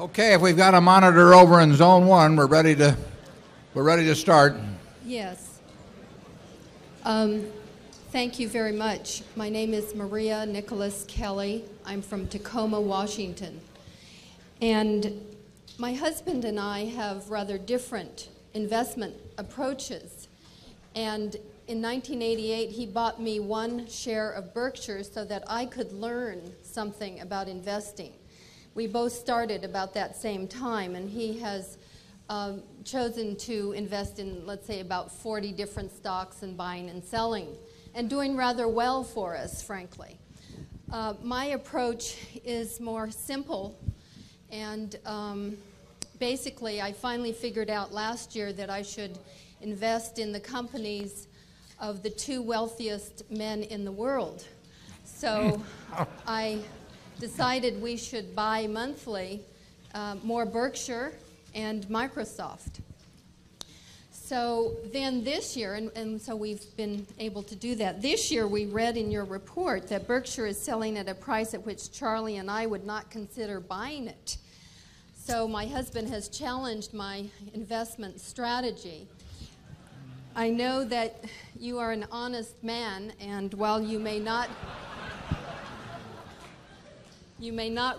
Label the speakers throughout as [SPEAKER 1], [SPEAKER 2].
[SPEAKER 1] Okay. If we've got a monitor over in zone 1, we're ready to we're ready to start.
[SPEAKER 2] Yes. Thank you very much. My name is Maria Nicholas Kelly. I'm from Tacoma, Washington, and my husband and I have rather different investment approaches, and in 1988, he bought me one share of Berkshire so that I could learn something about investing. We both started about that same time and he has chosen to invest in, let's say, about 40 different stocks and buying and selling and doing rather well for us, frankly. My approach is more simple. And basically, I finally figured out last year that I should invest in the companies of the 2 wealthiest men in the world. So I decided we should buy monthly more Berkshire and Microsoft. So then this year, and so we've been able to do that. This year, we read in your report that Berkshire is selling at a price at which Charlie and I would not consider buying it. So my husband has challenged my investment strategy. I know that you are an honest man and while you may not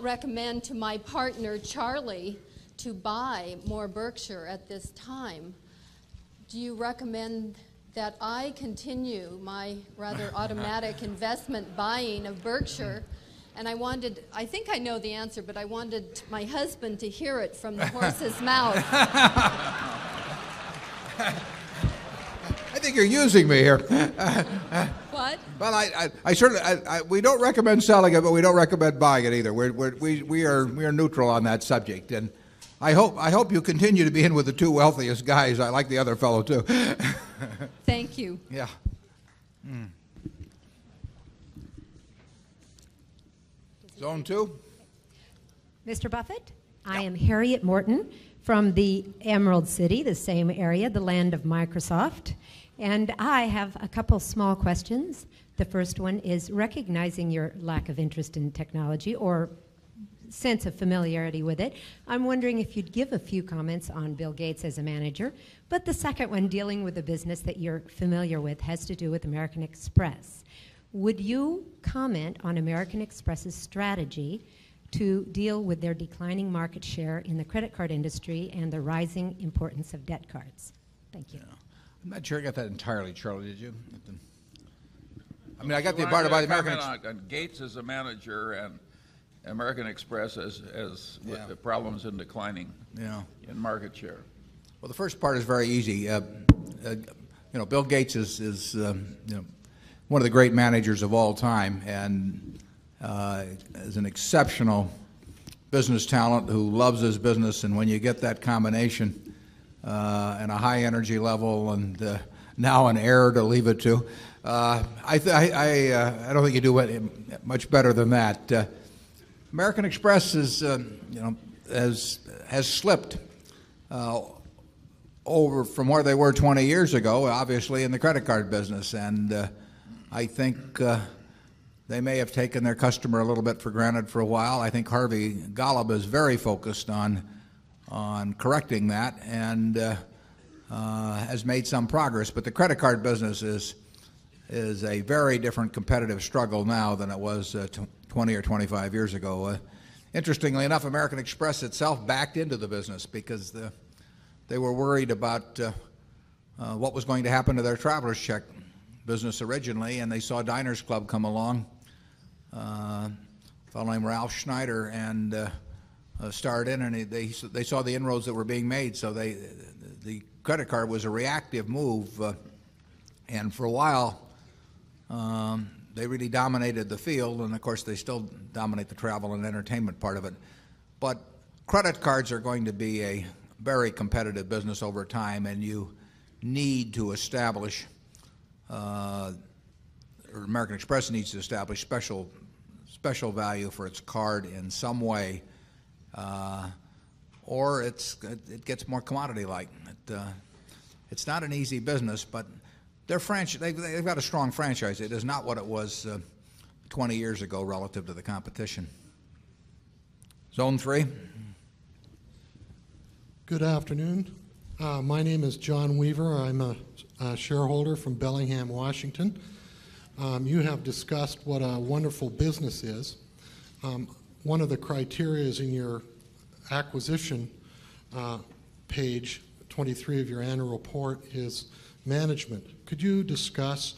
[SPEAKER 2] recommend to my partner, Charlie, to buy more Berkshire at this time, do you recommend that I continue my rather automatic investment buying of Berkshire? And I wanted I think I know the answer, but I wanted my husband to hear it from the horse's mouth.
[SPEAKER 1] I think you're using me here.
[SPEAKER 2] What?
[SPEAKER 1] Well, I certainly we don't recommend selling it, but we don't recommend buying it either. We are neutral on that subject. And I hope you continue to be in with the 2 wealthiest guys. I like the Zone 2.
[SPEAKER 3] Mister Buffet, I am Harriet Morton from the Emerald City, the same area, the land of Microsoft, And I have a couple small questions. The first one is recognizing your lack of interest in technology or sense of familiarity with it, I'm wondering if you'd give a few comments on Bill Gates as a manager. But the second one, dealing with a business that you're familiar with has to do with American Express. Would you comment on American Express's strategy to deal with their declining market share in the credit card industry and the rising importance of debt cards? Thank you.
[SPEAKER 1] I'm not sure you got that entirely, Charlie, did you? I mean, I got the part about the department.
[SPEAKER 4] Gates is a manager and American Express as the problems are declining in market share.
[SPEAKER 1] Well, the first part is very easy. Bill Gates is one of the great managers of all time and is an exceptional business talent who loves his business. And when you get that combination and a high energy level and now an error to leave it to. I don't think you do much better than that. American Express has slipped over from where they were 20 years ago, obviously, in the credit card business, and I think they may have taken their customer a little bit for granted for a while. I think Harvey Golub is very focused on correcting that and has made some progress. But the credit card business is a very different competitive struggle now than it was 20 or 25 years ago. Interestingly enough, American Express itself backed into the business because they were worried about what was going to happen to their Travelers Check business originally and they saw a diners club come along, a fellow named Ralph Schneider and started in and they saw the inroads that were being made. So the credit card was a reactive move and for a while, they really dominated the field and of course they still dominate the travel and entertainment part of it, but credit cards are going to be a very competitive business over time and you need to establish, American Express needs to establish special value for its card in some way, or it's, it gets more commodity like. It's not an easy business, but their franchise, they've got a strong franchise. It is not what it was 20 years ago relative to the competition. Zone
[SPEAKER 5] 3. Good afternoon. My name is John Weaver. I'm a shareholder from Bellingham, Washington. You have discussed what a wonderful business is. One of the criteria is in your acquisition, Page 23 of your annual report is management. Could you discuss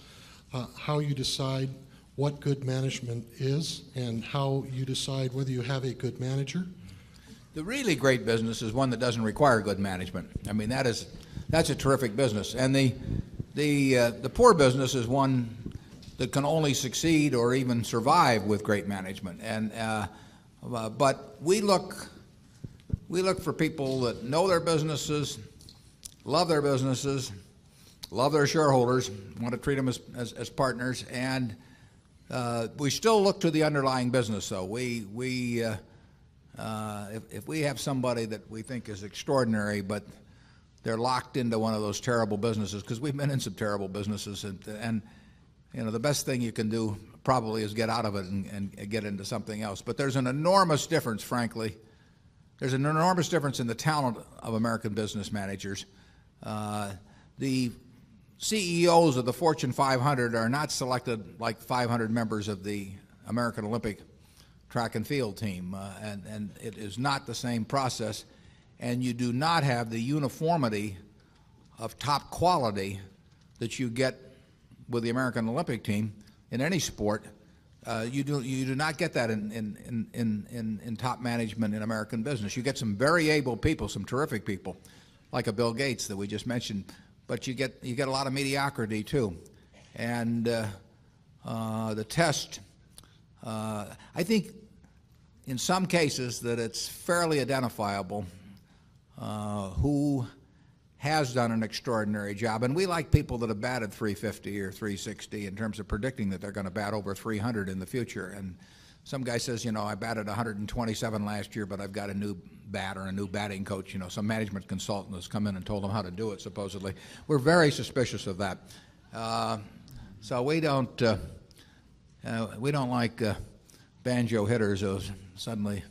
[SPEAKER 5] how you decide what good management is and how you decide whether you have a good manager?
[SPEAKER 1] The really great business is one that doesn't require good management. I mean, that is that's a terrific business. And the poor business is one that can only succeed or even survive with great management. And, But we look for people that know their businesses, love their businesses, love their shareholders, want to treat them as partners and, we still look to the underlying business. So we, if we have somebody that we think is extraordinary, but they're locked into one of those terrible businesses, because we've been in some terrible businesses and the best thing you can do probably is get out of it and get into something else. But there's an enormous difference, frankly. There's an enormous difference in the talent of American Business Managers. The CEOs of the Fortune 500 are not selected like 500 members of the American Olympic track and field team, and it is not the same process and you do not have the uniformity of top quality that you get with the American Olympic team in any sport, you do you do not get that in in in top management in American business. You get some very able people, some terrific people like a Bill Gates that we just mentioned, but you get a lot of mediocrity too. And, the test, I think in some cases that it's fairly identifiable who has done an extraordinary job. And we like people that have batted 350 or 360 in terms of predicting that they're going to bat over 300 in the future. And some guy says, you know, I batted 127 last year, but I've got a new batter, a new batting coach, you know, some management consultant has come in and told them how to do it supposedly. We're very suspicious of that. So we don't like banjo hitters who suddenly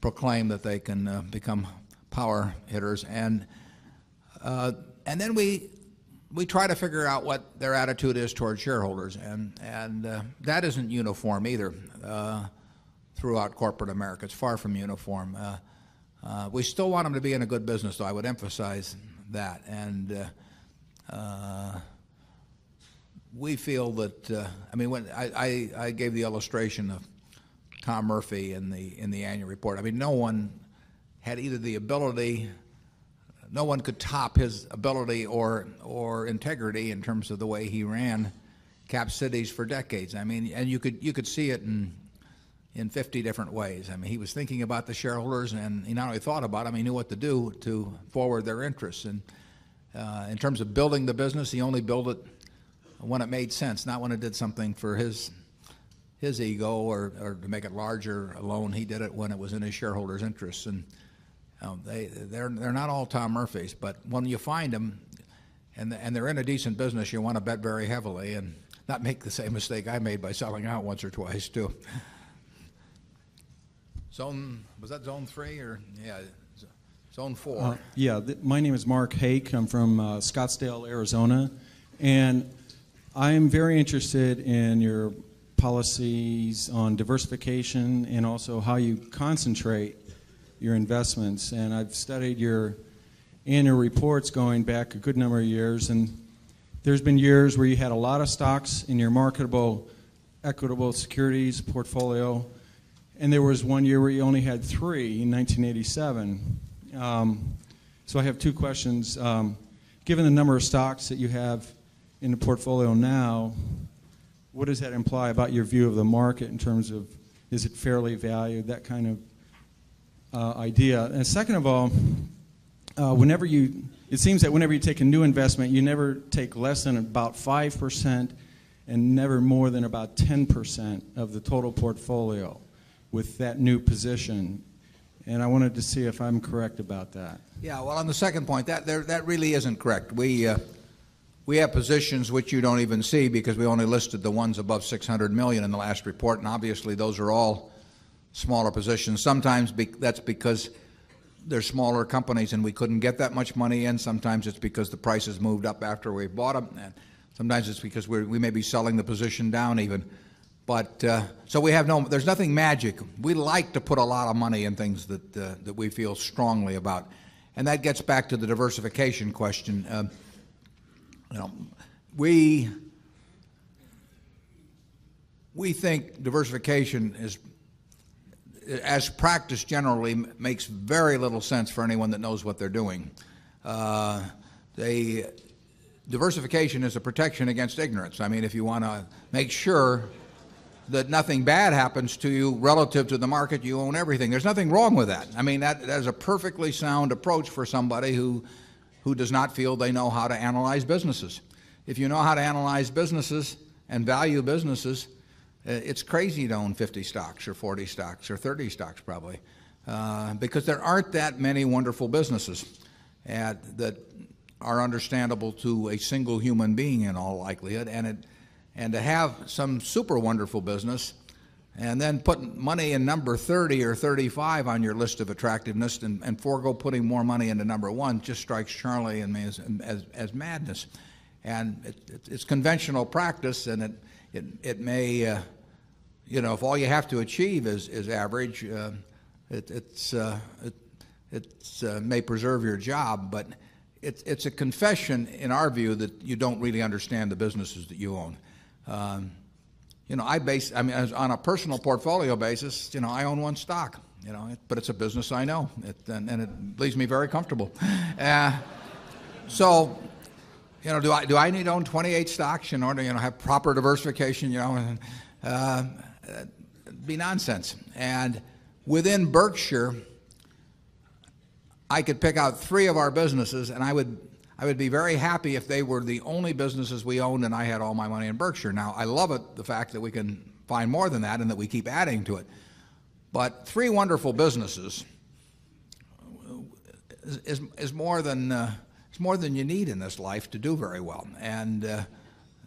[SPEAKER 1] proclaim that they can become power hitters. And then we try to figure out what their attitude is towards shareholders. And that isn't uniform either throughout corporate America. It's far from uniform. We still want them to be in a good business. I would emphasize that. And we feel that, I mean, when I gave the illustration of Tom Murphy in the annual report, I mean, no one had either the ability, no one could top his ability or integrity in terms of the way he ran cap cities for decades. I mean, and you could see it in 50 different ways. I mean, he was thinking about the shareholders and he not only thought about it, I mean, he knew what to do to forward their interests. And in terms of building the business, he only built it when it made sense, not when it did something for his ego or to make it larger alone. He did it when it was in his shareholders' interest. And they're not all Tom Murphy's, but when you find them and they're in a decent business, you want to bet very heavily and not make the same mistake I made by selling out once or twice too. Zone was that zone 3 or yeah, zone 4.
[SPEAKER 6] Yes. My name is Mark Hake. I'm from Scottsdale, Arizona. And I am very interested in your policies on diversification and also how you concentrate your investments. And I've studied your annual reports going back a good number of years and there's been years where you had a lot of stocks in your marketable equitable securities portfolio and there was one year where you only had 3 in 1987. So I have two questions. Given the number of stocks that you have in the portfolio now, what does that imply about your view of the market in terms of is it fairly valued, that kind of idea. And second of all, whenever you it seems that whenever you take a new investment, you never take less than about 5% and never more than about 10% of the total portfolio with that new position. And I wanted to see if I'm correct about that.
[SPEAKER 1] Yes. Well, on the second point, that really isn't correct. We have positions which you don't even see because we only listed the ones above $600,000,000 in the last report. And obviously those are all smaller positions. Sometimes that's because they're smaller companies and we couldn't get that much money in. Sometimes it's because the prices moved up after we bought them. Sometimes it's because we may be selling the position down even. But, so we have no there's nothing magic. We like to put a lot of money in things that we feel strongly about. And that gets back to the diversification question. We think diversification is, as practice generally, makes very little sense for anyone that knows what they're doing. They diversification is a protection against ignorance. I mean, if you want to make sure that nothing bad happens to you relative to the market, you own everything. There's nothing wrong with that. I mean, that is a perfectly sound approach for somebody who does not feel they know how to analyze businesses. If you know how to analyze businesses and value businesses, it's crazy to own 50 stocks or 40 stocks or 30 stocks probably, because there aren't that many wonderful businesses that are understandable to a single human being in all likelihood and to have some super wonderful business and then put money in number 30 or 35 on your list of attractiveness and forego putting more money into number 1 just strikes Charlie and me as madness. And it's conventional practice and it may, if all you have to achieve is average, it's, it may preserve your job, but it's a confession in our view that you don't really understand the businesses that you own. I base, I mean, on a personal portfolio basis, I own one stock, but it's a business I know, and it leaves me very comfortable. Do I need to own 28 stocks in order to have proper diversification? It'd be nonsense. And within Berkshire, I could pick out 3 of our businesses and I would be very happy if they were the only businesses we owned and I had all my money in Berkshire. Now I love it, the fact that we can find more than that and that we keep adding to it. But 3 wonderful businesses is more than it's more than you need in this life to do very well. And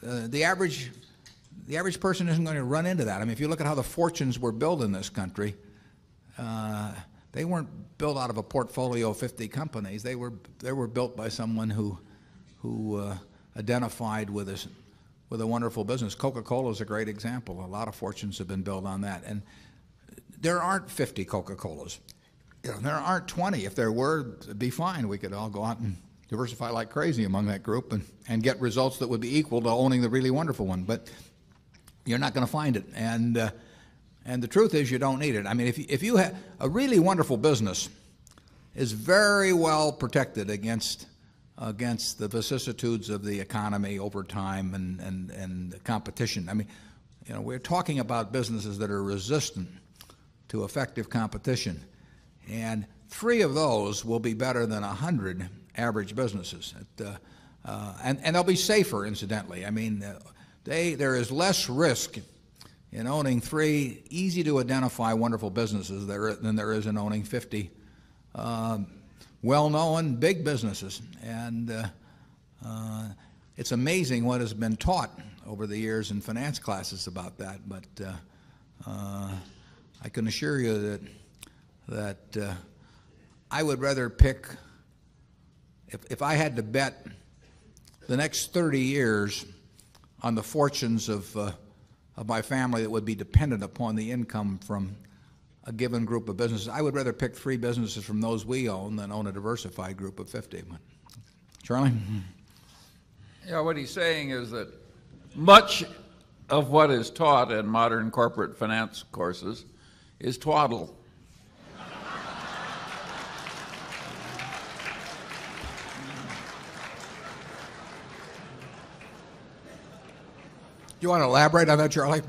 [SPEAKER 1] the average the average person isn't going to run into that. I mean, if you look at how the fortunes were built in this country, they weren't built out of a portfolio of 50 companies. They were built by someone who, who identified with this, with a wonderful business. Coca Cola is a great example. A lot of fortunes have been built on that. And there aren't 50 Coca Colas. There aren't 20. If there were, it'd be fine. We could all go out and diversify like crazy among that group and get results that would be equal to owning the really wonderful one. But you're not going to find it. And, and the truth is you don't need it. I mean, if you have a really wonderful business is very well protected against, against the vicissitudes of the economy over time and the competition. I mean, you know, we're talking about businesses that are resistant to effective competition and 3 of those will be better than a 100 average businesses. And they'll be safer incidentally. I mean, there is less risk in owning 3 easy to identify wonderful businesses than there is in owning 50, well known big businesses. And, it's amazing what has been taught over the years in finance classes about that. But, I can assure you that that, I would rather pick if I had to bet the next 30 years on the fortunes of of my family that would be dependent upon the income from a given group of businesses. I would rather pick 3 businesses from those we own than own a diversified group of 50. Charlie?
[SPEAKER 4] Yeah. What he's saying is that much of what is taught in modern corporate finance courses is
[SPEAKER 1] twaddle. You want to elaborate on that, Charlie?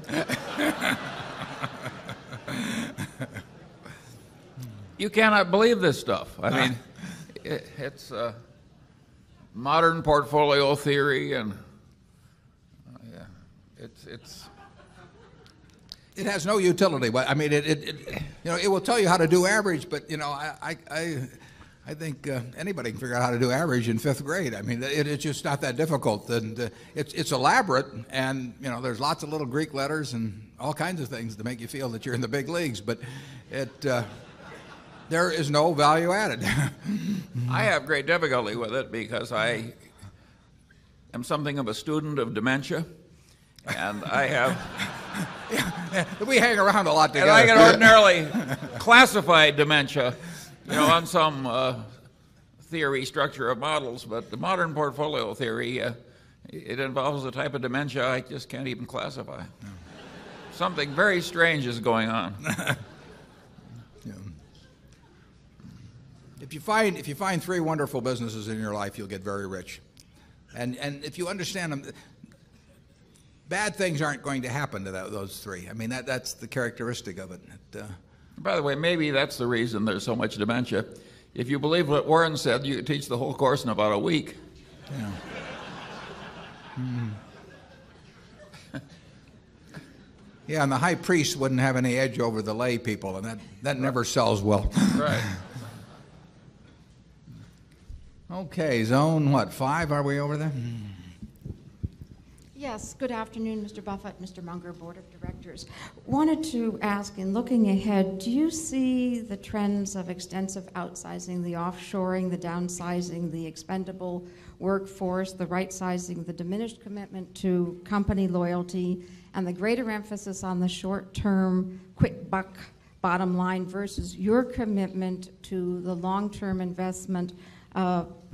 [SPEAKER 4] You cannot believe this stuff. I mean,
[SPEAKER 1] it's a
[SPEAKER 4] modern portfolio theory and
[SPEAKER 1] it has no utility. I mean, it will tell you how to do average, but I think anybody can figure out how to do average in 5th grade. I mean, it's just not that difficult. And it's elaborate, and there's lots of little Greek letters and all kinds of things to make you feel that you're in the big leagues, but it there is no value added.
[SPEAKER 4] I have great difficulty with it because I am something of a student of dementia. And I have
[SPEAKER 1] We hang around a lot.
[SPEAKER 4] I can ordinarily classify dementia on some theory structure of models, but the modern portfolio theory, it involves a type of dementia I just can't even classify. Something very strange is going on.
[SPEAKER 1] If you find 3 wonderful businesses in your life, you'll get very rich. And if you understand them, bad things aren't going to happen to those 3. I mean, that's the characteristic of it.
[SPEAKER 4] By the way, maybe that's the reason there's so much dementia. If you believe what Warren said, you teach the whole course in about a week.
[SPEAKER 1] Yeah. And the high priest wouldn't have any edge over the lay people and that never sells well. Right. Okay. Zone, what, 5? Are we over there?
[SPEAKER 2] Yes. Good afternoon, Mr. Buffet, Mr. Munger, Board of Directors. I wanted to ask, in looking ahead, do you see the trends of extensive outsizing, the offshoring, the downsizing, the expendable workforce, the rightsizing, the diminished commitment to company loyalty and the greater emphasis on the short term quick buck bottom line versus your commitment to the long term investment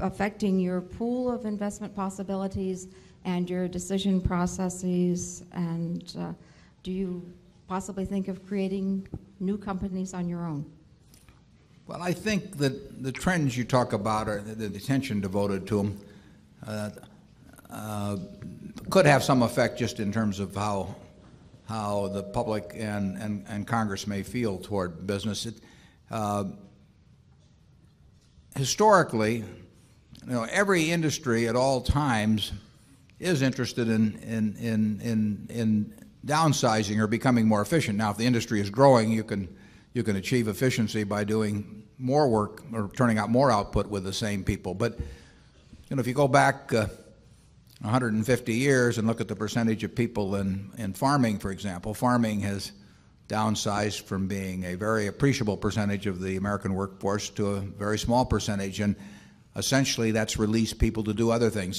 [SPEAKER 2] affecting your pool of investment possibilities and your decision processes? And do you possibly think of creating new companies on your own?
[SPEAKER 1] Well, I think that the trends you talk about or the attention devoted to them, could have some effect just in terms of how the public and Congress may feel toward business. Historically, every industry at all times is interested in downsizing or becoming more efficient. Now if the industry is growing, you can achieve efficiency by doing more work or turning out more output with the same people. But if you go back 150 years and look at the percentage of people in farming, for example, farming has downsized from being a very appreciable percentage of the American work force to a very small percentage and essentially that's released people to do other things.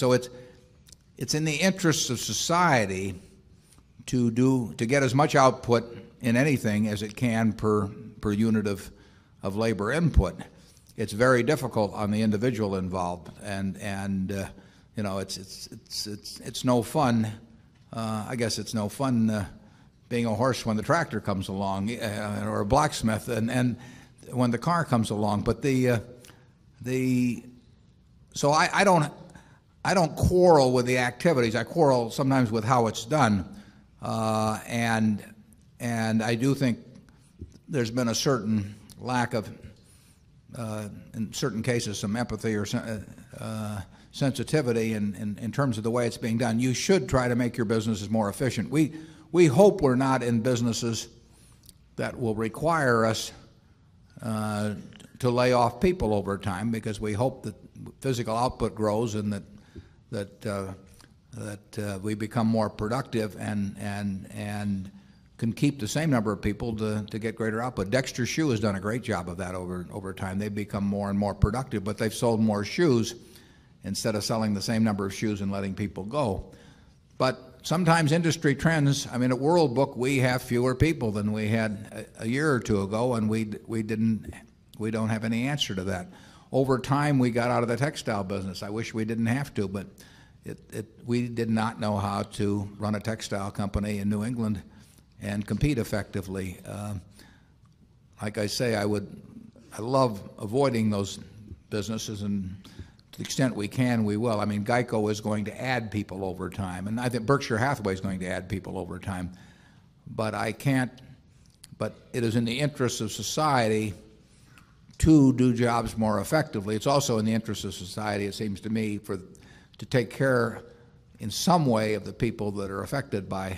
[SPEAKER 1] So it's in the interest of society to do, to get as much output in anything as it can per, per unit of, of labor input. It's very difficult on the individual involved and, and, you know, it's, it's, it's, it's, it's no fun. I guess it's no fun being a horse when the tractor comes along or a blacksmith and when the car comes along. But the, the, so I don't, I don't quarrel with the activities. I quarrel sometimes with how it's done. And, and I do think there's been a certain lack of, in certain cases, some empathy or, sensitivity in terms of the way it's being done. You should try to make your businesses more efficient. We hope we're not in businesses that will require us to lay off people over time because we hope that physical output grows and that, that, that, we become more productive and, and, and can keep the same number of people to get greater output. Dexter Shoe has done a great job of that over time. They've become more and more productive, but they've sold more shoes instead of selling the same number of shoes and letting people go. But sometimes industry trends, I mean, at World Book, we have fewer people than we had a year or 2 ago and we didn't, we don't have any answer to that. Over time, we got out of the textile business. I wish we didn't have to, but we did not know how to run a textile company in New England and compete effectively. Like I say, I would, I love avoiding those businesses and to the extent we can, we will. I mean, GEICO is going to add people over time and I think Berkshire Hathaway is going to add people over time, but I can't, but it is in the interest of society to do jobs more effectively. It's also in the interest of society, it seems to me, to take care in some way of the people that are affected by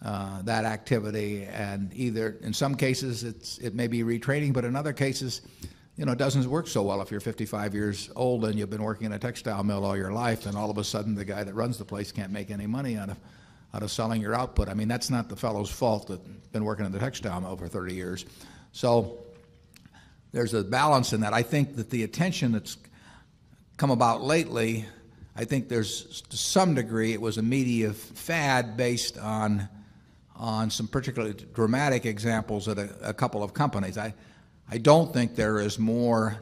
[SPEAKER 1] that activity and either in some cases it's, it may be retraining, but in other cases, you know, it doesn't work so well if you're 55 years old and you've been working in a textile mill all your life and all of a sudden the guy that runs the place can't make any money out of selling your output. I mean that's not the fellow's fault that been working at the Hexdom over 30 years. So there's a balance in that. I think that the attention that's come about lately, I think there's to some degree it was a media fad based on some particularly dramatic examples of a couple of companies. I don't think there is more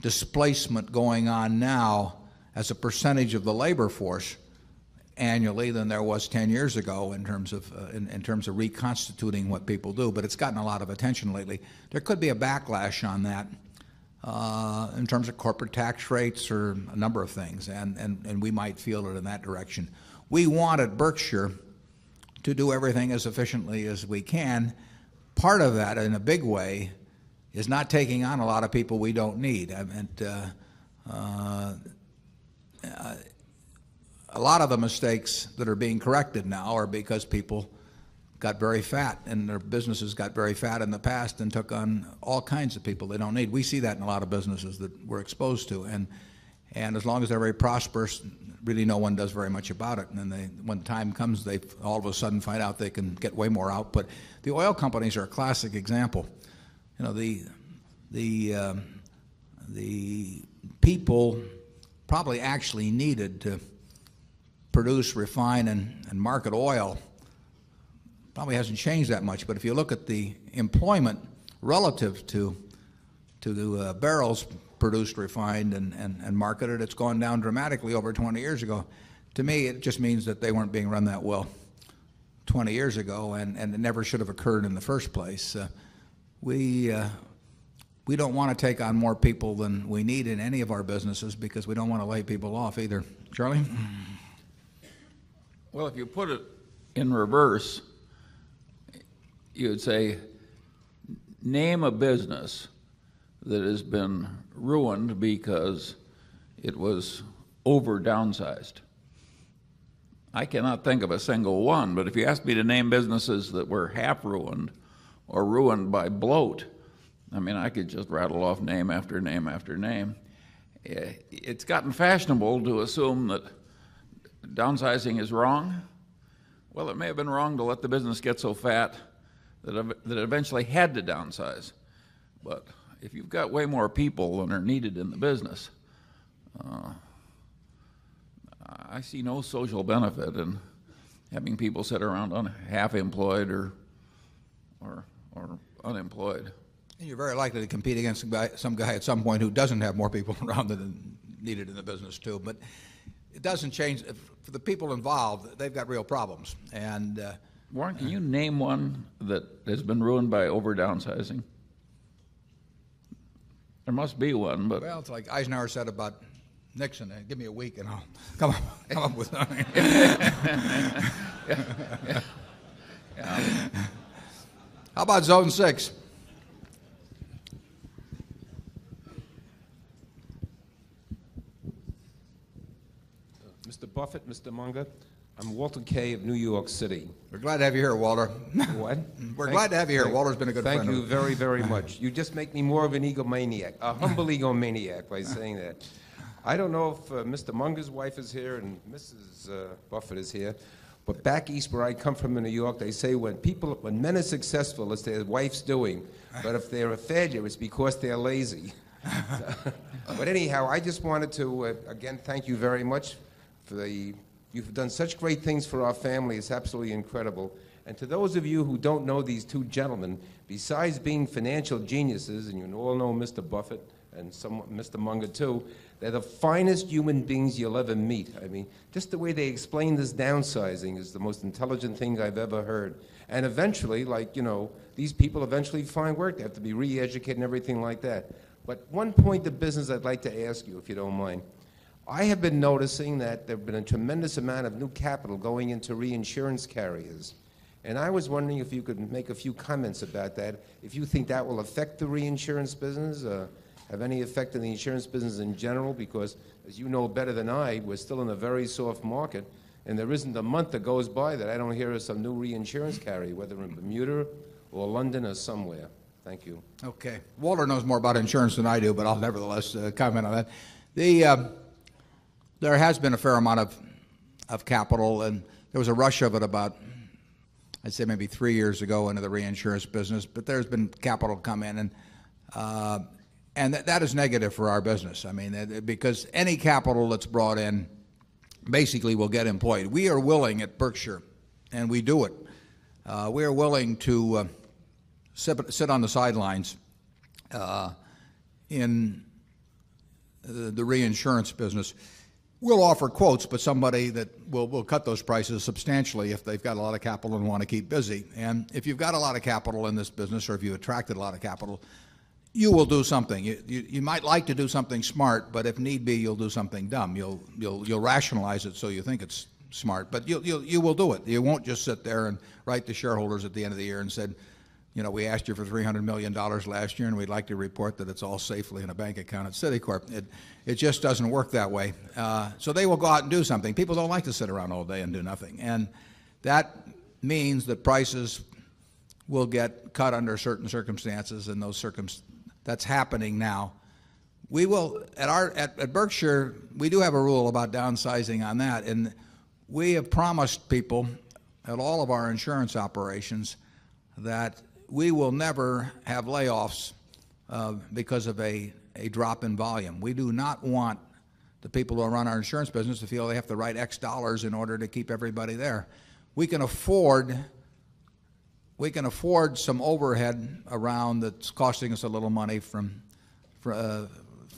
[SPEAKER 1] displacement going on now as a percentage of the labor force annually than there was 10 years ago in terms of, in terms of reconstituting what people do, but it's gotten a lot of attention lately. There could be a backlash on that, in terms of corporate tax rates or a number of things. And we might feel it in that direction. We wanted Berkshire to do everything as efficiently as we can. Part of that in a big way is not taking on a lot of people we don't need. I meant a lot of the mistakes that are being corrected now are because people got very fat and their businesses got very fat in the past and took on all kinds of people they don't need. We see that in a lot of businesses that we're exposed to. And as long as they're very prosperous, really no one does very much about it. And then they when time comes, they all of a sudden find out they can get way more output. The oil companies are a classic example. The people probably actually needed to produce, refine and market oil probably hasn't changed that much. But if you look at the employment relative to the barrels produced, refined and marketed, it's gone down dramatically over 20 years ago. To me, it just means that they weren't being run that well 20 years ago and it never should have occurred in the 1st place. We don't want to take on more people than we need in any of our businesses because we don't want to lay people off either. Charlie?
[SPEAKER 4] Well, if you put it in reverse, you'd say name a business that has been ruined because it was over downsized. I cannot think of a single one, but if you asked me to name businesses that were half ruined or ruined by bloat, I mean, I could just rattle off name after name after name. It's gotten fashionable to assume that downsizing is wrong. Well, it may have been wrong to let the business get so fat that eventually had to downsize. But if you've got way more people than are needed in the business, I see no social benefit in having people sit around half employed
[SPEAKER 1] or unemployed? You're very likely to compete against some guy at some point who doesn't have more people around than needed in the business too, but it doesn't change. For the people involved, they've got real problems. And Warren,
[SPEAKER 4] can you name one that has been ruined by over downsizing? There must be one, but
[SPEAKER 1] Well, it's like Eisenhower said about Nixon, give me a week and I'll come up with How about Zone 6?
[SPEAKER 7] Mister Buffet, mister Monga, I'm Walter Kaye of New York City.
[SPEAKER 1] We're glad to have you here, Walter. What? We're glad to have you here. Walter's been a good friend.
[SPEAKER 7] Thank you very, very much. You just make me more of an egomaniac, a humble egomaniac by saying that. I don't know if mister Munger's wife is here and mrs, Buffet is here, but back east where I come from in New York, they say when people, when men are successful as their wife's doing, but if they're a failure, it's because they're lazy. But anyhow, I just wanted to, again, thank you very much for the, you've done such great things for our family. It's absolutely incredible. And to those of you who don't know these 2 gentlemen, besides being financial geniuses, and you all know Mr. Buffet and somewhat Mr. Munger too, they're the finest human beings you'll ever meet. I mean, just the way they explain this downsizing is the most intelligent thing I've ever heard. And eventually, these people eventually find work, they have to be reeducate and everything like that. But one point of business I'd like to ask you, if you don't mind. I have been noticing that there've been a tremendous amount of new capital going into reinsurance carriers. And I was wondering if you could make a few comments about that. If you think that will affect the reinsurance business, have any effect in the insurance business in general, because as you know better than I, we're still in a very soft market and there isn't a month that goes by that I don't hear some new reinsurance carry, whether in Bermuda or London or somewhere. Thank you.
[SPEAKER 1] Okay. Walter knows more about insurance than I do, but I'll nevertheless comment on that. There has been a fair amount of capital and there was a rush of it about, I'd say maybe 3 years ago into the reinsurance business, but there's been capital come in and that is negative for our business. I mean, because any capital that's brought in basically will get employed. We are willing at Berkshire and we do it. We are willing to sit on the sidelines in the reinsurance business. We'll offer quotes, but somebody that will cut those prices substantially if they've got a lot of capital and want to keep busy. And if you've got a lot of capital in this business or if you attracted a lot of capital, you will do something. You might like to do something smart, but if need be, you'll do something dumb. You'll rationalize it so you think it's smart, but you will do it. You won't just sit there and write to shareholders at the end of the year and said, you know, we asked you for $300,000,000 last year and we'd like to report that it's all safely in a bank account at Citicorp. It just doesn't work that way. So they will go out and do something. People don't like to sit around all day and do nothing. And that means that prices will get cut under certain circumstances and those circumstances that's happening now. We will at Berkshire, we do have a rule about downsizing on that. And we have promised people at all of our insurance operations that we will never have layoffs, because of a drop in volume. We do not want the people who run our insurance business to feel they have the right X dollars in order to keep everybody there. We can afford, We can afford some overhead around that's costing us a little money for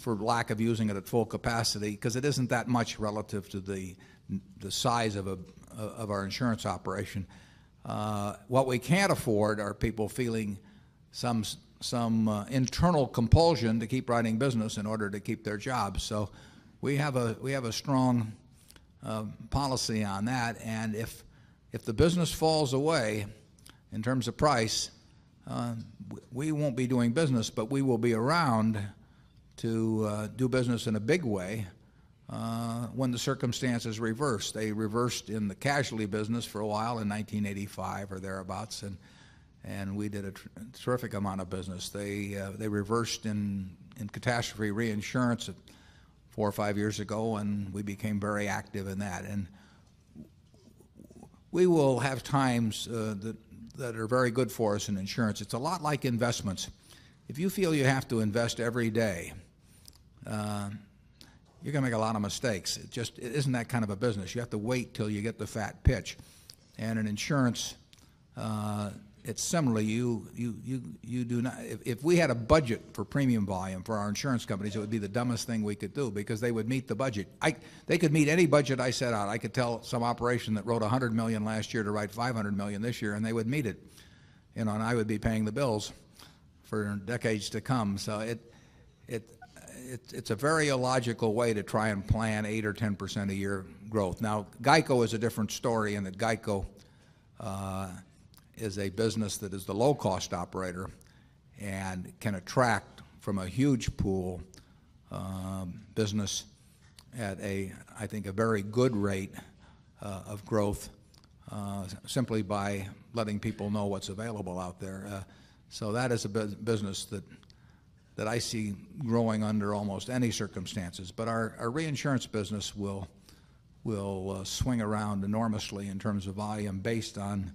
[SPEAKER 1] lack of using it at full capacity because it isn't that much relative to the size of our insurance operation. What we can't afford are people feeling some internal compulsion to keep writing business in order to keep their jobs. So we have a strong policy on that. And if the business falls away in terms of price, we won't be doing business, but we will be around to do business in a big way. When the circumstances reversed, they reversed in the casualty business for a while in 1985 or thereabouts and we did a terrific amount of business. They reversed in catastrophe reinsurance 4 or 5 years ago and we became very active in that. And we will have times, that are very good for us in insurance. It's a lot like investments. If you feel you have to invest every day, you're going to make a lot of mistakes. It just isn't that kind of a business. You have to wait until you get the fat pitch and an insurance, it's similarly you do not, if we had a budget for premium volume for our insurance companies, it would be the dumbest thing we could do because they would meet the budget. They could meet any budget I set out. I could tell some operation that wrote $100,000,000 last year to write $500,000,000 this year and they would meet it. And I would be paying the bills for decades to come. So it's a very illogical way to try and plan 8% or 10% a year growth. Now GEICO is a different story and that GEICO is a business that is the low cost operator and can attract from a huge pool, business at a, I think a very good rate of growth, simply by letting people know what's available out there. So that is a business that I see growing under almost any circumstances. But our reinsurance business will swing around enormously in terms of volume based on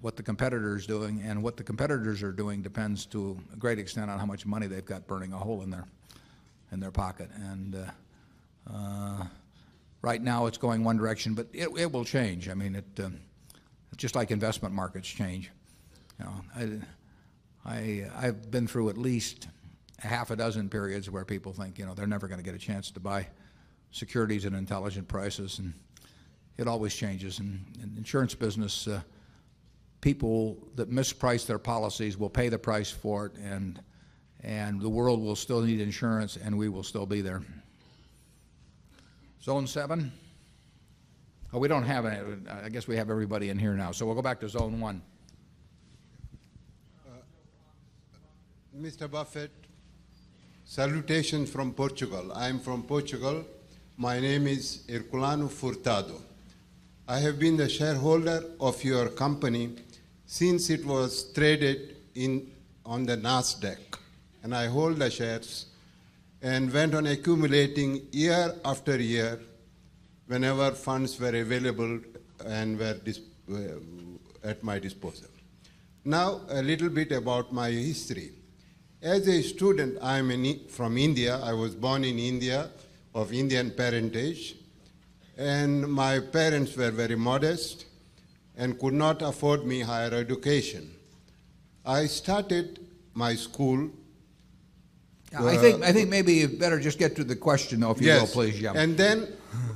[SPEAKER 1] what the competitor is doing and what the competitors are doing depends to a great extent on how much money they've got burning a hole in their pocket. And, right now it's going one direction, but it will change. I mean, it just like investment markets change. I've been through at least half a dozen periods where people think, you know, they're never going to get a chance to buy securities and intelligent prices and it always changes. And insurance business, people that misprice their policies will pay the price for it and the world will still need insurance and we will still be there. Zone 7, we don't have any, I guess we have everybody in here now. So we'll go back to Zone 1.
[SPEAKER 8] Mr. Buffet, salutations from Portugal. I am from Portugal. My name is Herculano Furtado. I have been the shareholder of your company since it was traded in on the NASDAQ, and I hold the shares and went on accumulating year after year whenever funds were available and were at my disposal. Now a little bit about my history. As a student, I'm from India, I was born in India of Indian parentage, and my parents were very modest and could not afford me higher education. I started my school I
[SPEAKER 1] think maybe you better just get to the question, if you will please, Yann. Yes. And
[SPEAKER 8] then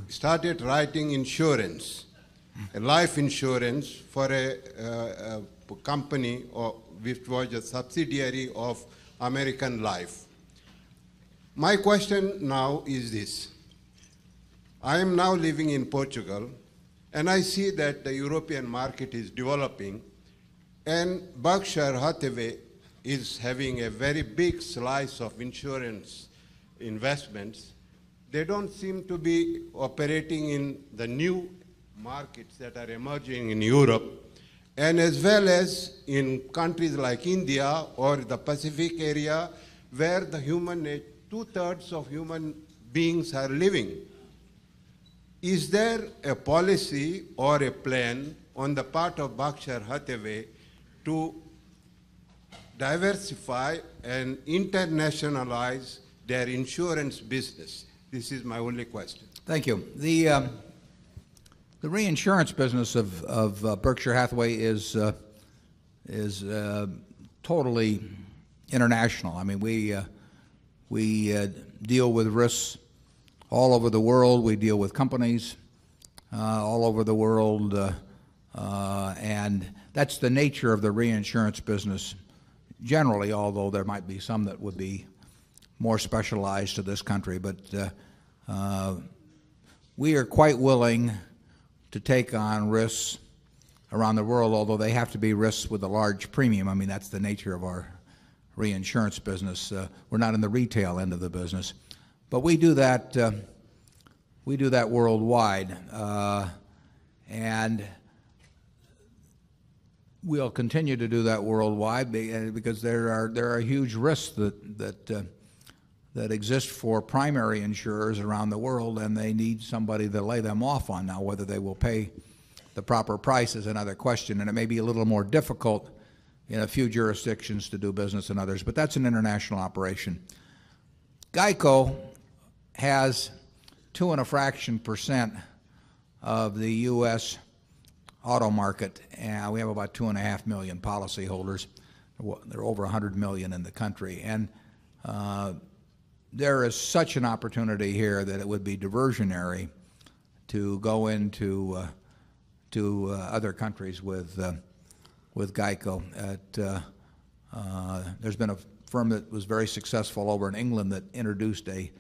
[SPEAKER 8] started writing insurance, life insurance for a company which was a subsidiary of American Life. My question now is this: I am now living in Portugal and I see that the European market is developing and Berkshire Hathaway is having a very big slice of insurance investments, they don't seem to be operating in the new markets that are emerging in Europe and as well as in countries like India or the Pacific area where the human nature, 2 thirds of human beings are living. Is there a policy or a plan on the part of bakshar Hathaway to diversify and internationalize their insurance business? This is my only question.
[SPEAKER 1] Thank you. The reinsurance business of Berkshire Hathaway is totally international. I mean, we deal with risks all over the world. We deal with companies all over the world, and that's the nature of the reinsurance business generally, although there might be some that would be more specialized to this country, but we are quite willing to take on risks around the world, although they have to be risks with a large premium. I mean, that's the nature of our reinsurance business. We're not in the retail end of the business, but we do that worldwide. And we'll continue to do that worldwide because there are huge risks that exist for primary insurers around the world and they need somebody to lay them off on. Now whether they will pay the proper price is another question and it may be a little more difficult in a few jurisdictions to do business than others, but that's an international operation. GEICO has 2.5 percent of the U. S. Auto market. We have about 2,500,000 policyholders. There are over 100,000,000 in the country. And there is such an opportunity here that it would be diversionary to go into other countries with GEICO at, there's been a firm that was very successful over in England that introduced a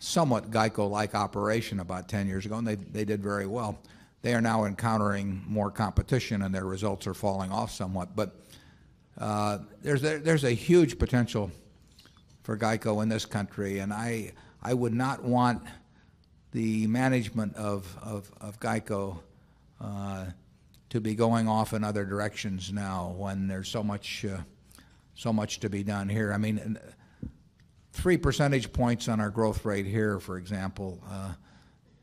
[SPEAKER 1] somewhat GEICO like operation about 10 years ago and they did very well. They are now encountering more competition and their results are falling off somewhat. But, there's a huge potential for GEICO in this country and I would not want the management of GEICO to be going off in other directions now when there's so much to be done here. I mean 3 percentage points on our growth rate here for example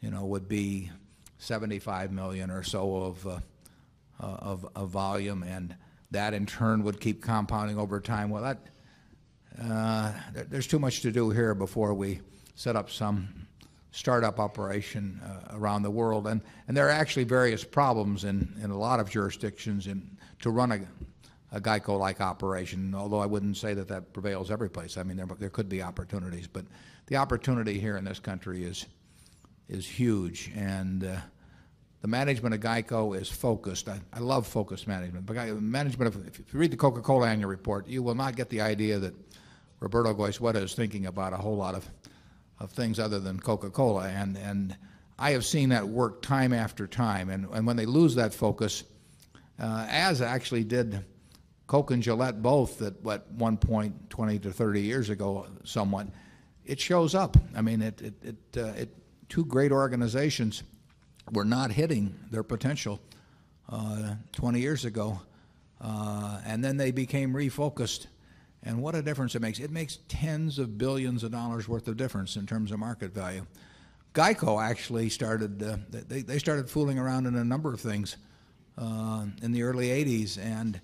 [SPEAKER 1] would be 75,000,000 or so of volume and that in turn would keep compounding over time. Well, there's too much to do here before we set up some startup operation around the world. And there are actually various problems in a lot of jurisdictions and to run a GEICO like operation. Although I wouldn't say that that prevails every place. I mean, there could be opportunities, but the opportunity here in this country is, is huge. And, the management of GEICO is focused. I love focused management, but the management of, if you read the Coca Cola Annual Report, you will not get the idea that Roberto Goizueta is thinking about a whole lot of things other than Coca Cola. And I have seen that work time after time. And when they lose that focus, as actually did Coke and Gillette both at one point 20 to 30 years ago, somewhat, it shows up. I mean, it, 2 great organizations were not hitting their potential, 20 years ago. And then they became refocused. And what a difference it makes. It makes tens of 1,000,000,000 of dollars worth of difference in terms of market value. GEICO actually started, they started fooling around in a number of things in the early '80s and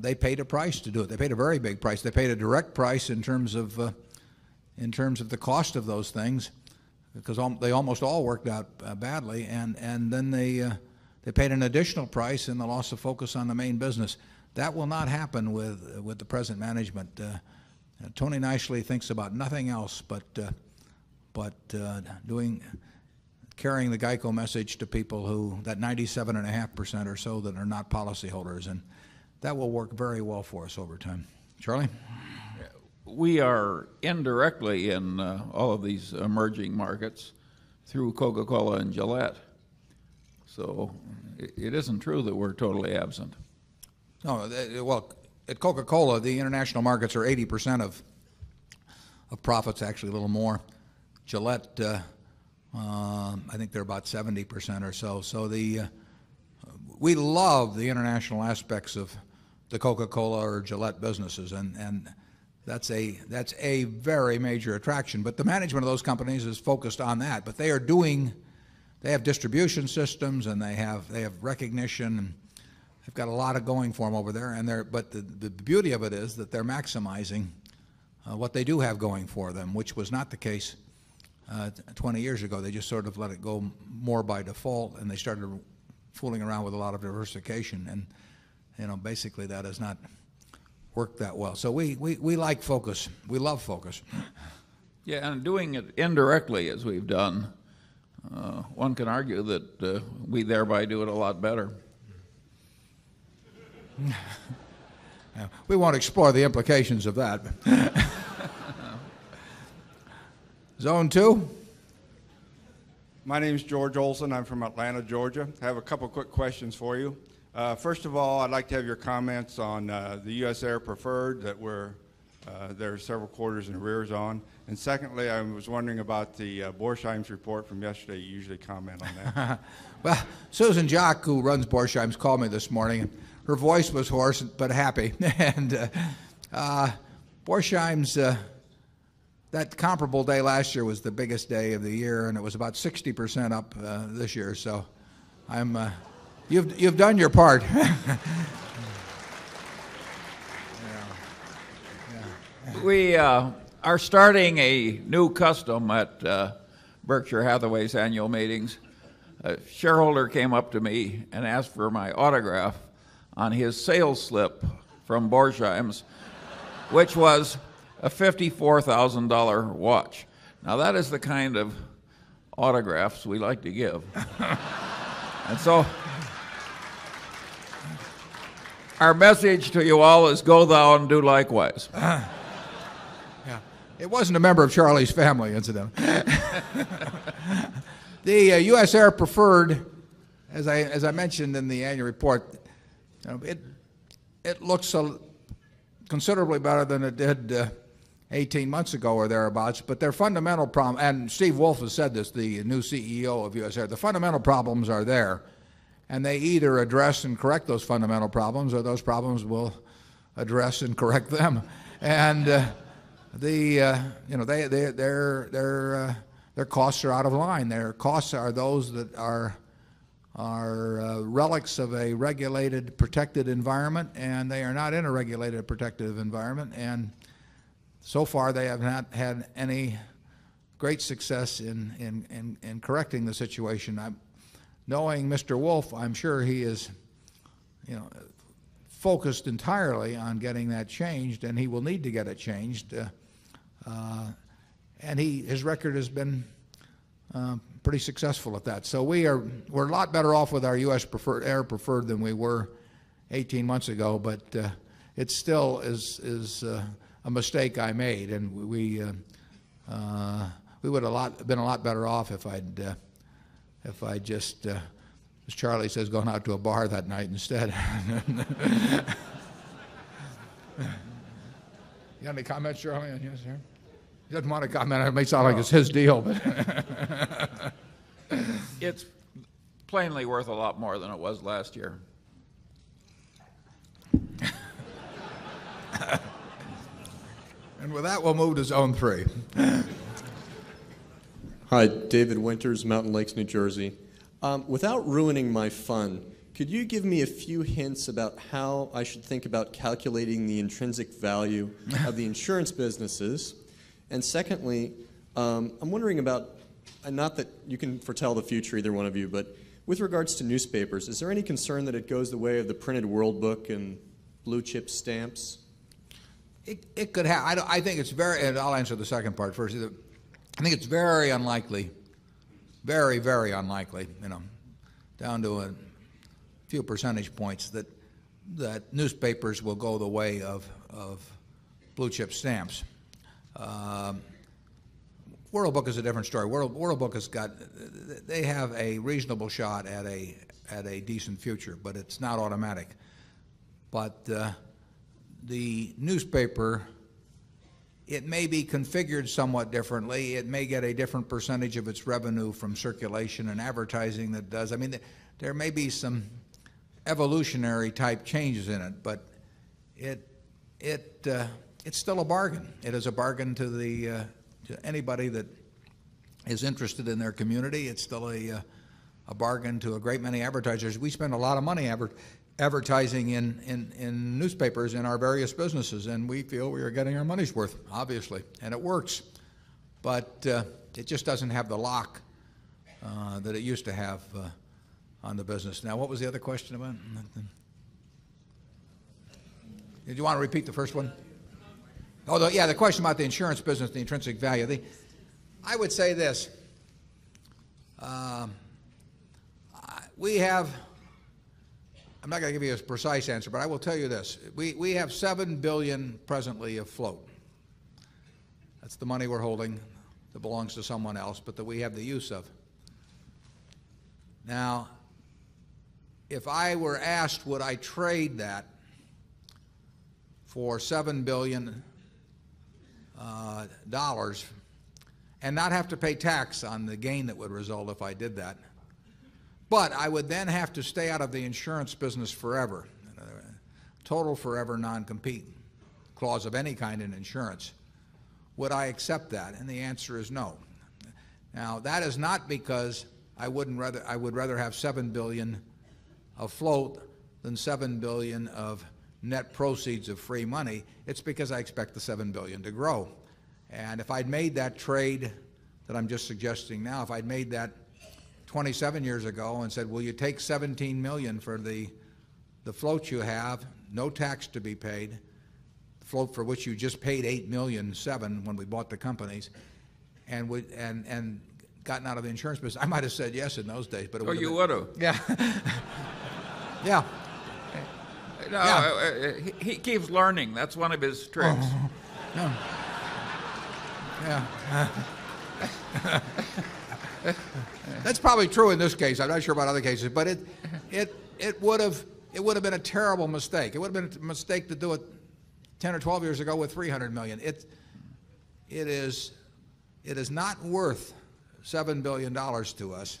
[SPEAKER 1] they paid a price to do it. They paid a very big price. They paid a direct price in terms of the cost of those things, because they almost all worked out badly. And then they paid an additional price in the loss of focus on the main business. That will not happen with the present management. Tony Nicely thinks about nothing else, but doing, carrying the GEICO message to people who that 97.5% or so that are not policyholders and that will work very well for us over time. Charlie?
[SPEAKER 4] We are indirectly in all of these emerging markets through Coca Cola and Gillette, So it isn't true that we're totally absent.
[SPEAKER 1] Well, at Coca Cola, the international markets are 80% profits, actually a little more. Gillette, I think they're about 70% or so. So the, we love the international aspects of the Coca Cola or Gillette businesses. And that's a very major attraction. But the management of those companies is focused on that. But they are doing, they have distribution systems and they have recognition. They've got a lot of going for them over there. And they're, but the beauty of it is that they're maximizing what they do have going for them, which was not the case 20 years ago. They just sort of let it go more by default and they started fooling around with a lot of diversification. And basically that has not worked that well. So we like focus. We love focus.
[SPEAKER 4] Yeah, and doing it indirectly as we've done, one can argue that we thereby do it a lot better.
[SPEAKER 1] We won't explore the implications of that. Zone 2.
[SPEAKER 9] My name is George Olson. I'm from Atlanta, Georgia. I have a couple of quick questions for you. First of all, I'd like to have your comments on the U. S. Air Preferred that we're there are several quarters in arrears on. And secondly, I was wondering about the Borsheim's report from yesterday. You usually comment on that.
[SPEAKER 1] Well, Susan Jock, who runs Borsheim's called me this morning. Her voice was hoarse, but happy. And, Borsheim's, that comparable day last year was the biggest day of the year and it was about 60% up this year. So I'm you've done your part.
[SPEAKER 4] We are starting a new custom at Berkshire Hathaway's annual meetings. A shareholder came up to me and asked for my autograph on his sales slip from Borchheim's, which was a $54,000 watch. Now that is the kind of autographs we like to give. And so our message to you all is go down and do likewise.
[SPEAKER 1] Yeah. It wasn't a member of Charlie's family incident. The U. S. Air Preferred, as I mentioned in the annual report, it looks considerably better than it did 18 months ago or thereabouts, but their fundamental problem and Steve Wolf has said this, the new CEO of USAID, the fundamental problems are there and they either address and correct those fundamental problems or those problems will address and correct them. And the, their costs are out of line. Their costs are those that are relics of a regulated protected environment and they are not in a regulated protected environment. And so far, they have not had any great success in correcting the situation. Knowing Mr. Wolf, I'm sure he is focused entirely on getting that changed and he will need to get it changed. And his record has been pretty successful at that. So we're a lot better off with our U. S. Preferred air preferred than we were 18 months ago, but it still is a mistake I made. And we would have been a lot better off if I'd, if I just, as Charlie says, going out to a bar that night instead. You have any comments, Charlie? He doesn't want to comment. It may sound like it's his deal.
[SPEAKER 4] It's plainly worth a lot more than it was last year.
[SPEAKER 1] And with that, we'll move to zone 3.
[SPEAKER 10] Hi, David Winters, Mountain Lakes, New Jersey. Without ruining my fun, could you give me a few hints about how I should think about calculating the intrinsic value of the insurance businesses? And secondly, I'm wondering about, not that you can foretell the future either one of you, but with regards to newspapers, is there any concern that it goes the way of the printed world book and blue chip stamps?
[SPEAKER 1] It could have. I think it's very and I'll answer the second part first. I think it's very unlikely, very, very unlikely, you know, down to a few percentage points that, that newspapers will go the way of, of blue chip stamps. World Book is a different story. World Book has got, they have a reasonable shot at a, at a decent future, but it's not automatic. But, the newspaper, it may be configured somewhat differently. It may get a different percentage of its revenue from circulation and advertising that does. I mean, there may be some evolutionary type changes in it, but it's still a bargain. It is a bargain to anybody that is interested in their community. It's still a bargain to a great many advertisers. We spend a lot of money advertising in newspapers, in our various businesses and we feel we are getting our money's worth obviously and it works, but, it just doesn't have the lock that it used to have on the business. Now what was the other question about it? Did you want to repeat the first one? Oh, yeah, the question about the insurance business, the intrinsic value. I would say this, we have I'm not going to give you a precise answer, but I will tell you this. We have 7,000,000,000 presently afloat. That's the money we're holding that belongs to someone else but that we have the use of. Now if I were asked, would I trade that for 7,000,000,000 dollars and not have to pay tax on the gain that would result if I did that, but I would then have to stay out of the insurance business forever, total forever non compete clause of any kind in insurance. Would I accept that? And the answer is no. Now that is not because I wouldn't rather, I would rather have $7,000,000,000 afloat than $7,000,000,000 of net proceeds of free money, it's because I expect the 7,000,000,000 to grow. And if I'd made that trade that I'm just suggesting now, if I'd made that 27 years ago and said, will you take 17,000,000 for the float you have, no tax to be paid, float for which you just paid $8,700,000 when we bought the companies and gotten out of the insurance business. I might have said yes in those days, but it would be. Yeah.
[SPEAKER 4] Yeah. He keeps learning. That's one of his strengths.
[SPEAKER 1] Yeah. That's probably true in this case. I'm not sure about other cases, but it would have been a terrible mistake. It would have been a mistake to do it 10 or 12 years ago with 300,000,000. Dollars It is not worth $7,000,000,000 to us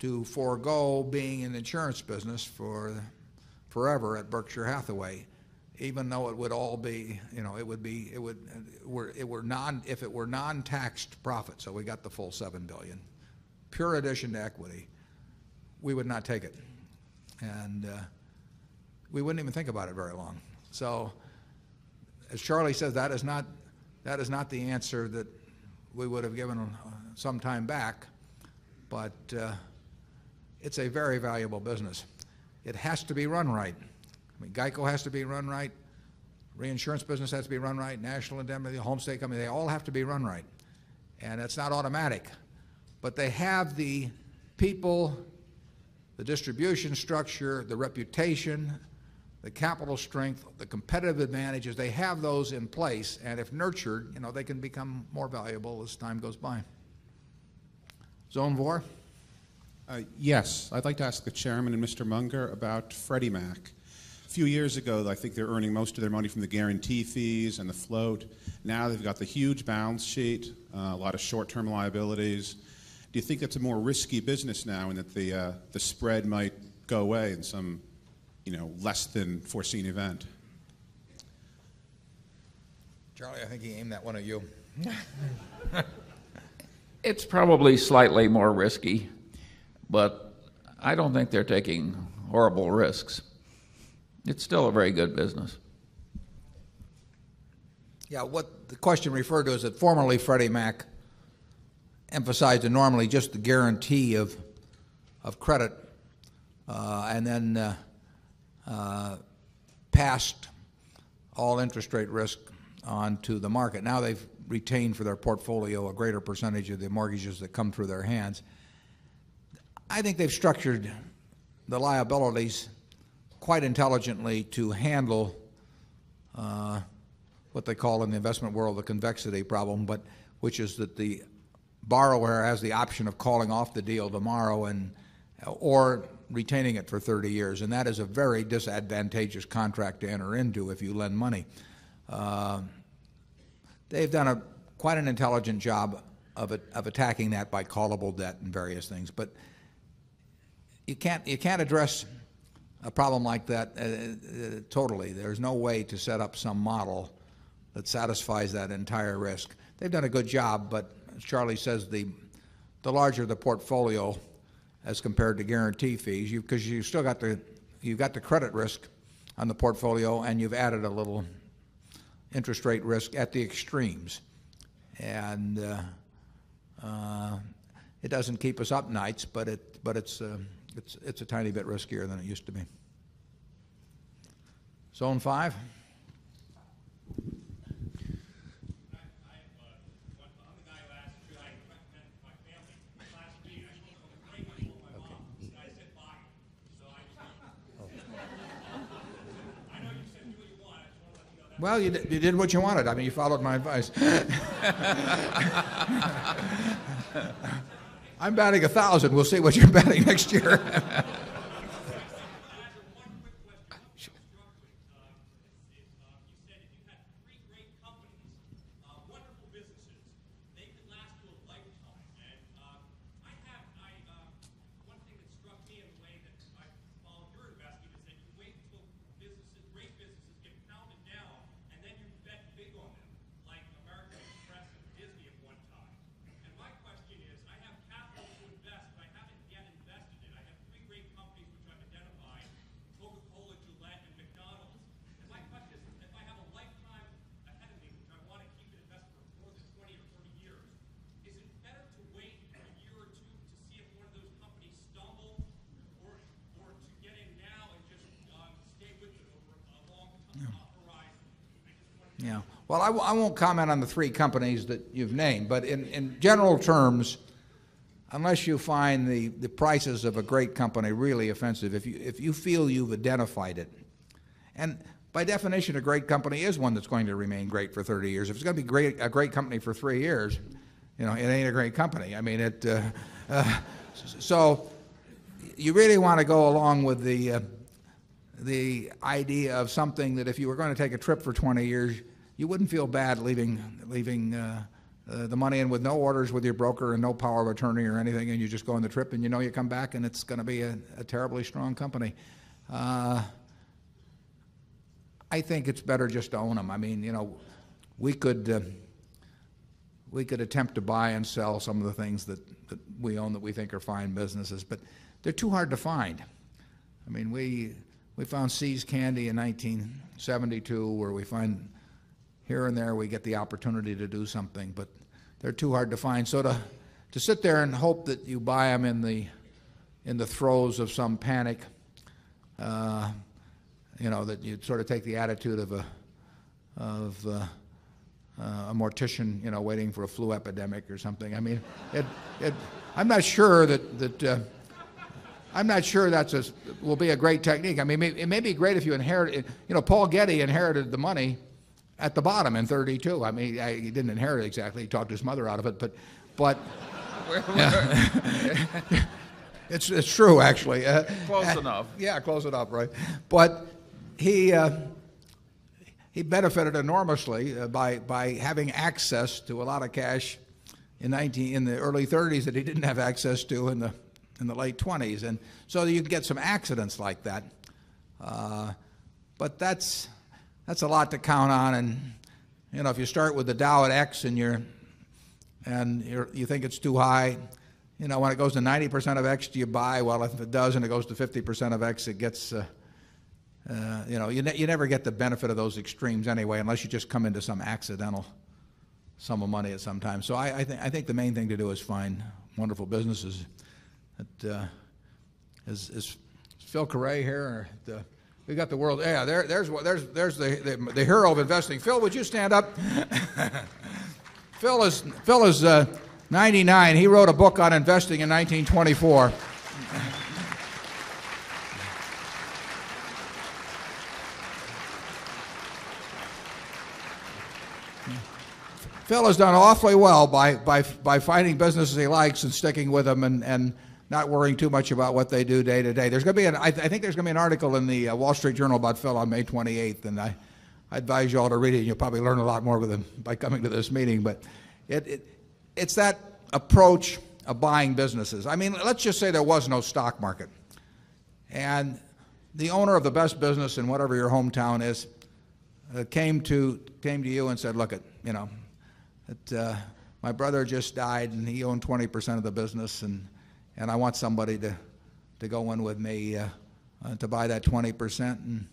[SPEAKER 1] to forego being in the insurance business for forever at Berkshire Hathaway, even though it would all be, you know, it would be, it would, if it were non taxed profit, so we got the full 7,000,000,000 dollars pure addition to equity, we would not take it. And we wouldn't even think about it very long. So as Charlie says, that is not the answer that we would have given some time back, but it's a very valuable business. It has to be run right. I mean, GEICO has to be run right. Reinsurance business has to be run right. National Ende, the Homestay Company, they all have to be run right. And it's not automatic, but they have the people, the distribution structure, the reputation, the capital strength, the competitive advantages. They have those in place and if nurtured, they can become more valuable as time goes by.
[SPEAKER 11] Yes. I'd like to ask the Chairman and Mr. Munger about Freddie Mac. A few years ago, I think they're earning most of their money from the guarantee fees and the float. Now they've got the huge balance sheet, a lot of short term liabilities. Do you think it's a more risky business now and that the spread might go away in some less than foreseen event?
[SPEAKER 1] Charlie, I think he aimed that one at you.
[SPEAKER 4] It's probably slightly more risky, but I don't think they're taking horrible risks. It's still a very good business.
[SPEAKER 1] Yeah. What the question referred to is that formerly Freddie Mac emphasized that normally just the guarantee of credit, and then, passed all interest rate risk onto the market. Now they've retained for their portfolio a greater percentage of the mortgages that come through their hands. I think they've structured the liabilities quite intelligently to handle, what they call in the investment world, the convexity problem, but which is that the borrower has the option of calling off the deal tomorrow and or retaining it for 30 years. And that is a very disadvantageous contract to enter into if you lend money. They've done quite an intelligent job of attacking that by callable debt and various things. But you can't address a problem like that totally. There's no way to set up some model that satisfies that entire risk. They've done a good job, but as Charlie says, the larger the portfolio as compared to guarantee fees, because you still got the credit risk on the portfolio and you've added a little interest rate risk at the extremes. And, it doesn't keep us up nights, but it's a tiny bit riskier than it used to be. Zone 5. Well, you did what you wanted. I mean, you followed my advice. I'm batting 1,000. We'll see what you're batting next year. Well, I won't comment on the 3 companies that you've named, but in general terms, unless you find the prices of a great company really offensive, if you feel you've identified it, and by definition, a great company is one that's going to remain great for 30 years. If it's going to be a great company for 3 years, it ain't a great company. I mean, it so you really want to go along with the idea of something that if you were going to take a trip for 20 years, you wouldn't feel bad leaving the money in with no orders with your broker and no power of attorney or anything and you just go on the trip and you know you come back and it's going to be a terribly strong company. I think it's better just to own them. I mean, you know, we could attempt to buy and sell some of the things that we own that we think are fine businesses, but they're too hard to find. I mean, we found See's Candy in 1972 where we find here and there we get the opportunity to do something, but they're too hard to find. So to sit there and hope that you buy them in the throes of some panic, that you'd sort of take the attitude of a mortician waiting for a flu epidemic or something. I mean, I'm not sure that will be a great technique. I mean, it may be great if you inherit it. Paul Getty inherited the money at the bottom in 'thirty two. I mean, he didn't inherit it exactly. He talked his mother out of it. But it's true, actually. Close enough. Yeah, close enough, right. But he benefited enormously by having access to a lot of cash in the early '30s that he didn't have access to in the late '20s. And so you'd get some accidents like that. But that's a lot to count on. And if you start with the Dow at X and you think it's too high, when it goes to 90% of X, do you buy? Well, if it doesn't, it goes to 50% of X, it gets, you never get the benefit of those extremes anyway unless you just come into some accidental sum of money at some time. So I think the main thing to do is find wonderful businesses. Is Phil Correa here? We've got the world. The hero of investing. Phil, would you stand up? Phil is 99. He wrote a book on investing in 1924. Phil has done awfully well by finding businesses he likes and sticking with them and not worrying too much about what they do day to day. There's going to be an I think there's going to be an article in the Wall Street Journal about Phil on May 28th, and I advise you all to read it. You'll probably learn a lot more by coming to this meeting. But it's that approach of buying businesses. I mean, let's just say there was no stock market, and the owner of the best business in whatever your hometown is came to you and said, look, my brother just died and he owned 20% of the business and I want somebody to go in with me to buy that 20%. And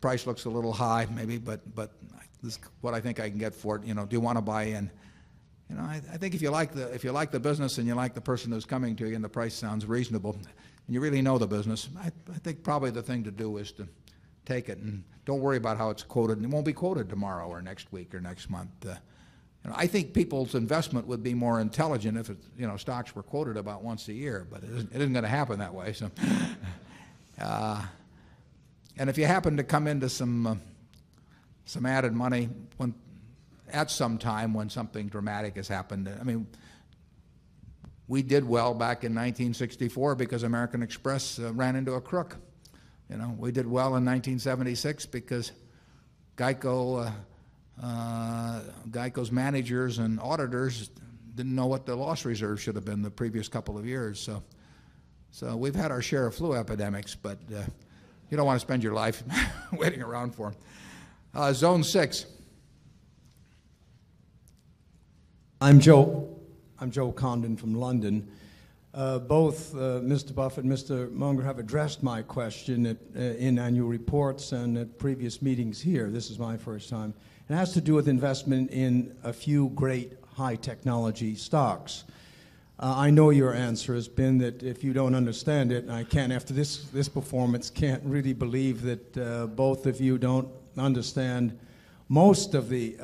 [SPEAKER 1] price looks a little high maybe, but what I think I can get for it, you know, do you want to buy in? You know, I think if you like the business and you like the person who's coming to you and the price sounds reasonable, you really know the business. I think probably the thing to do is to take it and don't worry about how it's quoted and it won't be quoted tomorrow or next week or next month. I think people's investment would be more intelligent if it's, you know, stocks were quoted about once a year, but it isn't going to happen that way. So, and if you happen to come into some added money at some time when something dramatic has happened, I mean, we did well back in 1964 because American Express ran into a crook. We did well in 1976 because GEICO, GEICO's managers and auditors didn't know what the loss reserves should have been the previous couple of years. So we've had our share of flu epidemics, but you don't want to spend your life waiting around for them. Zone 6.
[SPEAKER 12] I'm Joe Condon from London. Both Mr. Buffet and Mr. Munger have addressed my question in annual reports and at previous meetings here. This is my first time. It has to do with investment in a few great high technology stocks. I know your answer has been that if you don't understand it, and I can't, after this performance, can't really believe that both of you don't understand most of the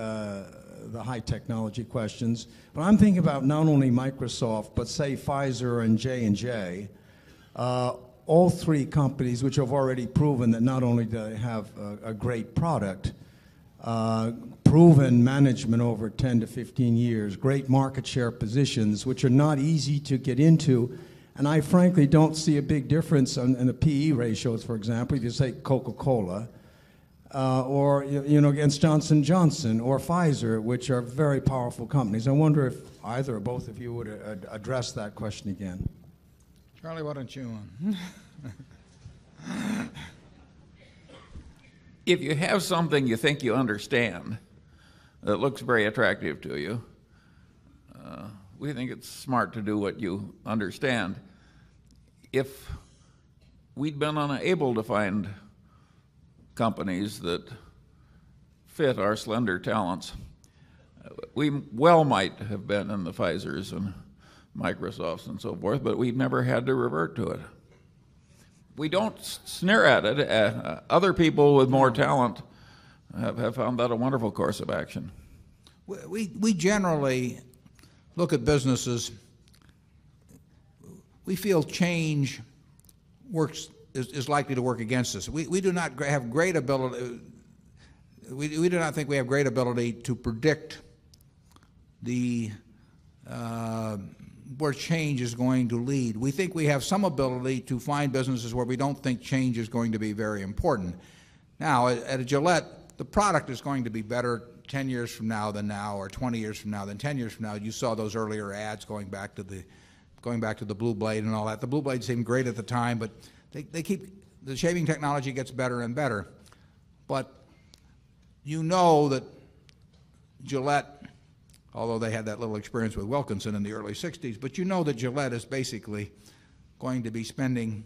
[SPEAKER 12] high technology questions. But I'm thinking about not only Microsoft, but say Pfizer and J and J, all three companies which have already proven that not only do they have a great product, proven management over 10 to 15 years, great market share positions, which are not easy to get into. And I frankly don't see a big difference in the PE ratios, for example, if you say Coca Cola or against Johnson and Johnson or Pfizer, which are very powerful companies. I wonder if either or both of you would address that question again.
[SPEAKER 1] Charlie, why don't you?
[SPEAKER 4] If you have something you think you understand that looks very attractive to you, we think it's smart to do what you understand. If we'd been unable to find companies that fit our slender talents, We well might have been in the Pfizers and Microsofts and so forth, but we've never had to revert to it. We don't snare at it. Other people with more talent have found that a wonderful course of action.
[SPEAKER 1] We generally look at businesses. We feel change works is likely to work against us. We do not have great ability. We do not think we have great ability to predict the, where change is going to lead. We think we have some ability to find businesses where we don't think change is going to be very important. Now at a Gillette, the product is going to be better 10 years from now than now or 20 years from now than 10 years from now. You saw those earlier ads going back to the Blue Blade and all that. The Blue Blade seemed great at the time, but they keep, the shaving technology gets better and better. But you know that Gillette, although they had that little experience with Wilkinson in the early '60s, but you know that Gillette is basically going to be spending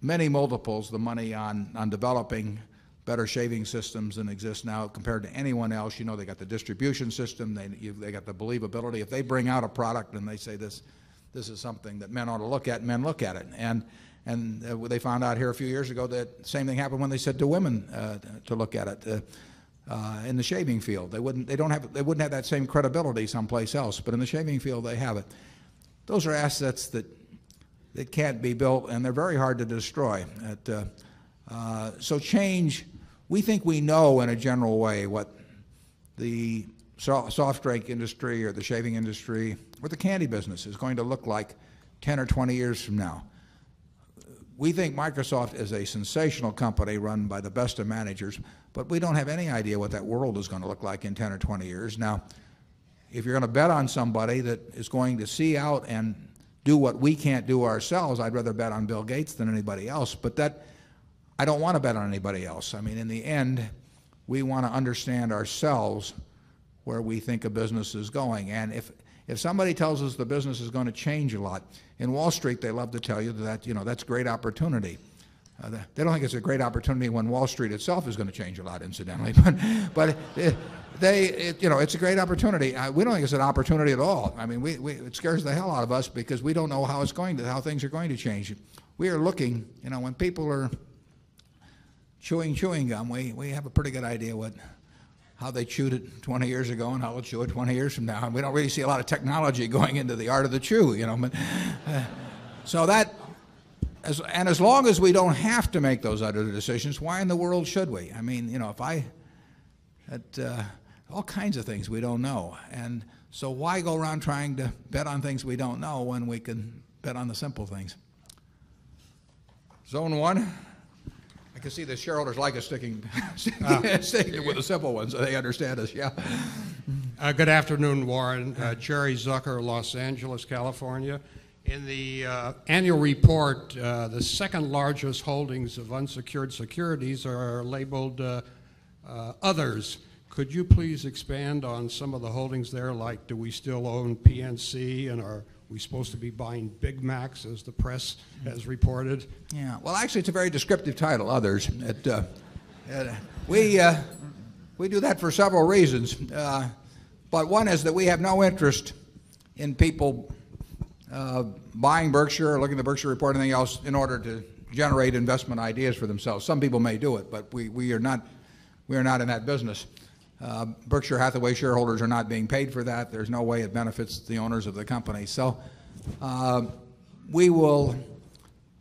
[SPEAKER 1] many multiples of the money on developing better shaving systems than exists now compared to anyone else. You know, they've got the distribution system, they've got the believability. If they bring out a product and they say this is something that men ought to look at, men look at it. And they found out here a few years ago that same thing happened when they said to women to look at it in the shaving field. They wouldn't have that same credibility someplace else, but in the shaving field they have it. Those are assets that can't be built and they're very hard to destroy. So change, we think we know in a general way what the soft drink industry or the shaving industry, what the candy business is going to look like 10 or 20 years from now. We think Microsoft is a sensational company run by the best of managers, but we don't have any idea what that world is going to look like in 10 or 20 years. Now, you're going to bet on somebody that is going to see out and do what we can't do ourselves, I'd rather bet on Bill Gates than anybody else. But that I don't want to bet on anybody else. I mean, in the end, we want to understand ourselves where we think a business is going. And if, if somebody tells us the business is going to change a lot in Wall Street, they love to tell you that that's a great opportunity. They don't think it's a great opportunity when Wall Street itself is going to change a lot incidentally. But they it's a great opportunity. We don't think it's an opportunity at all. I mean, it scares the hell out of us because we don't know how things are going to change. We are looking, when people are chewing gum, we have a pretty good idea what, how they chewed it 20 years ago and how it's chewed 20 years from now. We don't really see a lot of technology going into the art of the chew. So that and as long as we don't have to make those other decisions, why in the world should we? I mean, if I had all kinds of things we don't know. And so why go around trying to bet on things we don't know when we can bet on the simple things? Zone 1. I can see the shareholders like us sticking sticking with the simple ones. They understand us. Yeah.
[SPEAKER 13] Good afternoon, Warren. Cherry Zucker, Los Angeles, California. In the annual report, the 2nd largest holdings of unsecured securities are labeled Others. Could you please expand on some of the holdings there, like do we still own PNC and are we supposed to be buying Big Macs as the press has reported?
[SPEAKER 1] Yes. Well, actually it's a very descriptive title, others. We do that for several reasons. But one is that we have no interest in people buying Berkshire or looking at the Berkshire report or anything else in order to generate investment ideas for themselves. Some people may do it, but we are not in that business. Berkshire Hathaway shareholders are not being paid for that. There's no way it benefits the owners of the company. So we will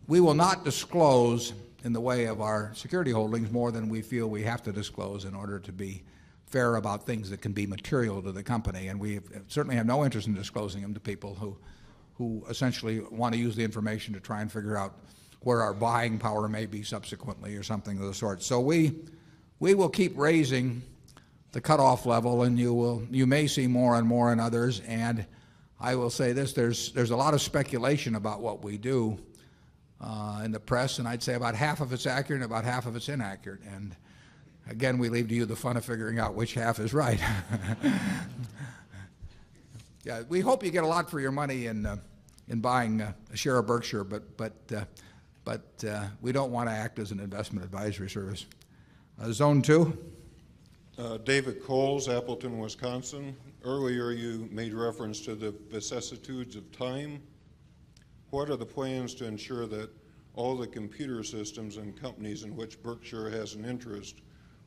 [SPEAKER 1] not disclose in the way of our security holdings more than we feel we have to disclose in order to be fair about things that can be material to the company. And we certainly have no interest in disclosing them to people who, who essentially want to use the information to try and figure out where our buying power may be subsequently or something of the sort. So we will keep raising the cutoff level and you will, you may see more and more in others. And I will say this, there's a lot of speculation about what we do, in the press and I'd say about half of it's accurate and about half of it's inaccurate. And again, we leave to you the fun of figuring out which half is right. We hope you get a lot for your money in buying a share of Berkshire, but we don't want to act as an investment advisory service. Zone 2.
[SPEAKER 14] David Coles, Appleton, Wisconsin. Earlier, you made reference to the vicissitudes of time. What are the plans to ensure that all the computer systems which Berkshire has an interest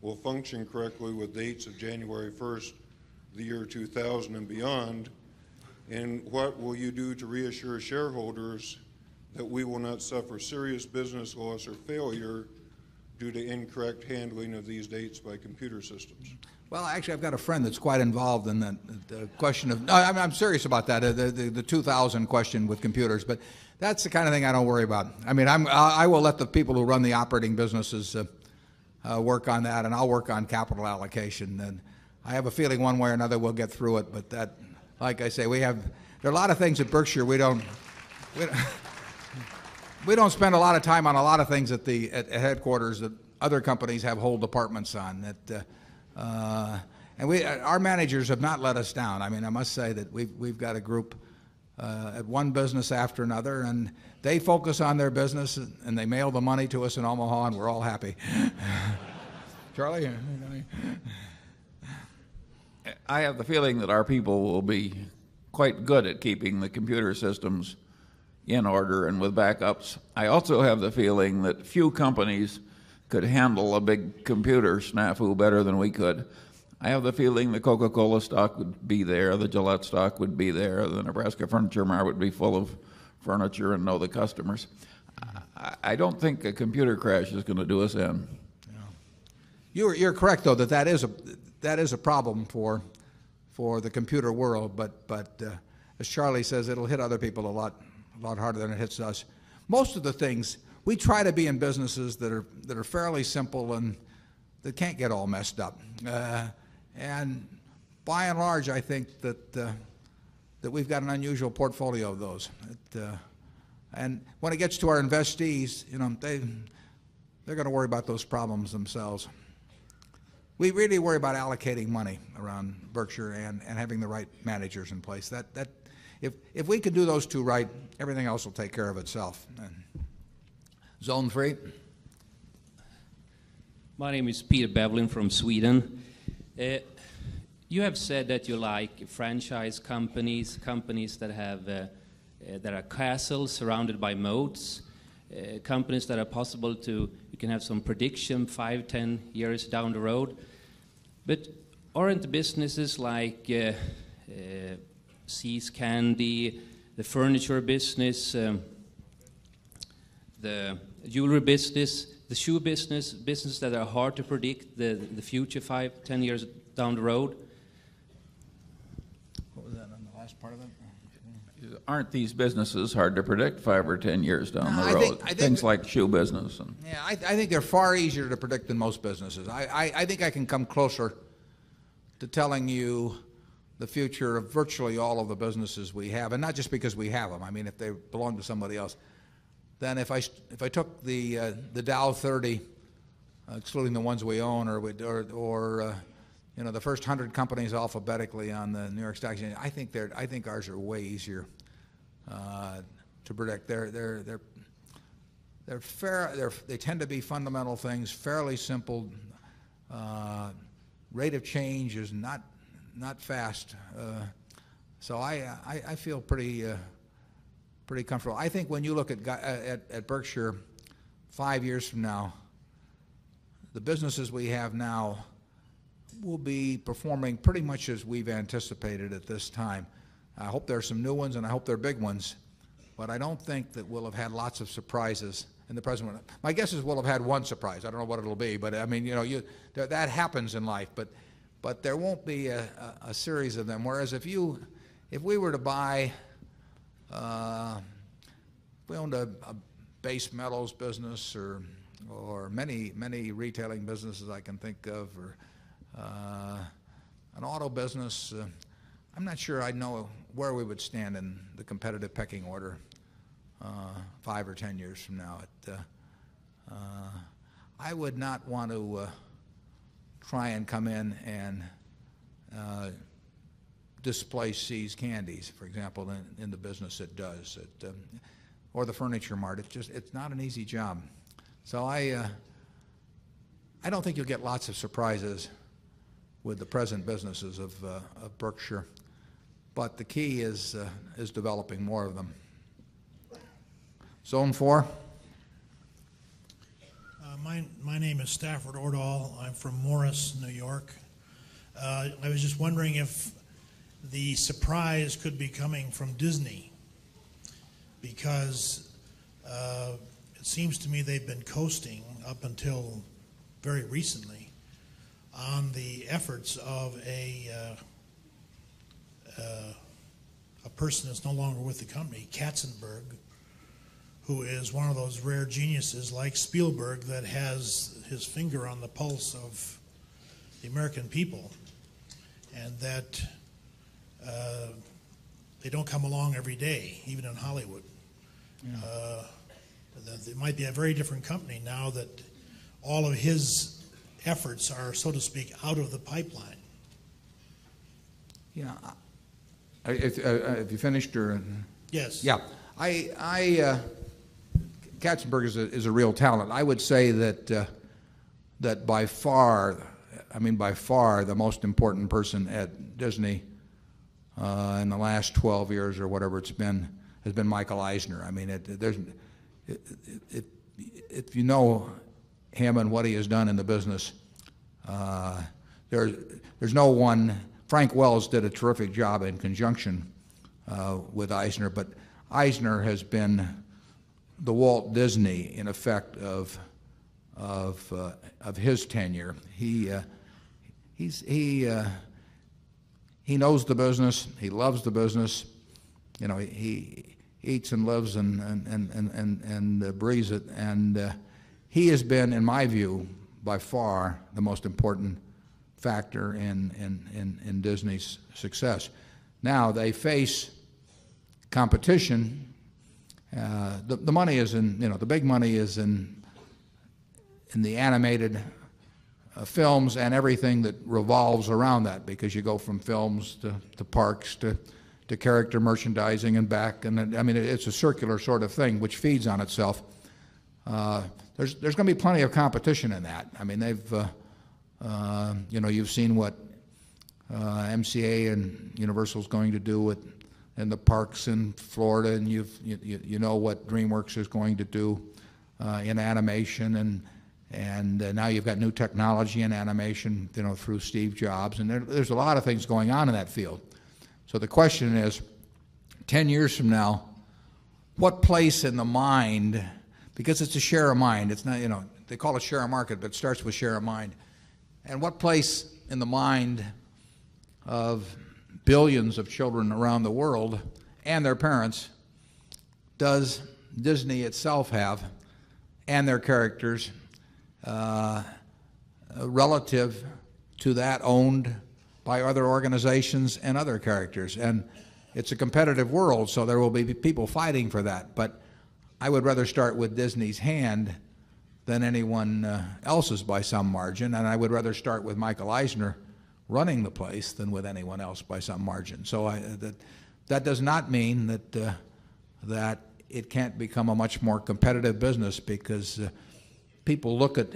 [SPEAKER 14] will function correctly with dates of January 1, the year 2000 beyond? And what will you do to reassure shareholders that we will not suffer serious business loss or failure due to incorrect handling of these dates by computer systems?
[SPEAKER 1] Well, actually, I've got a friend that's quite involved in the question of I'm serious about that, the 2 ,000 question with computers, but that's the kind of thing I don't worry about. I mean, I'm, I will let the people who run the operating businesses, work on that and I'll work on capital allocation. And I have a feeling one way or another we'll get through it, but that like I say, we have there are a lot of things at Berkshire. We don't spend a lot of time on a lot of things at the headquarters that other companies have whole departments on that and we, our managers have not let us down. I mean, I must say that we've got a group, at one business after another and they focus on their business and they mail the money to us in Omaha and we're all happy. Charlie?
[SPEAKER 4] I have the feeling that our people will be quite good at keeping the computer systems in order and with backups. I also have the feeling that few companies could handle a big computer snafu better than we could. I have the feeling the Coca Cola stock would be there, the Gillette stock would be there, the Nebraska Furniture Mart would be full of furniture and know the customers. I don't think a computer crash is going to do us in.
[SPEAKER 1] You're correct though that that is a problem for the computer world, but as Charlie says, it'll hit other people a lot, a lot harder than it hits us. Most of the things, we try to be in businesses that are fairly simple and that can't get all messed up. And by and large, I think that we've got an unusual portfolio of those. And when it gets to our investees, they're going to worry about those problems themselves. We really worry about allocating money around Berkshire and having the right managers in place. If we could do those 2 right, everything else will take care of itself. Zone 3?
[SPEAKER 15] My name is Peter Bevlin from Sweden. You have said that you like franchise companies, companies that have that are castles surrounded by moats, companies that are possible to you can have some prediction 5, 10 years down the road. But aren't businesses like Seascandy, the furniture business, the jewelry business, the shoe business, business that are hard to predict, the future 5, 10 years down the road?
[SPEAKER 1] What was that on the last part of it?
[SPEAKER 4] Aren't these businesses hard to predict 5 or 10 years down the road? Things like shoe business.
[SPEAKER 1] Yeah. I think they're far easier to predict than most businesses. I think I can come closer to telling you the future of virtually all of the businesses we have and not just because we have them, I mean, if they belong to somebody else. Then if I took the Dow 30, excluding the ones we own or the first 100 companies alphabetically on the New York Stock Exchange, I think ours are way easier to predict. They tend to be fundamental things, fairly simple, Rate of change is not fast. So I feel pretty comfortable. I think when you look at Berkshire 5 years from now, the businesses we have now will be performing pretty much as we've anticipated at this time. I hope there are some new ones and I hope there are big ones, but I don't think that we'll have had lots of surprises and the President my guess is we'll have had one surprise. I don't know what it will be, but I mean, you know, that happens in life, but there won't be a series of them. Whereas if you, if we were to buy, we owned a base metals business or many, many retailing businesses I can think of, or an auto business, I'm not sure I'd know where we would stand in the competitive pecking order, 5 or 10 years from now. I would not want to try and come in and display See's candies, for example, in the business that does or the furniture market. It's just, it's not an easy job. So I think you'll get lots of surprises with the present businesses of Berkshire, but the key is developing more of them. Zone 4?
[SPEAKER 16] My name is Stafford Ordall. I'm from Morris, New York. I was just wondering if the surprise could be coming from Disney because it seems to me they've been coasting up until very recently on the efforts of a person that's no longer with the company, Katzenberg, who is one of those rare geniuses like Spielberg that has his finger on the pulse of the American people and that they don't come along every day even in Hollywood. It might be a very different company now that all of his efforts are, so to speak, out of the pipeline.
[SPEAKER 1] Yes. Have you finished or
[SPEAKER 16] Yes.
[SPEAKER 1] Yes. Katzenberg is a real talent. I would say that by far, I mean by far the most important person at Disney in the last 12 years or whatever it's been, has been Michael Eisner. I mean, if you know Hammond, what he has done in the business, there's no one, Frank Wells did a terrific job in conjunction with Eisner, but Eisner has been the Walt Disney in effect of his tenure. He's he, he knows the business. He loves the business. You know, he eats and lives and, and, and, and, and, and, breathes it. And, he has been, in my view, by far the most important factor in Disney's success. Now they face competition. The money is in, you know, the big money is in, in the animated films and everything that revolves around that because you go from films to parks, to character merchandising and back. And I mean, it's a circular sort of thing, which feeds on itself. There's, there's going to be plenty of competition in that. I mean, they've, you know, you've seen what, MCA and Universal is going to do with in the parks in Florida and you know what dream works is going to do in animation. And now you've got new technology in animation through Steve Jobs. And there's a lot of things going on in that field. So the question is, 10 years from now, what place in the mind, because it's a share of mind, it's not, you know, they call it share of market, but it starts with share of mind. And what place in the mind of billions of children around the world and their parents does Disney itself have and their characters, relative to that owned by other organizations and other characters. And it's a competitive world. So there will be people fighting for that, but I would rather start with Disney's hand than anyone else's by some margin. And I would rather start with Michael Eisner running the place than with anyone else by some margin. So that does not mean that, that it can't become a much more competitive business because people look at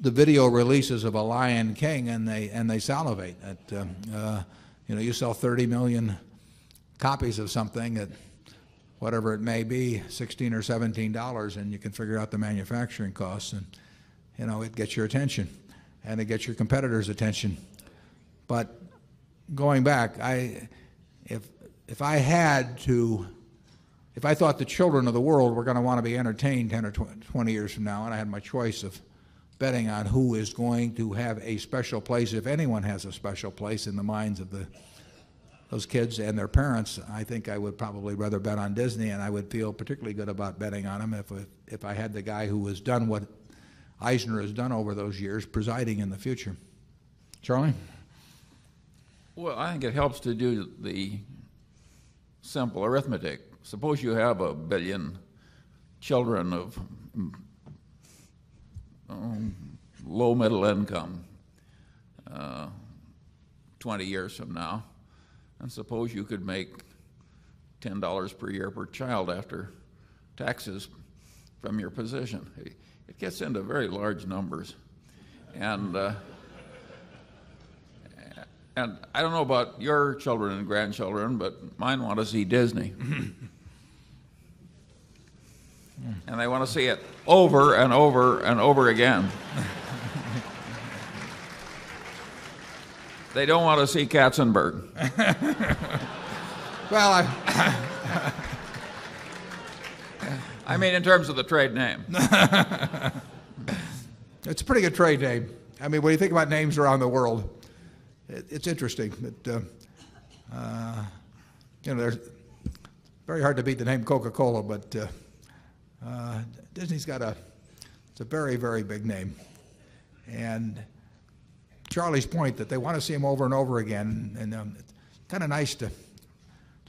[SPEAKER 1] the video releases of a Lion King and they salivate that, you sell 30,000,000 copies of something that whatever it may be, dollars 16 or $17 and you can figure out the manufacturing costs and it gets your attention and it gets your competitors' attention. But going back, I if I had to if I thought the children of the world were going to want to be entertained 10 or 20 years from now, and I had my choice of betting on who is going to have a special place, if anyone has a special place in the minds of those kids and their parents, I think I would probably rather bet on Disney and I would feel particularly good about betting on them if I had the guy who has done what Eisner has done over those years presiding in the future. Charlie?
[SPEAKER 4] Well, I think it helps to do the simple arithmetic. Suppose you have a 1,000,000,000 children of low middle income 20 years from now and suppose you could make $10 per year per child after taxes from your position. It gets into very large numbers. And, And I don't know about your children and grandchildren, but mine want to see Disney. And they want to see it over and over and over again. They don't want to see cats and birds. Well, I mean, in terms of the trade
[SPEAKER 1] name. It's a pretty good trade name. I mean, when you think about names around the world, it's interesting that, It's very hard to beat the name Coca Cola, but Disney's got a, it's a very, very big name. And Charlie's point that they want to see him over and over again and it's kind of nice to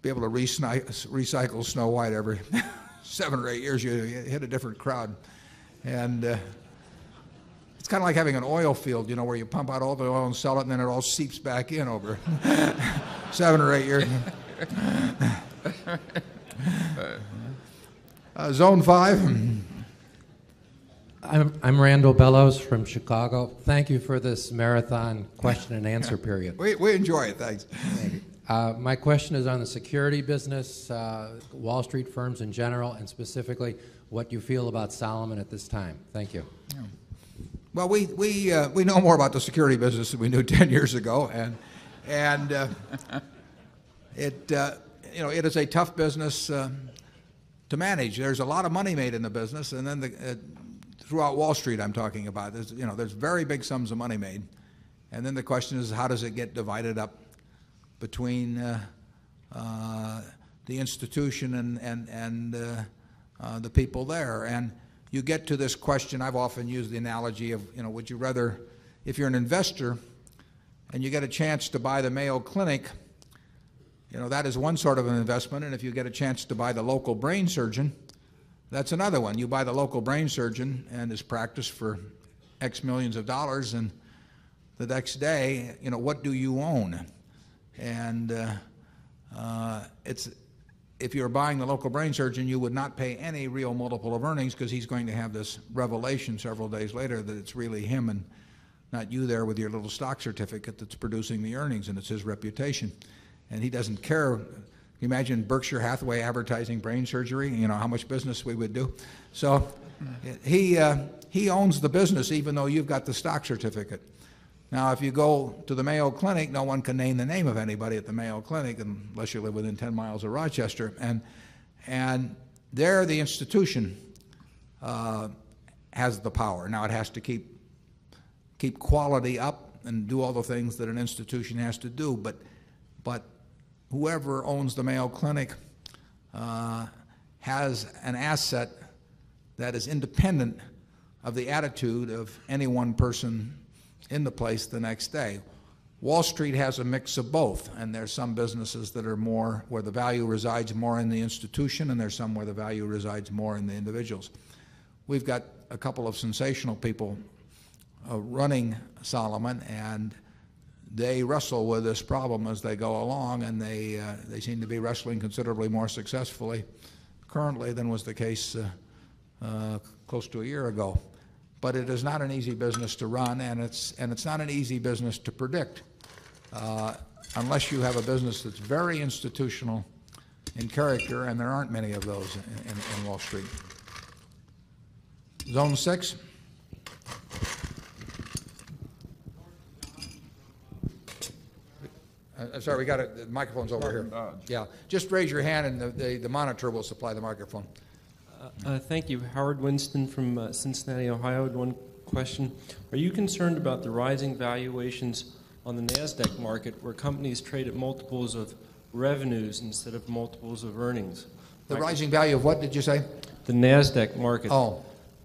[SPEAKER 1] be able to recycle Snow White. Every 7 or 8 years, you hit a different crowd. And it's kind of like having an oil field, you know, where you pump out all the oil and sell it and then it all seeps back in over 7 or 8 years. Zone 5.
[SPEAKER 17] I'm Randall Bellows from Chicago. Thank you for this marathon question and answer period.
[SPEAKER 1] We enjoy it. Thanks.
[SPEAKER 17] My question is on the security business, Wall Street firms in general and specifically what you feel about Solomon at this time. Thank you.
[SPEAKER 1] Well, we know more about the security business than we knew 10 years ago and it is a tough business to manage. There's a lot of money made in the business and then throughout Wall Street I'm talking about. There's very big sums of money made. And then the question is, how does it get divided up between the institution and the people there. And you get to this question, I've often used the analogy of, would you rather, if you're an investor and you get a chance to buy the Mayo Clinic, that is one sort of an investment. And if you get a chance to buy the local brain surgeon, that's another one. You buy the local brain surgeon and his practice for X 1,000,000 of dollars and the next day, what do you own? And, it's if you're buying a local brain surgeon, you would not pay any real multiple of earnings because he's going to have this revelation several days later that it's really him and not you there with your little stock certificate that's producing the earnings and it's his reputation and he doesn't care. Imagine Berkshire Hathaway advertising brain surgery, you know, how much business we would do. So he owns the business even though you've got the stock certificate. Now if you go to the Mayo Clinic, no can name the name of anybody at the Mayo Clinic unless you live within 10 miles of Rochester. And there the institution has the power. Now it has to keep quality up and do all the things that an institution has to do, but whoever owns the Mayo Clinic, has an asset that is independent of the attitude of any one person in the place the next day. Wall Street has a mix of both and there's some businesses that are more where the value resides more in the institution and there's some where the value resides more in the individuals. We've got a couple of sensational people running Solomon and they wrestle with this problem as they go along. And they, they seem to be wrestling considerably more successfully currently than was the case close to a year ago. But it is not an easy business to run and it's not an easy business to predict, unless you have a business that's very institutional in character and there aren't many of those in Wall Street. Zone 6. I'm sorry, we got a microphone's over here. Yeah, just raise your hand and the monitor will supply the microphone.
[SPEAKER 18] Thank you. Howard Winston from Cincinnati, Ohio. One question. Are you concerned about the rising valuations on the NASDAQ market where companies trade at multiples of revenues instead of multiples of earnings?
[SPEAKER 1] The rising value of what did you say?
[SPEAKER 18] The NASDAQ market,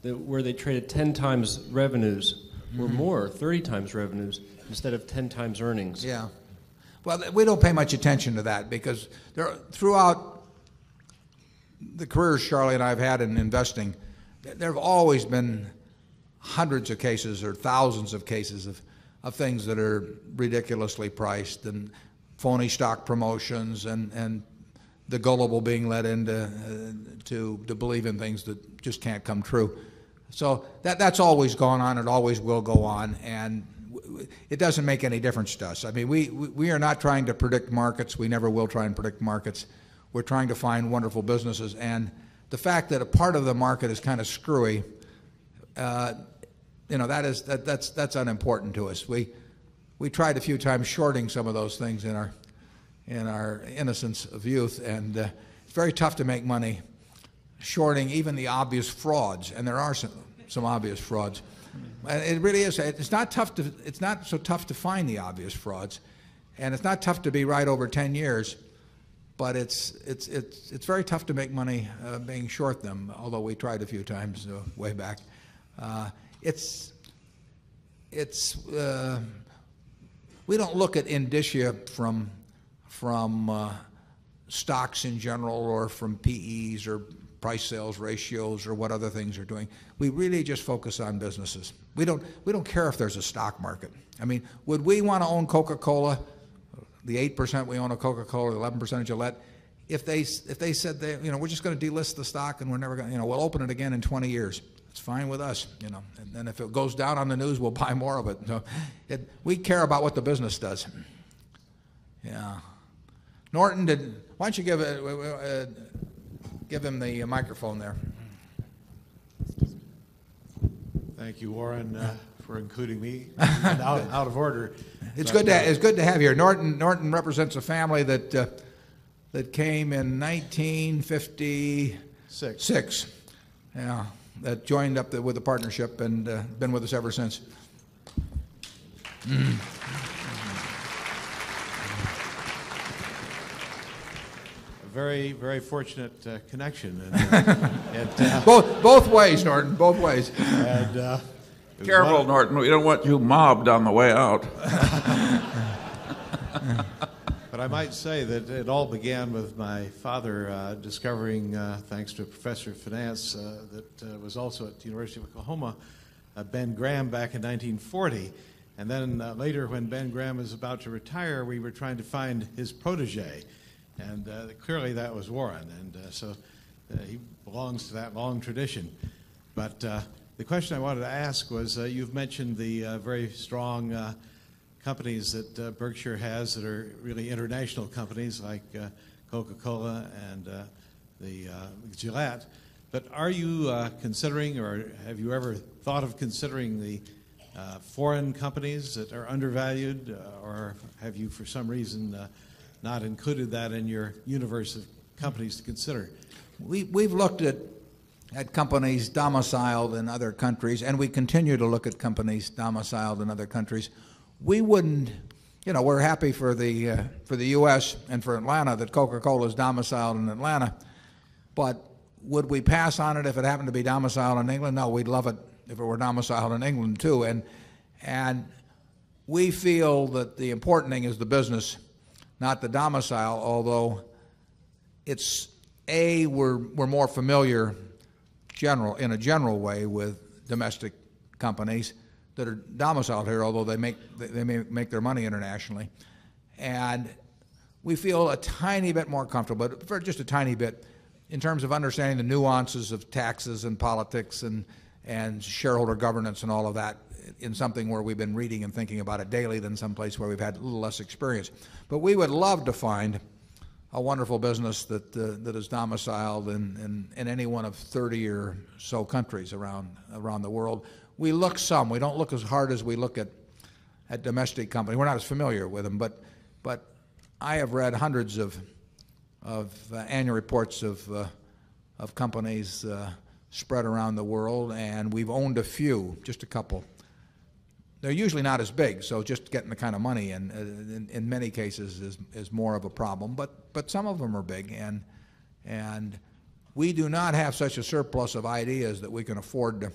[SPEAKER 18] where they traded 10 times revenues or more, 30 times revenues instead of 10 times earnings?
[SPEAKER 1] Yeah. Well, we don't pay much attention to that because throughout the careers Charlie and I've had in investing, there have always been hundreds of cases or thousands of cases of things that are ridiculously priced and phony stock promotions and the gullible being led in to believe in things that just can't come true. So that's always gone on. It always will go on and it doesn't make any difference to us. I mean, we are not trying to predict markets. We never will try and predict markets. We're trying to find wonderful businesses. And the fact that a part of the market is kind of screwy, that's unimportant to us. We tried a few times shorting some of those things in our innocence of youth and it's very tough to make money shorting even the obvious frauds and there are some obvious frauds. And it really is, it's not tough to, it's not so tough to find the obvious frauds and it's not tough to be right over 10 years, but it's, it's, it's very tough to make money, being short them, although we tried a few times way back. It's, it's, we don't look at indicia from, from, stocks in general or from PEs or price sales ratios or what other things are doing. We really just focus on businesses. We don't care if there's a stock market. I mean, would we want to own Coca Cola, the 8% we own of Coca Cola, the 11% Gillette, if they said, we're just going to delist the stock and we're never going to, we'll open it again in 20 years. It's fine with us. And if it goes down on the news, we'll buy more of it. We care about what the business does. Yes. Norton, why don't you give him the microphone there?
[SPEAKER 19] Thank you, Warren, for including me. Out of order.
[SPEAKER 1] It's good to have you here. Norton represents a family that came in 1956
[SPEAKER 19] 6.
[SPEAKER 1] That joined up with the Partnership and been with us ever since.
[SPEAKER 19] Very, very fortunate connection. Both
[SPEAKER 1] ways, Norton, both ways. Careful, Norton,
[SPEAKER 4] you know what, you mobbed on the way out.
[SPEAKER 19] But I might say that it all began with my father discovering, thanks to a professor of finance that was also at the University of Oklahoma, Ben Graham back in 1940. And then later when Ben Graham was about to retire, we were trying to find his protege. And clearly, that was Warren. And so he belongs to that long tradition. But the question I wanted to ask was, you've mentioned the very strong companies that Berkshire has that are really international companies like Coca Cola and the Gillette. But are you considering or have you ever thought of considering the foreign companies that are undervalued? Or have you for some reason not included that in your universe of companies to consider?
[SPEAKER 1] We've looked at companies domiciled in other countries and we continue to look at companies domiciled in other countries. We wouldn't, we're happy for the U. S. And for Atlanta that Coca Cola is domiciled in Atlanta, but would we pass on it if it happened to be domiciled in England? No, we'd love it if it were domiciled in England too. And we feel that the important thing is the business, not the domicile, although it's a, we're more familiar general in a general way with domestic companies that are domiciled here, although they may make their money internationally. And we feel a tiny bit more comfortable, but for just a tiny bit, in terms of understanding the nuances of taxes and politics and shareholder governance and all of that in something where we've been reading and thinking about it daily than someplace where we've had a little less experience. But we would love to find a wonderful business that, that is domiciled in any one of 30 or so countries around, around the world. We look some, we don't look as hard as we look at, at domestic company. We're not as familiar with them, but, but I have read hundreds of annual reports of companies spread around the world and we've owned a few, just a couple. They're usually not as big. So just getting the kind of money and in many cases is more of a problem, but some of them are big and we do not have such a surplus of ideas that we can afford to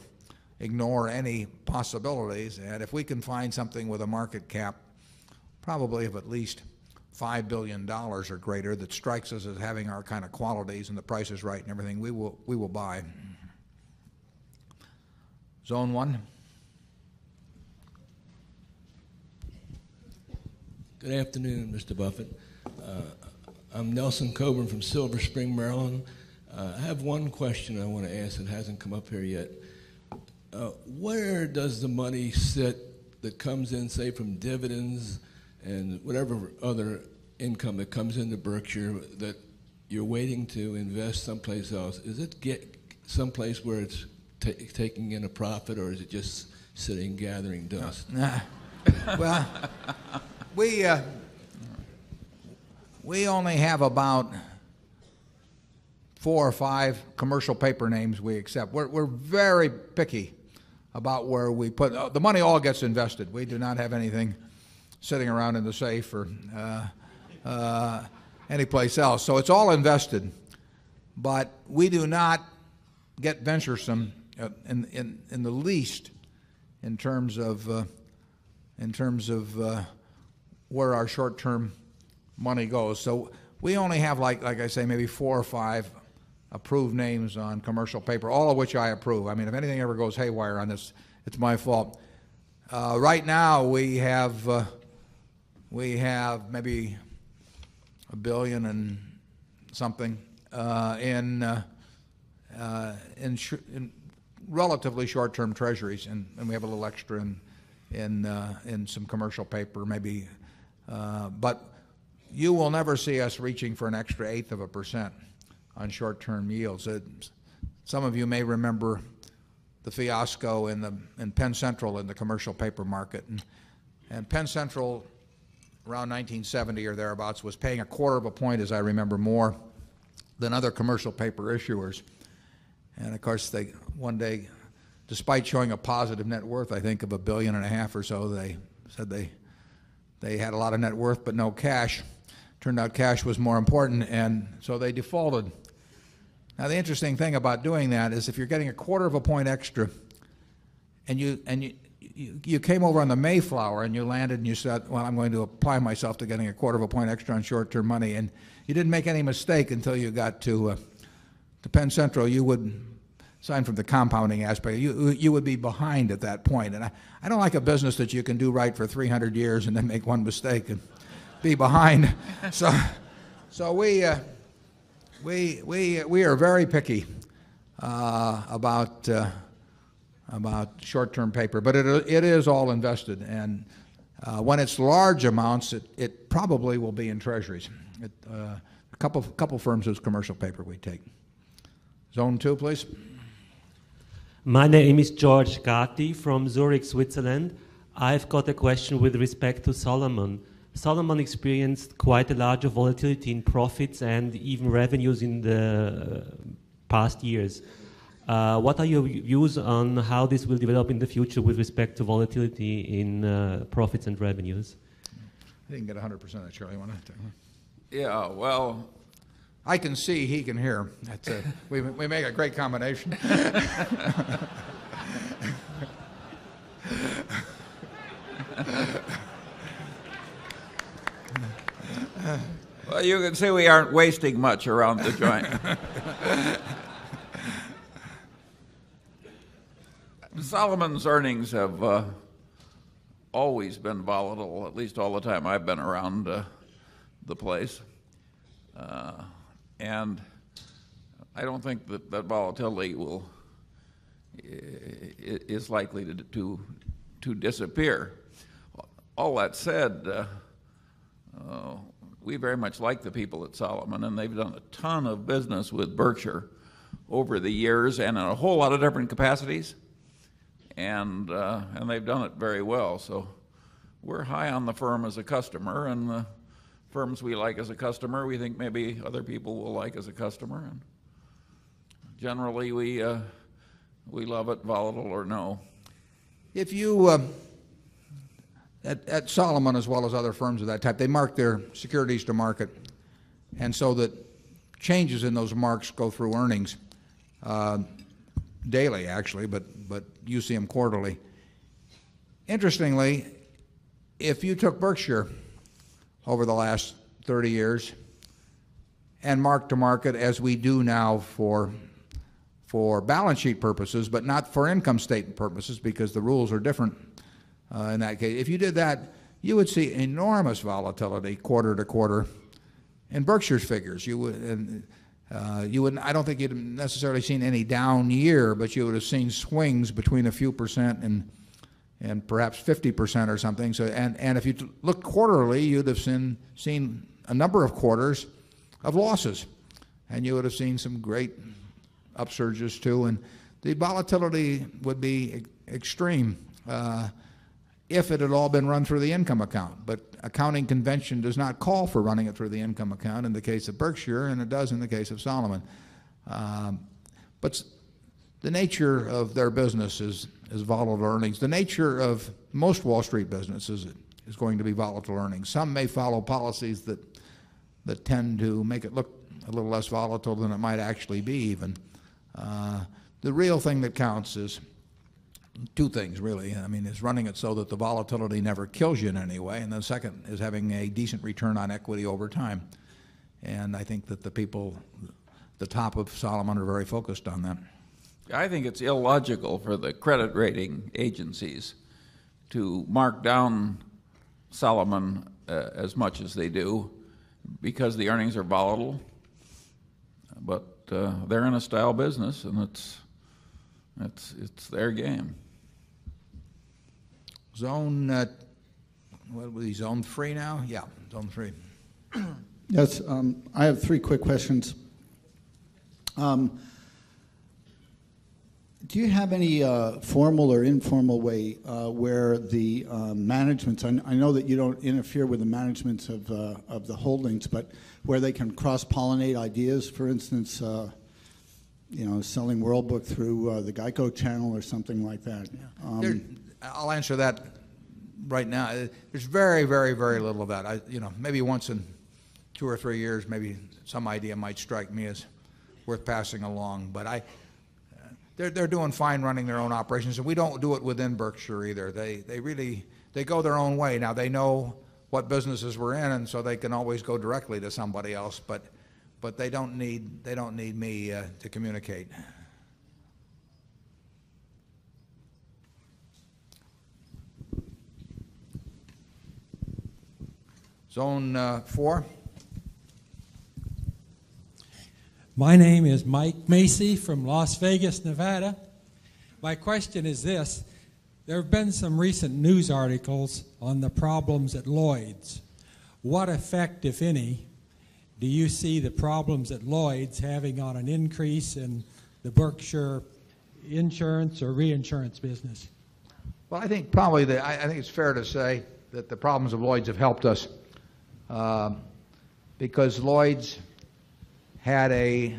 [SPEAKER 1] ignore any possibilities. And if we can find something with a market cap, probably of at least $5,000,000,000 or greater that strikes us as having our kind of qualities and the price is right and everything we will buy. Zone 1.
[SPEAKER 20] Good afternoon, Mr. Buffet. I'm Nelson Coburn from Silver Spring, Maryland. I have one question I want to ask that hasn't come up here yet. Where does the money sit that comes in, say, from dividends and whatever other income that comes into Berkshire that you're waiting to invest someplace else, is it someplace where it's taking in a profit or is it just sitting gathering dust?
[SPEAKER 1] Well, we only have about 4 or 5 commercial paper names we accept. We're very picky about where we put the money all gets invested. We do not have anything sitting around in the safe or anyplace else. So it's all invested, but we do not get venturesome in the least in terms of where our short term money goes. So we only have like I say, maybe 4 or 5 approved names on commercial paper, all of which I approve. I mean, if anything ever goes haywire on this, it's my fault. Right now, we have maybe $1,000,000,000 and something in relatively short term treasuries and we have a little extra in some commercial paper maybe, but you will never see us reaching for an extra 8th of a percent on short term yields. Some of you may remember the fiasco in Penn Central in the commercial paper market and Penn Central around 1970 or thereabouts was paying a quarter of a point as I remember more than other commercial paper issuers. And of course they one day, despite showing a positive net worth, I think of a $1,500,000,000 or so, they said they had a lot of net worth, but no cash. Turned out cash was more important and so they defaulted. Now the interesting thing about doing that is if you're getting a quarter of a point extra and you came over on the Mayflower and you landed and you said, well, I'm going to apply myself to getting a quarter of a point extra on short term money and you didn't make any mistake until you got to Penn Central. You would sign from the compounding aspect. You would be behind at that point. And I don't like a business that you can do right for 300 years and then make one mistake and be behind. So we are very picky about short term paper, but it is all invested. And when it's large amounts, it probably will be in treasuries. A couple of firms is commercial paper we take. Zone 2, please.
[SPEAKER 21] My name is George Gatti from Zurich, Switzerland. I've got a question with respect to Solomon. Salomon experienced quite a larger volatility in profits and even revenues in the past years. What are your views on how this will develop in the future with respect to volatility in profits and revenues?
[SPEAKER 1] I didn't get 100% of it, Charlie. Yeah, well, I can see he can hear. We make a great combination.
[SPEAKER 4] You can see we aren't wasting much around the joint. Solomon's earnings have always been volatile, at least all the time I've been around the place. And I don't think that volatility will is likely to disappear. All that said, we very much like the people at Solomon and they've done a ton of business with Berkshire over the years and a whole lot of different capacities And, and they've done it very well. So we're high on the firm as a customer and the firms we like a customer, we think maybe other people will like as a customer. And generally, we love it, volatile or no.
[SPEAKER 1] If you, at Solomon as well as other firms of that type, they mark their securities to market and so that changes in those marks go through earnings, daily actually, but you see them quarterly. Interestingly, if you took Berkshire over the last 30 years and mark to market as we do now for balance sheet purposes, but not for income statement purposes because the rules are different. In that case, if you did that, you would see enormous volatility quarter to quarter in Berkshire's figures. You would, you wouldn't, I don't think you'd necessarily seen any down year, but you would have seen swings between a few percent and perhaps 50% or something. So, and if you look quarterly, you'd have seen a number of quarters of losses and you would have seen some great upsurges too. And the volatility would be extreme, if it had all been run through the income account, but accounting convention does not call for running it through the income account in the case of Berkshire and it does in the case of Solomon. But the nature of their business is volatile earnings. The nature of most Wall Street businesses is going to be volatile earnings. Some may follow policies that tend to make it look a little less volatile than it might actually be even. The real thing that counts is 2 things really. I mean, it's running it so that the volatility never kills you in any way. And the second is having a decent return on equity over time. And I think that the people at the top of Solomon are very focused on that.
[SPEAKER 4] I think it's illogical for the credit rating agencies to mark down Solomon as much as they do because the earnings are volatile. But, they're in a style business and it's, it's their game.
[SPEAKER 1] Zone 3 now? Yeah, Zone 3. Yes. I have three quick questions. Do you have any formal or informal way where the selling World Book through the Geico channel or something like that. Yes. They're selling World Book through the GEICO channel or something like that? I'll answer that right now. There's very, very, very little of that. Maybe once in 2 or 3 years, maybe some idea might strike me as worth passing along. But they're doing fine running their own operations. And we don't do it within Berkshire either. They really they go their own way. Now they know what businesses we're in and so they can always go directly to somebody else, but they don't need me to communicate. Zone 4.
[SPEAKER 22] My name is Mike Macey from Las Vegas, Nevada. My question is this. There have been some recent news articles on the problems at Lloyd's. What effect, if any, do you see the problems at Lloyd's having on an increase in the Berkshire insurance or reinsurance business?
[SPEAKER 1] Well, I think probably that I think it's fair to say that the problems of Lloyd's have helped us, because Lloyd's had a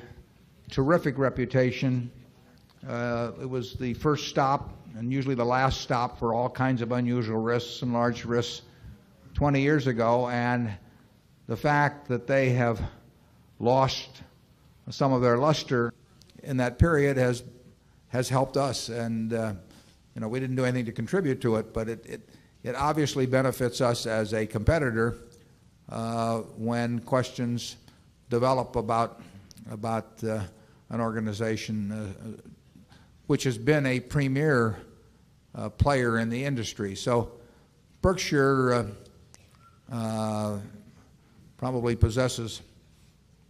[SPEAKER 1] terrific reputation. It was the first stop and usually the last stop for all kinds of unusual risks and large risks 20 years ago. And the fact that they have lost some of their luster in that period has helped us. And we didn't do anything to contribute to it, but it obviously benefits us as a competitor when questions develop about an organization which has been a premier player in the industry. So Berkshire probably possesses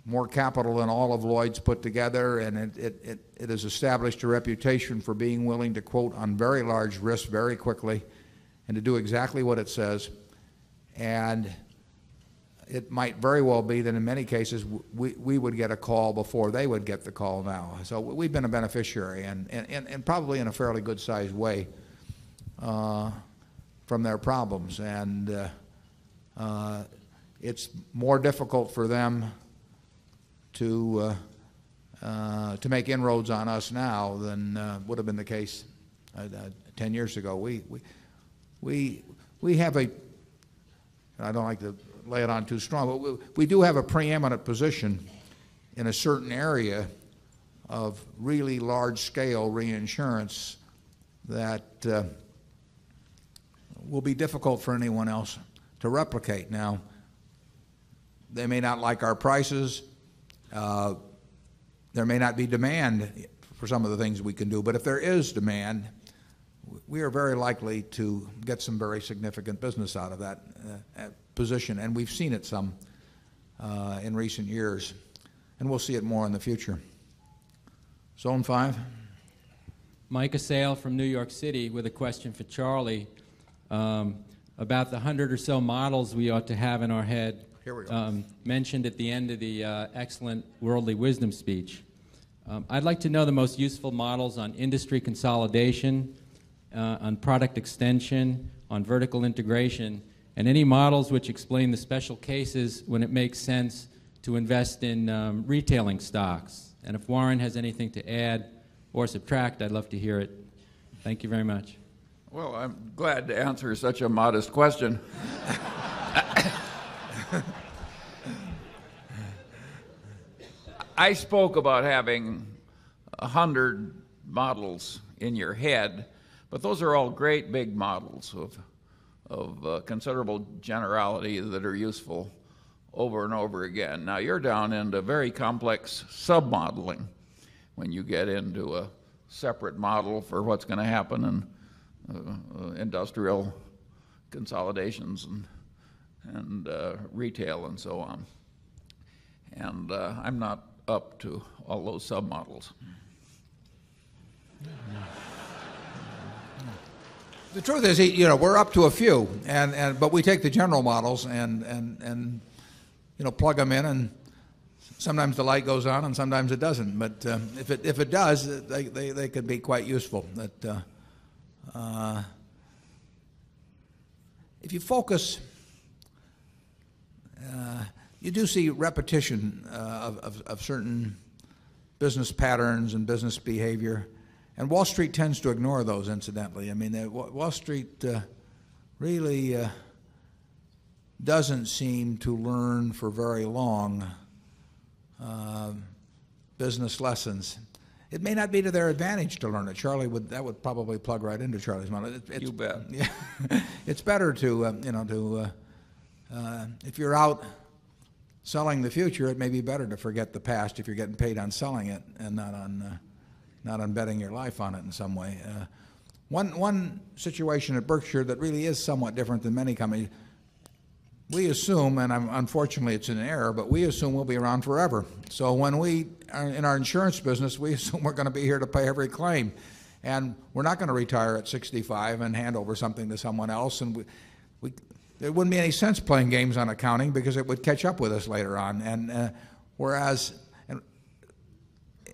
[SPEAKER 1] more capital than all of Lloyd's put together and it has established a reputation for being willing to quote on very large risk very quickly and to do exactly what it says. And it might very well be that in many cases we would get a call before they would get the call now. So we've been a beneficiary and probably in a fairly good sized way from their problems. And it's more difficult for them to make inroads on us now than would have been the case 10 years ago. We have a I don't like to lay it on too strong, but we do have a preeminent position in a certain area of really large scale reinsurance that will be difficult for anyone else to replicate. Now they may not like our prices. There may not be demand for some of the things we can do, but if there is demand, we are very likely to get some very significant business out of that position and we've seen it some in recent years and we'll see it more in the future. Zone 5.
[SPEAKER 23] Mike Assail from New York City with a question for Charlie. About the 100 or so models we ought to have in our head, mentioned at the end of the excellent Worldly Wisdom speech. I'd like to know the most useful models on industry consolidation, on product extension, on vertical integration and any models which explain the special cases when it makes sense to invest in, retailing stocks? And if Warren has anything to add or subtract, I'd love to hear it. Thank you very much.
[SPEAKER 4] Well, I'm glad to answer such a modest question. I spoke about having a 100 models in your head, but those are all great big models of, of considerable generality that are useful over and over again. Now you're down into very complex sub modeling when you get into a separate model for what's going to happen in industrial consolidations and retail and so on. And, I'm not up to all those sub models.
[SPEAKER 1] The truth is, you know, we're up to a few and, and, but we take the general models and, and, and, plug them in and sometimes the light goes on and sometimes it doesn't. But if it does, they could be quite useful. If you focus, you do see repetition of certain business patterns and business behavior. And Wall Street tends to ignore those incidentally. I mean Wall Street really doesn't seem to learn for very long business lessons. It may not be to their advantage to learn it. Charlie would, that would probably plug right into Charlie's money. It's better to, you know, to, if you're out selling the future, it may be better to forget the past if you're getting paid on selling it and not on, not on betting your life on it in some way. One situation at Berkshire that really is somewhat different than many companies, we assume, and unfortunately it's an error, but we assume we'll be around forever. So when we, in our insurance business, we assume we're going to be here to pay every claim and we're not going to retire at 65 and hand over something to someone else. And there wouldn't be any sense playing games on accounting because it would catch up with us later on. And, whereas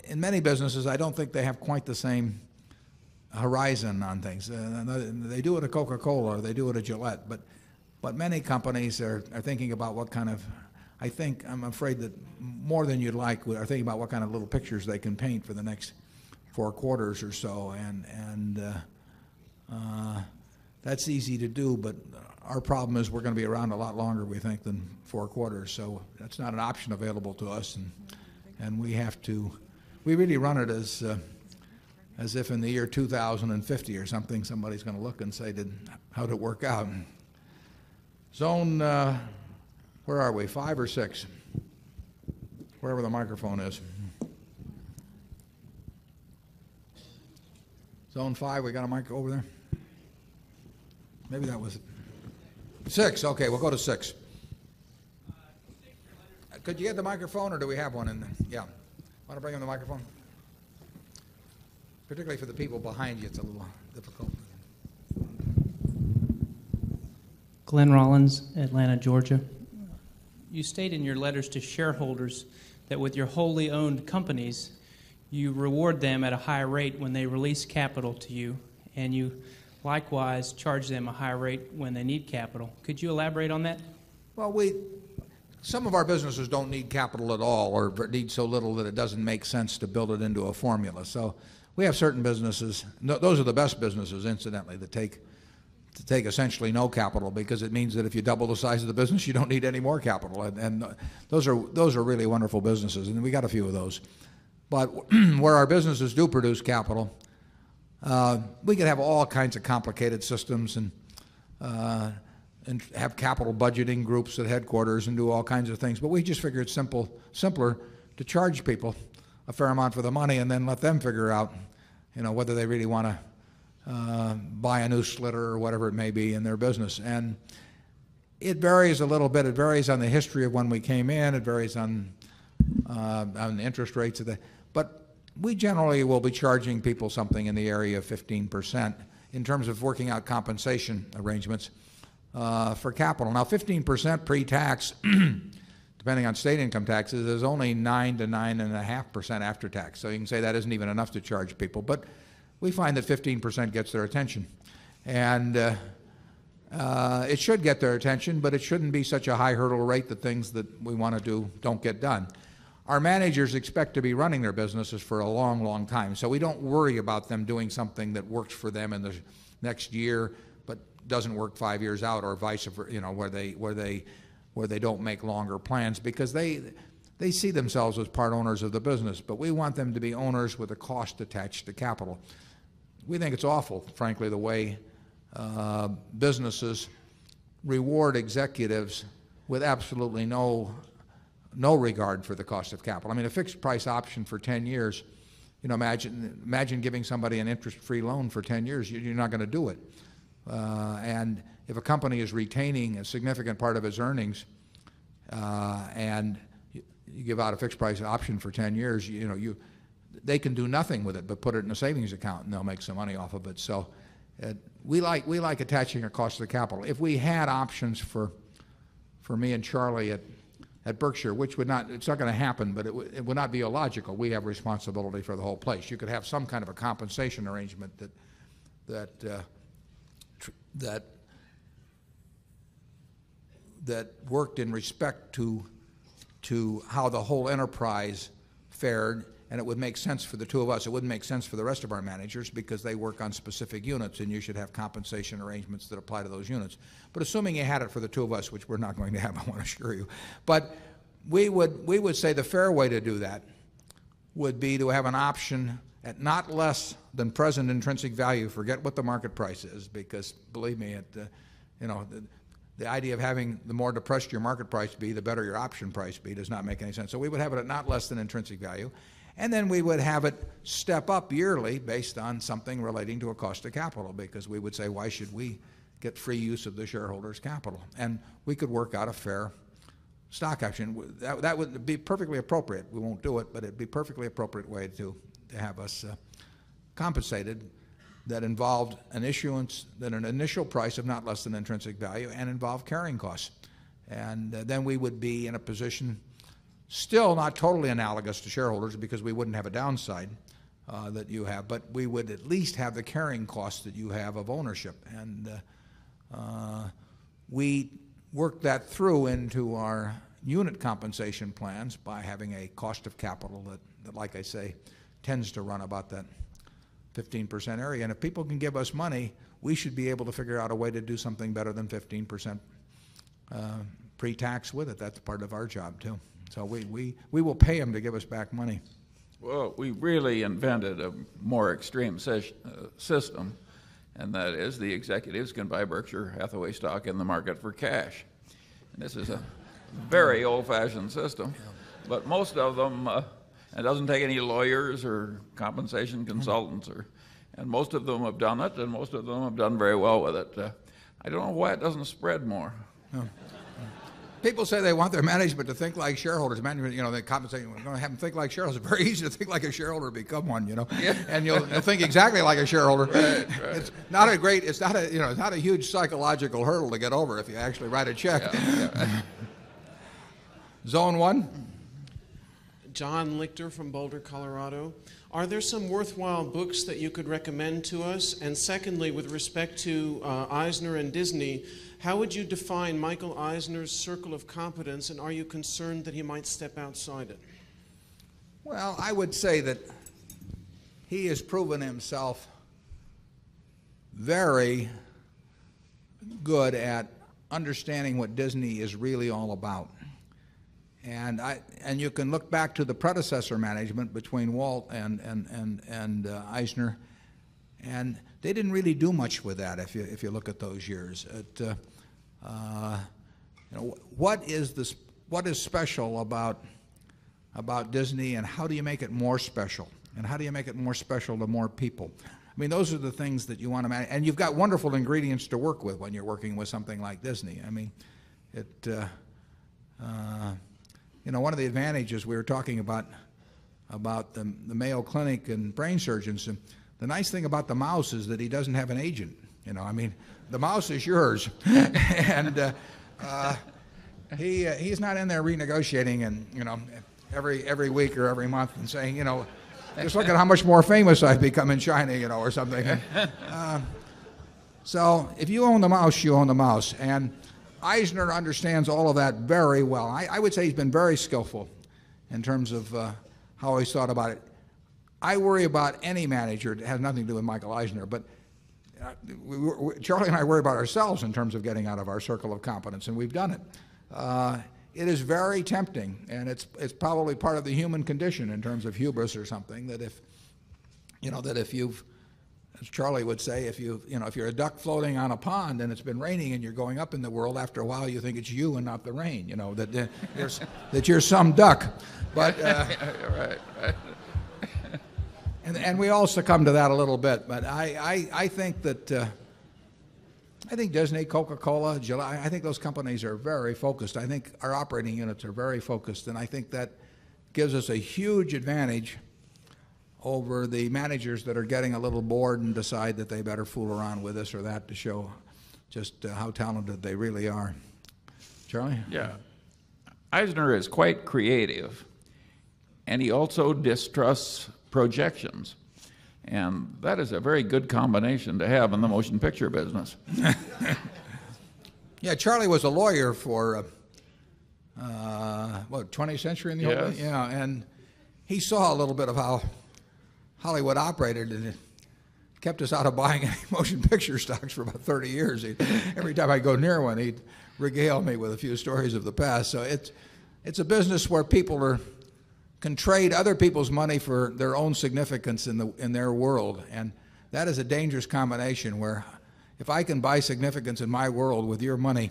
[SPEAKER 1] in many businesses, I don't think they have quite the same horizon on things. They do it at Coca Cola or they do it at Gillette, but many companies are thinking about what kind of I think, I'm afraid that more than you'd like, we are thinking about what kind of little pictures they can paint for the next 4 quarters or so. And that's easy to do, but our problem is we're going to be around a lot longer, we think, than 4 quarters. So that's not an option available to us. And we have to, we really run it as if in the year 2,050 or something, somebody's going to look and say how to work out. Zone, where are we? 5 or 6, wherever the microphone is. Zone 5, we got a mic over there. Maybe that was it. 6. Okay, we'll go to 6. Could you get the microphone or do we have 1 in there? Yeah. Want to bring on the microphone? Particularly for the people behind you, it's a little difficult.
[SPEAKER 24] Glenn Rollins, Atlanta, Georgia. You state in your letters to shareholders that with your wholly owned companies you reward them at a higher rate when they release capital to you and you likewise charge them a higher rate when they need capital. Could you elaborate on that?
[SPEAKER 1] Well, we some of our businesses don't need capital at all or need so little that it doesn't make sense to build it into a formula. So we have certain businesses. Those are the best businesses incidentally to take essentially no capital because it means that if you double the size of the business, you don't need any more capital. And those are really wonderful businesses and we've got a few of those. But where our businesses do produce capital, we can have all kinds of complicated systems and have capital budgeting groups at headquarters and do all kinds of things. But we just figured it's simple, simpler to charge people a fair amount for the money and then let them figure out, you know, whether they really want to, buy a new slitter or whatever it may be in their business. And it varies a little bit. It varies on the history of when we came in. It varies on, on on the interest rates of the, but we generally will be charging people something in the area of 15% in terms of working out compensation arrangements, for capital. Now 15% pretax, depending on state income taxes, there's only 9% to 9.5 percent after tax. So you can say that isn't even enough to charge people, but we find that 15% gets their attention. And it should get their attention, but it shouldn't be such a high hurdle rate that things that we want to do don't get done. Our managers expect to be running their business for a long, long time. So we don't worry about them doing something that works for them in the next year, but doesn't work 5 years out or vice versa, you know, where they, where they, where they don't make longer plans because they, they see themselves as part owners of the business, but we want them to be owners with a cost attached to capital. We think it's awful frankly, the way, businesses reward executives with absolutely no regard for the cost of capital. I mean, a fixed price option for 10 years, imagine giving somebody an interest free loan for 10 years, you're not going to do it. And if a company is retaining a significant part of its earnings, and you give out a fixed price option for 10 years, you know, you they can do nothing with it, but put it in a savings account and they'll make some money off of it. So we like attaching our cost to the capital. If we had options for me and Charlie at Berkshire, which would not it's not going to happen, but it would not be illogical. We have responsibility for the whole place. You could have some kind of a compensation arrangement that worked in respect to how the whole enterprise fared and it would make sense for the 2 of us, it wouldn't make sense for the rest of our managers because they work on specific units and you should have compensation arrangements that apply to those units. But assuming you had it for the 2 of us, which we're not going to have, I want to assure you, but we would, we would say the fair way to do that would be to have an option at not less than present intrinsic value, forget what the market price is because believe me, it, the idea of having the more depressed your market price be, the better your option price be does not make any sense. So we would have it at not less than intrinsic value and then we would have it step up yearly based on something relating to a cost of capital because we would say, why should we get free use of the shareholders capital and we could work out a fair stock action. That would be perfectly appropriate. We won't do it, but it'd be perfectly appropriate way to have us compensated that involved an issuance than an initial price of not less than intrinsic value and involve carrying costs. And then we would be in a position, still not totally analogous to shareholders because we wouldn't have a downside, that you have, but we would at least have the carrying costs that you have of ownership. And, we work that through into our unit compensation plans by having a cost of capital that like I say, tends to run about that 15% area. And if people can give us money, we should be able to figure out a way to do something better than 15% pre tax with it. That's part of our job too. So we will pay them to give us back money.
[SPEAKER 4] Well, we really invented a more extreme system and that is the executives can buy Berkshire Hathaway stock in the market for cash. And this is a very old fashioned system, but most of them, it doesn't take any lawyers or compensation consultants or, and most of them have done it and most of them have done very well with it. I don't know why it doesn't spread more.
[SPEAKER 1] People say they want their management to think like shareholders. Management, you know, they compensate, you don't have to think like shareholders. It's very easy to think like a shareholder become 1, you know, and you'll think exactly like a shareholder. It's not a great, it's not a, you know, it's not a huge psychological hurdle to get over if you actually write a check. Zone 1.
[SPEAKER 25] John Lichter from Boulder, Colorado. Are there some worthwhile books that you could recommend to us? And secondly, with respect to, Eisner and Disney, how would you define Michael Eisner's circle of competence, and are you concerned that he might step outside it?
[SPEAKER 1] Well, I would say that he has proven himself very good at understanding what Disney is really all about And you can look back to the predecessor management between Walt and Eisner and they didn't really do much with that if you look at those years. What is special about Disney and how do you make it more special and how do you make it more special to more people? I mean, those are the things that you want to and you've got wonderful ingredients to work with when you're working with something like Disney. I mean, it, one of the advantages we were talking about the Mayo Clinic and brain surgeons and the nice thing about the mouse is that he doesn't have an agent. I mean, the mouse is yours and he's not in there renegotiating every week or every month and saying, just look at how much more famous I've become in China or something. So if you own the mouse, you own the mouse. And Eisner understands all of that very well. I would say he's been very skillful in terms of, how he's thought about it. I worry about any manager that has nothing to do with Michael Eisner. But Charlie and I worry about ourselves in terms of getting out of our circle of competence and we've done it. It is very tempting and it's probably part of the human condition in terms of hubris or something that if, you know, that if you've, as Charlie would say, if you've, you know, if you're a duck floating on a pond and it's been raining and you're going up in the world after a while, you think it's you and not the rain, that you're some duck. But, right, right. And we all succumb to that a little bit. But I think that I think Disney, Coca Cola, I think those companies are very focused. I think our operating units are very focused and I think that gives us a huge advantage over the managers that are getting a little bored and decide that they better fool around with us or that to show just how talented they really are. Charlie?
[SPEAKER 4] Yeah. Eisner is quite creative and he also distrusts projections. And that is a very good combination to have in the motion picture business.
[SPEAKER 1] Yeah. Charlie was a lawyer for, what, 20th century in the opening? Yeah. And he saw a little bit of how Hollywood operated and it kept us out of buying motion picture stocks for about 30 years. Every time I go near one, he'd regale me with a few stories of the past. So it's a business where people can trade other people's money for their own significance in their world. And that is a dangerous combination where if I can buy significance in my world with your money,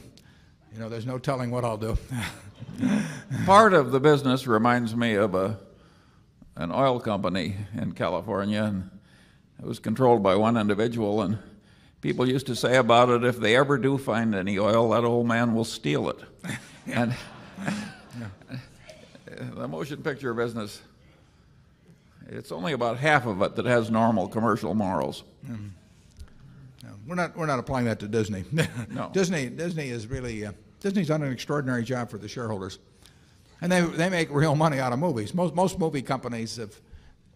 [SPEAKER 1] there's no telling what I'll do.
[SPEAKER 4] Part of the business reminds me of, an oil company in California and it was controlled by 1 individual and people used to say about it, if they ever do find any oil, that old man will steal it. And the motion picture business, it's only about half of it that has normal commercial morals.
[SPEAKER 1] We're not applying that to Disney. No. Disney is really Disney has done an extraordinary job for the shareholders and they make real money out of movies. Most movie companies,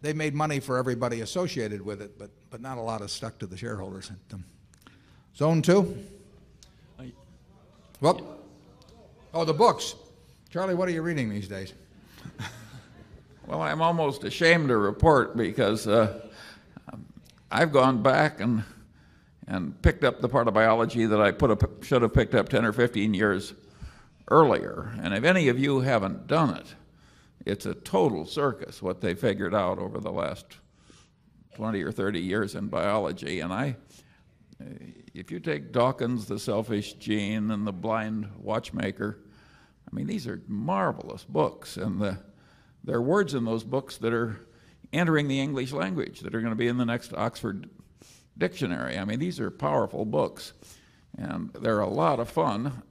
[SPEAKER 1] they've made money for everybody associated with it, but not a lot has stuck to the shareholders. Zone 2? What? Oh, the books. Charlie, what are you reading these days?
[SPEAKER 4] Well, I'm almost ashamed to report because, I've gone back and and picked up the part of biology that I put up, should have picked up 10 or 15 years earlier. And if any of you haven't done it, it's a total circus what they figured out over the last 20 or 30 years in biology. And I, if you take Dawkins, The Selfish Gene and The Blind Watchmaker, I mean, these are marvelous books. And there are words in those books that are entering the English language that are going to be in the next Oxford Dictionary. I mean, these are powerful books and they're a lot of fun.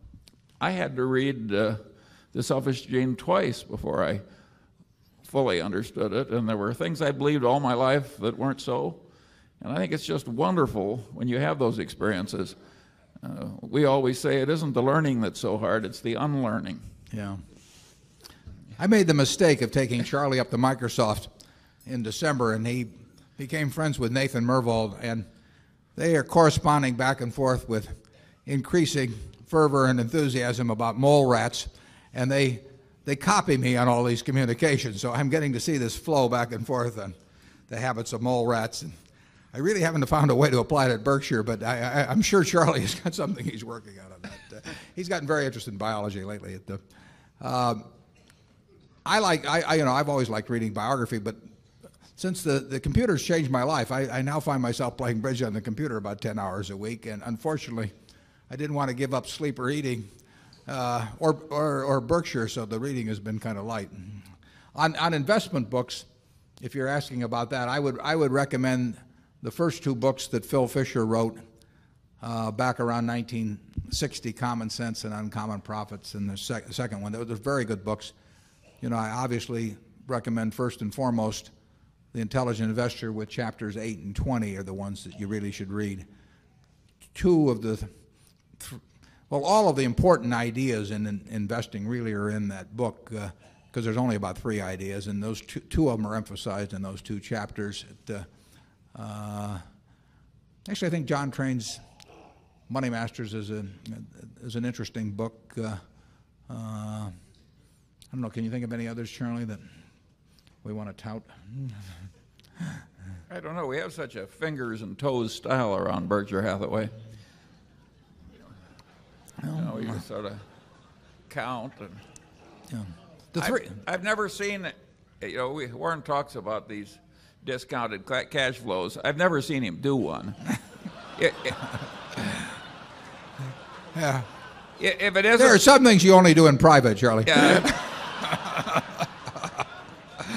[SPEAKER 4] I had to read The Selfish Gene twice before I fully understood it. And there were things I believed all my life that weren't so. And I think it's just wonderful when you have those experiences. We always say it isn't the learning that's so hard, it's the unlearning.
[SPEAKER 1] Yeah. I made the mistake of taking Charlie up to Microsoft in December, and he became friends with Nathan Mervold, and they are corresponding back and forth with increasing fervor and enthusiasm about mole rats and they copy me on all these communications. So I'm getting to see this flow back and forth on the habits of mole rats. And I really haven't found a way to apply it at Berkshire, but I'm sure Charlie has got something he's working on. He's gotten very interested in biology lately. I like I've always liked reading biography, but since the computer has changed my life, I now find myself playing bridge on the computer about 10 hours a week, and unfortunately, I didn't want to give up sleep or eating, or Berkshire. So the reading has been kind of light. On investment books, if you're asking about that, I would recommend the first two books that Phil Fisher wrote, back around 1960 Common Sense and Uncommon Profits and the second one, they're very good books. You know, I obviously recommend 1st and foremost, The Intelligent Investor with Chapters 820 are the ones that you really should read. 2 of the, well, all of the important ideas in investing really are in that book, because there's only about 3 ideas and those 2 of them are emphasized in those 2 chapters. Actually, I think John Crane's Money Masters is an interesting book. I don't know. Can you think of any others, Charlie, that we want to tout?
[SPEAKER 4] I don't know. We have such a fingers and toes style around Berkshire Hathaway.
[SPEAKER 1] You
[SPEAKER 4] can sort of count. I've never seen it. Warren talks about these discounted cash flows. I've never seen him do one. If it isn't There
[SPEAKER 1] are some things you only do in private, Charlie.
[SPEAKER 4] If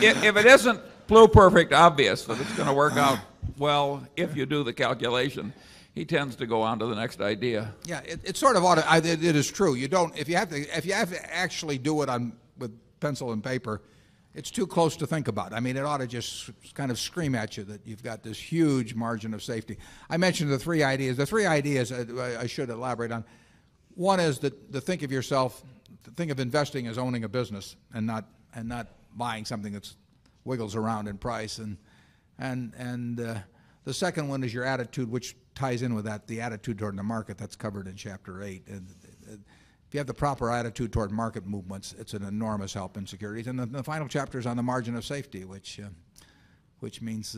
[SPEAKER 4] it isn't blue perfect obvious that it's going to work out well, if you do the calculation. He tends to go on to the next idea.
[SPEAKER 1] Yes. It sort of ought to it is true. You don't if you have to actually do it on with pencil and paper, it's too close to think about. I mean, it ought to just kind of scream at you that you've got this huge margin of safety. I mentioned the 3 ideas. The 3 ideas I should elaborate on. One is to think of yourself, think of investing as owning a business and not buying something that's wiggles around in price. And the second one is your attitude, which ties in with that, the attitude toward the market that's covered in Chapter 8. If you have the proper attitude toward market movements, it's an enormous help in securities. And the final chapter is on the margin of safety, which means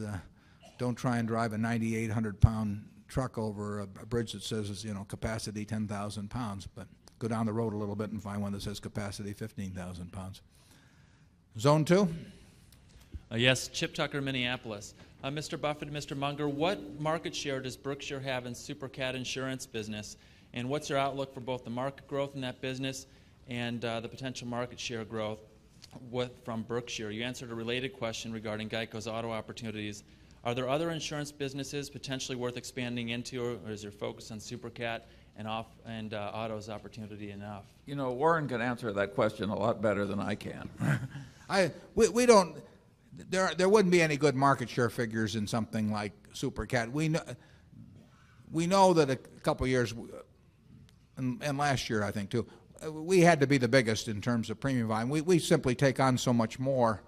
[SPEAKER 1] don't try and drive a 9,800 pound truck over a bridge that says capacity 10,000 pounds but go down the road a little bit and find one that says capacity 15,000 pounds Zone 2?
[SPEAKER 26] Yes, Chip Tucker, Minneapolis. Mr. Buffet and Mr. Munger, what market share does Brookshire have in Super Cat Insurance Business? What's your outlook for both the market growth in that business and, the potential market share growth from Berkshire? You answered a related question regarding GEICO's auto opportunities. Are there other insurance businesses potentially worth expanding into or is your focus on Super Cat and auto's opportunity enough?
[SPEAKER 4] Warren can answer that question a lot better than I can.
[SPEAKER 1] We don't there wouldn't be any good market share figures in something like Super Cat. We know that a couple of years and last year I think too, we had to be the biggest in terms premium volume. We simply take on so much more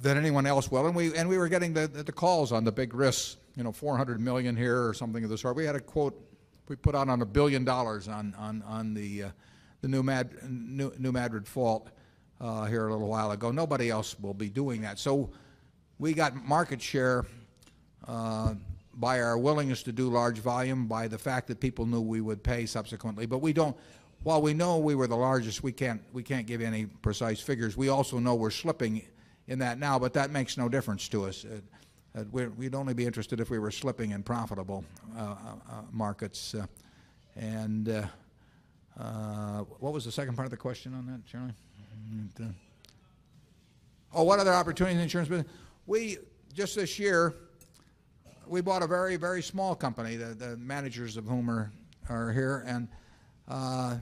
[SPEAKER 1] than anyone else will. And we were getting the calls on the big risk, dollars 400,000,000 here or something of this sort. We had a quote we put out on $1,000,000,000 on the New Madrid Fault here a little while ago. Nobody else will be doing that. So we got market share by our willingness to do large volume, by the fact that people knew we would pay subsequently. But we don't while we know we were the largest, we can't give any precise figures. We also know we're slipping in that now, but that makes no difference to us. We'd only be interested if we were slipping in profitable markets. And what was the second part of the question on that, Charlie? What are the opportunities in the insurance business? We just this year, we bought a very, very small company, the managers of whom are here, and a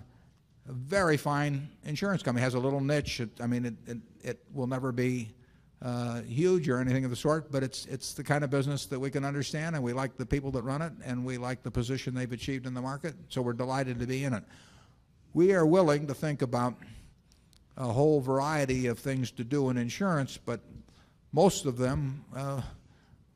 [SPEAKER 1] very fine insurance company. It has a little niche. I mean, it will never be huge or anything of the sort, but it's the kind of business that we can understand and we like the people that run it and we like the position they've achieved in the market. So we're delighted to be in it. We are willing to think about a whole variety of things to do in insurance, but most of them,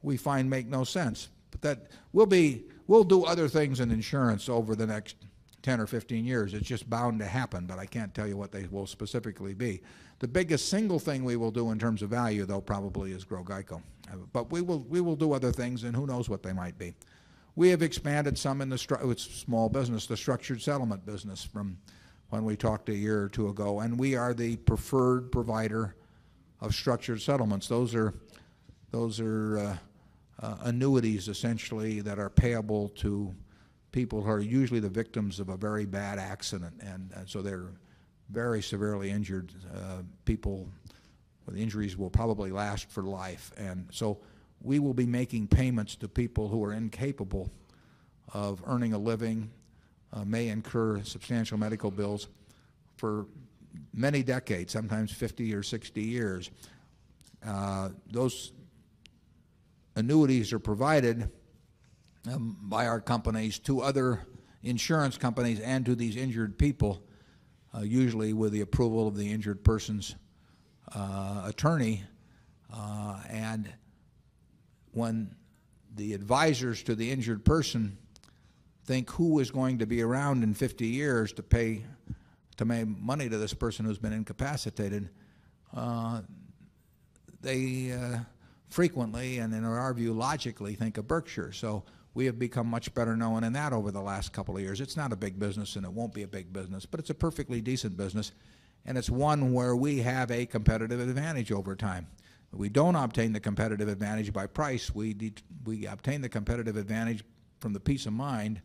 [SPEAKER 1] we find make no sense. But that will be we'll do other things in insurance over the next 10 or 15 years. It's just bound to happen, but I can't tell you what they will specifically be. The biggest single thing we will do in terms of value though probably is grow GEICO. But we will do other things and who knows what they might be. We have expanded some in the it's small business, the structured settlement business from when we talked a year or 2 ago. And we are the preferred provider of structured settlements. Those are annuities essentially that are payable to people who are usually the victims of a very bad accident. And so they're very severely injured. People, the injuries will probably last for life. And so we will be making payments to people who are incapable of earning a living, may incur substantial medical bills for many decades, sometimes 50 or 60 years. Those annuities are provided by our companies to other insurance companies and to these injured people, usually with the approval of the injured person's attorney. And when the advisors to the injured person think who is going to be around in 50 years to pay to make money to this person who's been incapacitated, they frequently and in our view logically think of Berkshire. So we have become much better known in that over the last couple of years. It's not a big business and it won't be a big business, but it's a perfectly decent business and it's one where we have a competitive advantage over time. We don't from the peace of mind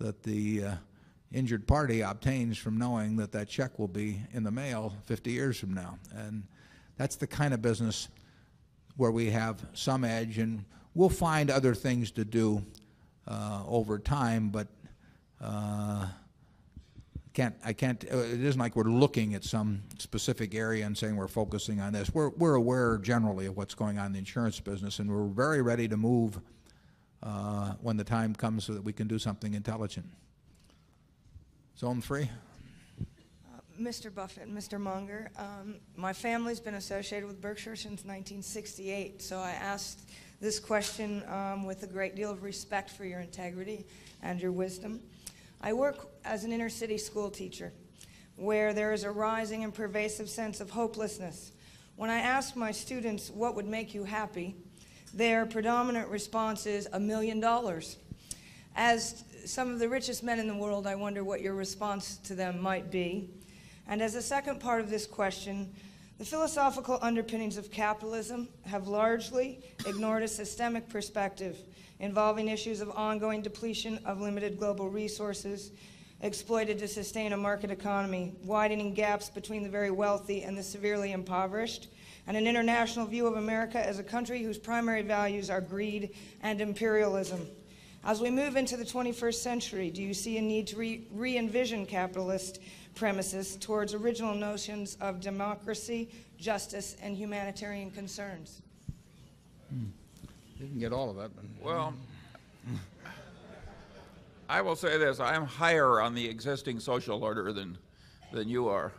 [SPEAKER 1] that the injured party obtains from knowing that that check will be in the mail 50 years from now. And that's the kind of business where we have some edge and we'll find other things to do over time, but I can't, it is Mike, we're looking at some specific area and saying we're focusing on this. We're aware generally of what's going on insurance business and we're very ready to move when the time comes so that we can do something intelligent. So I'm free.
[SPEAKER 27] Mr. Buffet and Mr. Munger, my family has been associated with Berkshire since 1968, so I asked this question with a great deal of respect for your integrity and your wisdom. I work as an inner city school teacher where there is a rising and pervasive sense of hopelessness. When I ask my students, What would make you happy? Their predominant response is, dollars 1,000,000 As some of the richest men in the world, I wonder what your response to them might be. And as a second part of this question, the philosophical underpinnings of capitalism have largely ignored a systemic perspective involving issues of ongoing depletion of limited global resources exploited to sustain a market economy, widening gaps between the very wealthy and the severely impoverished, and an international view of America as a country whose primary values are greed and imperialism. As we move into the 21st century, do you see a need to re envision capitalist premises towards original notions of democracy, justice, and humanitarian concerns?
[SPEAKER 1] You can get all of that.
[SPEAKER 4] Well, I will say this, I am higher on the existing social order than, than you are.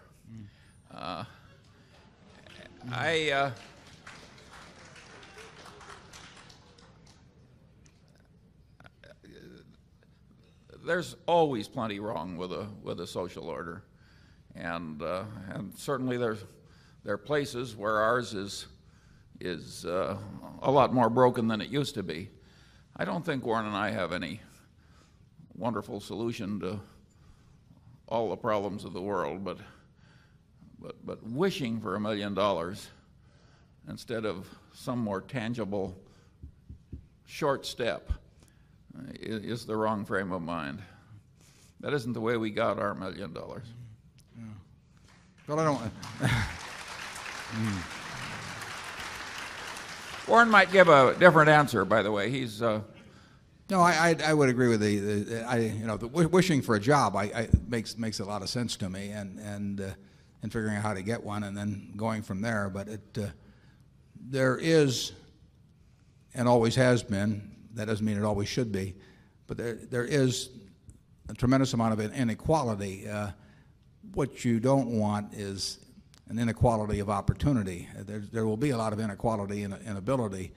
[SPEAKER 4] There's always plenty wrong with a social order. And certainly, there are places where ours is a lot more broken than it used to be. I don't think Warren and I have any wonderful solution to all the problems of the world, but wishing for $1,000,000 instead of some more tangible short step is the wrong frame of mind. That isn't the way we got our $1,000,000 Warren might give a different answer, by
[SPEAKER 1] the way. He's No, I would agree with the wishing for a job I, makes a lot of sense to me and, and, and figuring out how to get one and then going from there. But it, there is, and always has been, that doesn't mean it always should be, but there is a tremendous amount of inequality. What you don't want is an inequality of opportunity. There will be a lot of inequality and inability.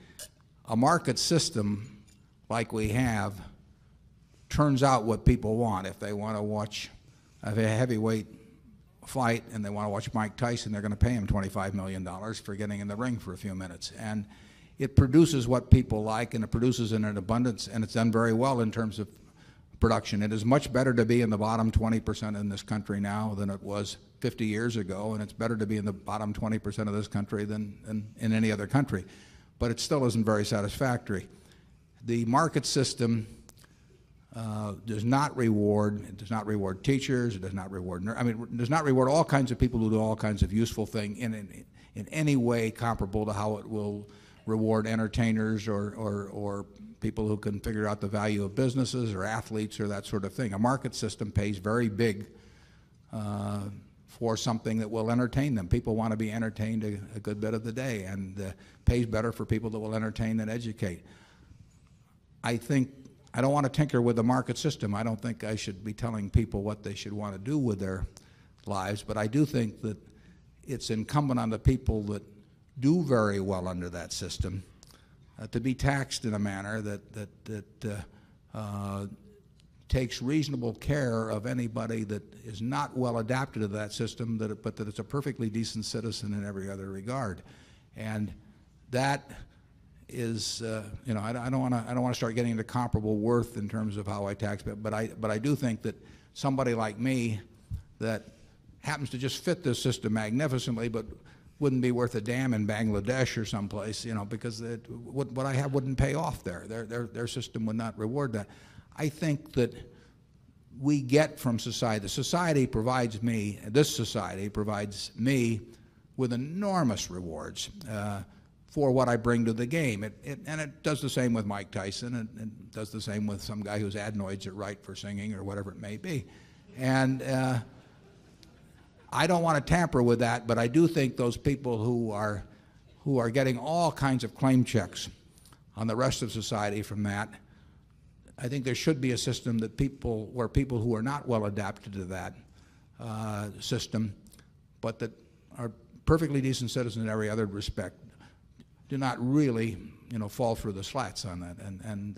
[SPEAKER 1] A market system like we have turns out what people want. If they want to watch a heavyweight fight and they want to watch Mike Tyson, they're going to pay him $25,000,000 for getting in the ring for a few minutes. And it produces what people like and it produces in an abundance and it's done very well in terms of production. It is much better to be in the bottom 20% in this country now than it was 50 years ago and it's better to be in the bottom 20% of this country than in any other country, but it still isn't very satisfactory. The market system does not reward teachers, it does not reward I mean, does not reward all kinds of people who do all kinds of useful thing in any way comparable to how it will reward entertainers or people who can figure out the value of businesses or athletes or sort of thing. A market system pays very big for something that will entertain them. People want to be entertained a good bit of the day and pays better for people that will entertain and educate. I think I don't want to tinker with the market system. I don't think I should be telling people what they should want to do with their lives, but I do think that it's incumbent on the people that do very well under that system to be taxed in a manner that takes reasonable care of anybody that is not well adapted to that system, but that it's a perfectly decent citizen in every other regard. And that is, I don't want to start getting into comparable worth in terms of how I tax, but I do think that somebody like me that happens to just fit this system magnificently but wouldn't be worth a damn in Bangladesh or someplace, you know, because what I have wouldn't pay off there. Their system would not reward that. I think that we get from society, society provides me, this society provides me with enormous rewards for what I bring to the game. And it does the same with Mike Tyson and does the same with some guy whose adenoids are right for singing or whatever it may be. And, I don't want to tamper with that, but I do think those people who are getting all kinds of claim checks on the rest of society from that, I think there should be a system where people who are not well adapted to that system, but that are perfectly decent citizens in every other respect, do not really fall for the slats on that. And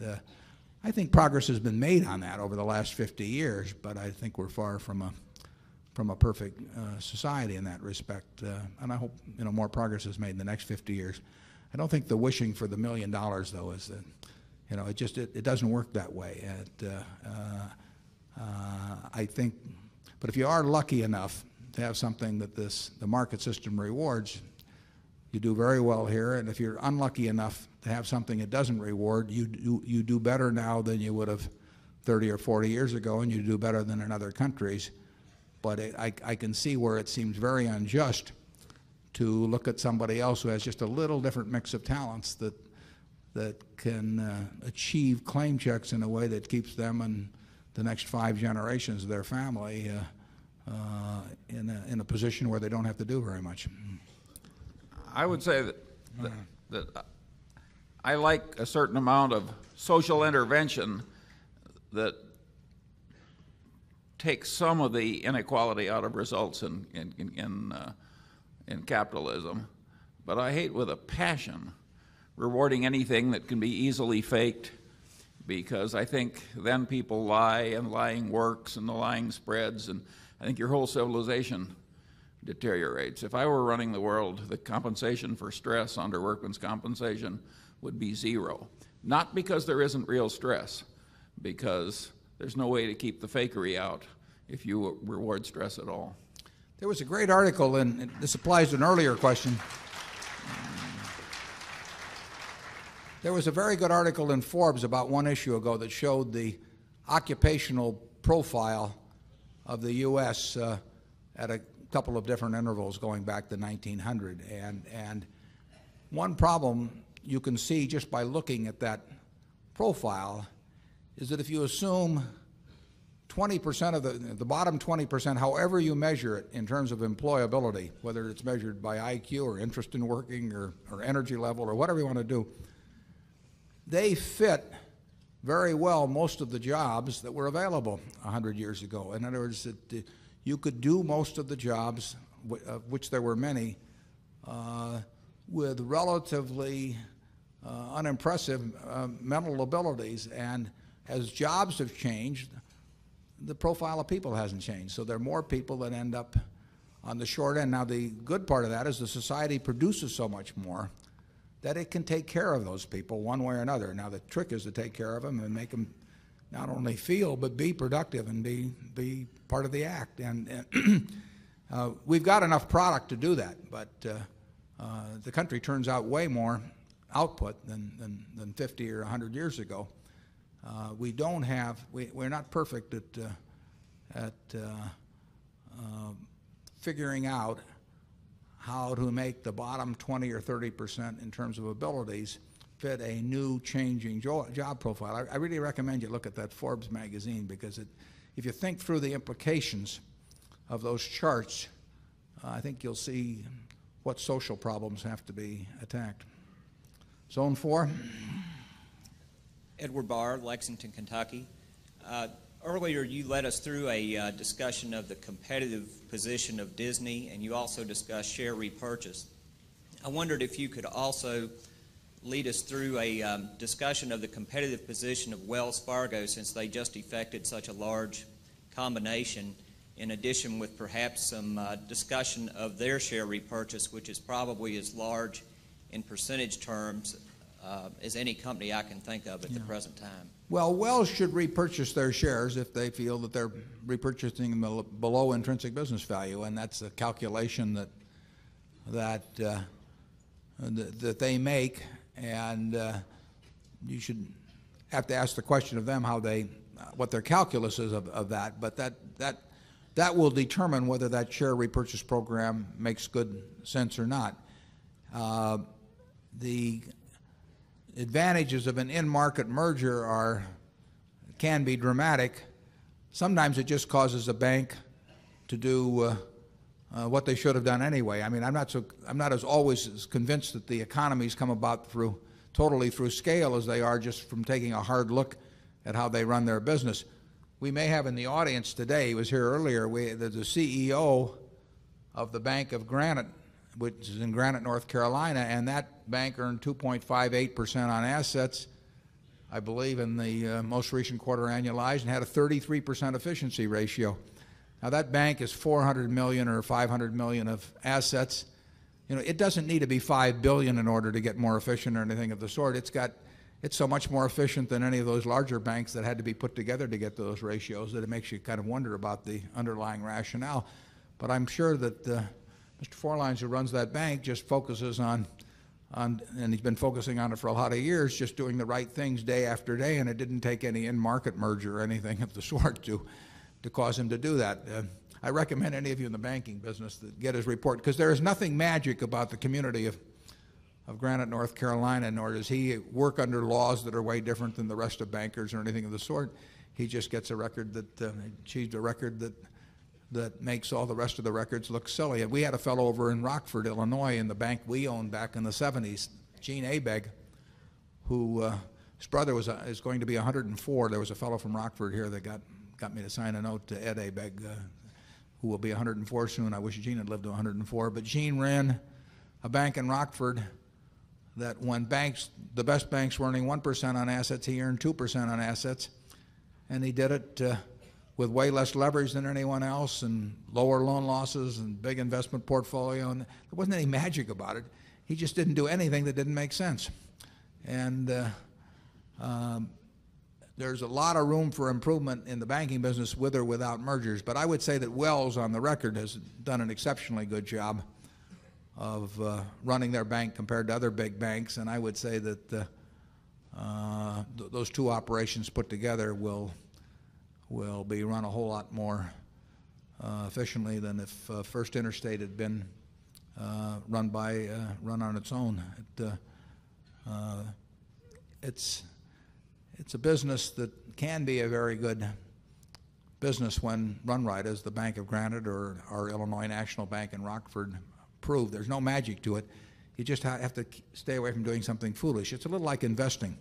[SPEAKER 1] I think progress has been made on that over the last 50 years, but I think we're far from a perfect society in that respect. And I hope more progress is made in the next 50 years. I don't think the wishing for the $1,000,000 though is that it just doesn't work that way. I think but if you are lucky enough to have something that this the market system rewards, you do very well here. And if you're unlucky enough to have something it doesn't reward, you do better now than you would have 30 or 40 years ago and you do better than in other countries. But I can see where it seems very unjust to look at somebody else who has just a little different mix of talents that can achieve claim checks in a way that keeps them and the next 5 generations of their family in a position where they don't have to do very much?
[SPEAKER 4] I would say that I like a certain amount of social intervention that takes some of the inequality out of results in capitalism, but I hate with a passion rewarding anything that can be easily faked because I think then people lie and lying works and the lying spreads and I think your whole civilization deteriorates. If I were running the world, the compensation for stress under workman's compensation would be 0, not because there isn't real stress, because there's no way to keep the fakery out if you reward stress at all.
[SPEAKER 1] There was a great article and this applies to an earlier question. There was a very good article in Forbes about one issue ago that showed the occupational profile of the U. S. At a couple of different intervals going back to 1900. And one problem you can see just by looking at that profile is that if you assume 20% of the the bottom 20%, however you measure it in terms of employability, whether it's measured by IQ or interest in working or energy level or whatever you want to do, they fit very well most of the jobs that were available 100 years ago. In other words, you could do most of the jobs, which there were many, with relatively unimpressive mental abilities. And as jobs have changed, the profile of people hasn't changed. So there are more people that end up on the short end. Now, the good part of that is the society produces so much more that it can take care of those people one way or another. Now, the trick is to take care of them and make them not only feel, but be productive and be part of the act. And we've got enough product to do that, but the country turns out way more output than 50 or 100 years ago. We don't have we're not perfect at figuring out how to make the bottom 20% or 30% in terms of abilities fit a new changing job profile. I really recommend you look at that Forbes Magazine because if you think through the implications of those charts, I think you'll see what social problems have to be attacked. Zone 4.
[SPEAKER 28] Edward Barr, Lexington, Kentucky. Earlier you led us through a discussion of the competitive position of Disney and you also discussed share repurchase. I wondered if you could also lead us through a discussion of the competitive position of Wells Fargo since they just effected such a large combination in addition with perhaps some discussion of their share repurchase, which is probably as large in percentage terms as any company I can think of at the present time.
[SPEAKER 1] Well, Wells should repurchase their shares if they feel that they're repurchasing below intrinsic business value and that's a calculation that they make and you should have to ask the question of them how they, what their calculus is of that, but that will determine whether that share repurchase program makes good sense or not. The advantages of an end market merger are, can be dramatic. Sometimes it just causes a bank to do, what they should have done anyway. I mean, I'm not so, I'm not as always as convinced that the economy has come about through totally through scale as they are just from taking a hard look at how they run their business. We may have in the audience today, he was here earlier, the CEO of the Bank of Granite, which is in Granite, North Carolina and that bank earned 2.58 percent on assets, I believe in the most recent quarter annualized and had a 33% efficiency ratio. Now that bank is $400,000,000 or $500,000,000 of assets. It doesn't need to be $5,000,000,000 in order to get more efficient or anything of the sort. It's got, it's so much more efficient than any of those larger banks that had to be put together to get those ratios that it makes you kind of wonder about the underlying rationale. But I'm sure that Mr. Forlines who runs that bank just focuses on and he's been focusing on it for a lot of years, just doing the right things recommend any of you in the banking business get his report because there is nothing magic about the community of Granite, North Carolina nor does he work under laws that are way different than the rest of bankers or anything of the sort. He just gets a record that, achieved a record that makes all the rest of the records look silly. And we had a fellow over in Rockford, Illinois in the bank we owned back in the '70s, Gene Abeg, who, his brother was, is going to be 104. There was a fellow from Rockford here that got me to sign a note to Ed Abeg, who will be 104 soon. I wish Gene had lived to 104, but Gene ran a bank in Rockford that when banks, the best banks were earning 1% on assets, he earned 2% on assets and he did it with way less leverage than anyone else and lower loan losses and big investment portfolio and there wasn't any magic about it. He just didn't do anything that didn't make sense. And there's a lot of room for improvement in the banking business with or without mergers, but I would say that Wells on the record has done an exceptionally good job of running their bank compared to other big banks. And I would say that those two operations put together will be run a whole lot more efficiently than if First Interstate had been run by, run on its own. It's a business that can be a very good business when run right as the Bank of Granite or our Illinois National Bank in Rockford proved. There's no magic to it. You just have to stay away from doing something foolish. It's a little like investing.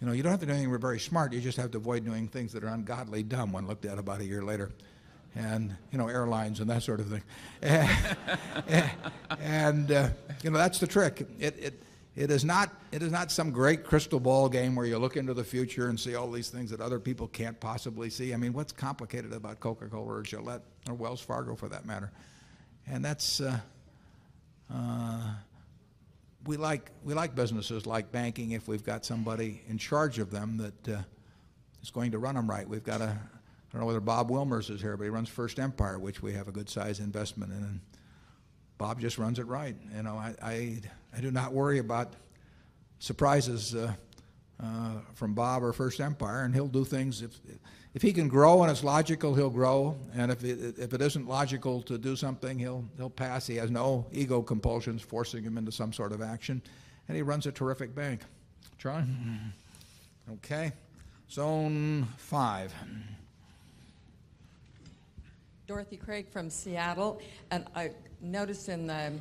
[SPEAKER 1] You don't have to do anything very smart. You just have to avoid doing things that are ungodly dumb, one looked at about a year later and airlines and that sort of thing. And that's the trick. It is not some great crystal ball game where you look into the future and see all these things that other people can't possibly see. I mean, what's complicated about Coca Cola or Gillette or Wells Fargo for that matter? And that's, we like businesses like banking, if we've got somebody in charge of them that is going to run them right. We've got a, I don't know whether Bob Wilmers is here, but he runs First Empire, which we have a good size investment in. Bob just runs it right. I do not worry about surprises, from Bob or First Empire and he'll do things. If he can grow and it's logical, he'll grow. And if it isn't logical to do something, he'll pass. He has no ego compulsions forcing him into some sort of something, he'll pass. He has no ego compulsions forcing him into some sort of action. And he runs a terrific bank. John? Okay. Zone 5.
[SPEAKER 2] Dorothy Craig from Seattle. And I noticed in the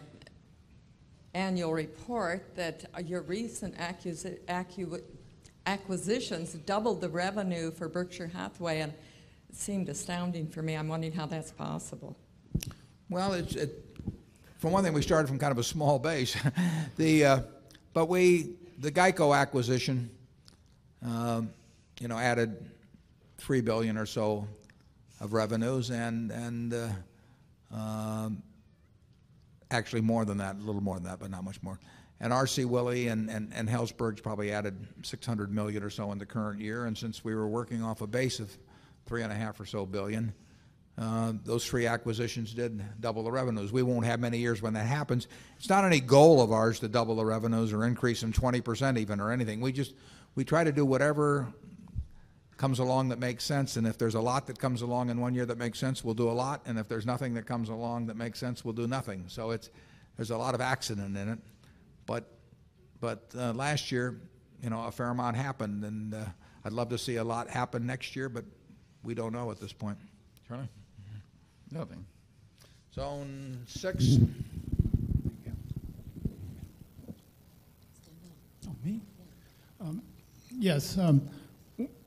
[SPEAKER 2] annual report that your recent acquisitions doubled the revenue for Berkshire Hathaway and seemed astounding for me. I'm wondering how that's possible.
[SPEAKER 1] Well, for one thing, we started from kind of a small base. But we, the GEICO acquisition, added 3,000,000,000 or so of revenues and actually more than that, a little more than that, but not much more. And R. C. Willey and Helzberg's probably added $600,000,000 or so in the current year. And since we were working off a base of $3,500,000,000 or so, those 3 acquisitions did double the revenues. We won't have many years when that happens. It's not any goal of ours to double the revenues or increase in 20% even or anything. We just we try to do whatever comes along that makes sense. And if there's a lot that comes along in 1 year that makes sense, we'll do a lot. And if there's nothing that comes along that makes sense, we'll do nothing. So it's there's a lot of accident in it, but last year, a fair amount happened and I'd love to see a lot happen next year, but we don't know at this point. John? Nothing. Zone 6.
[SPEAKER 29] Yes.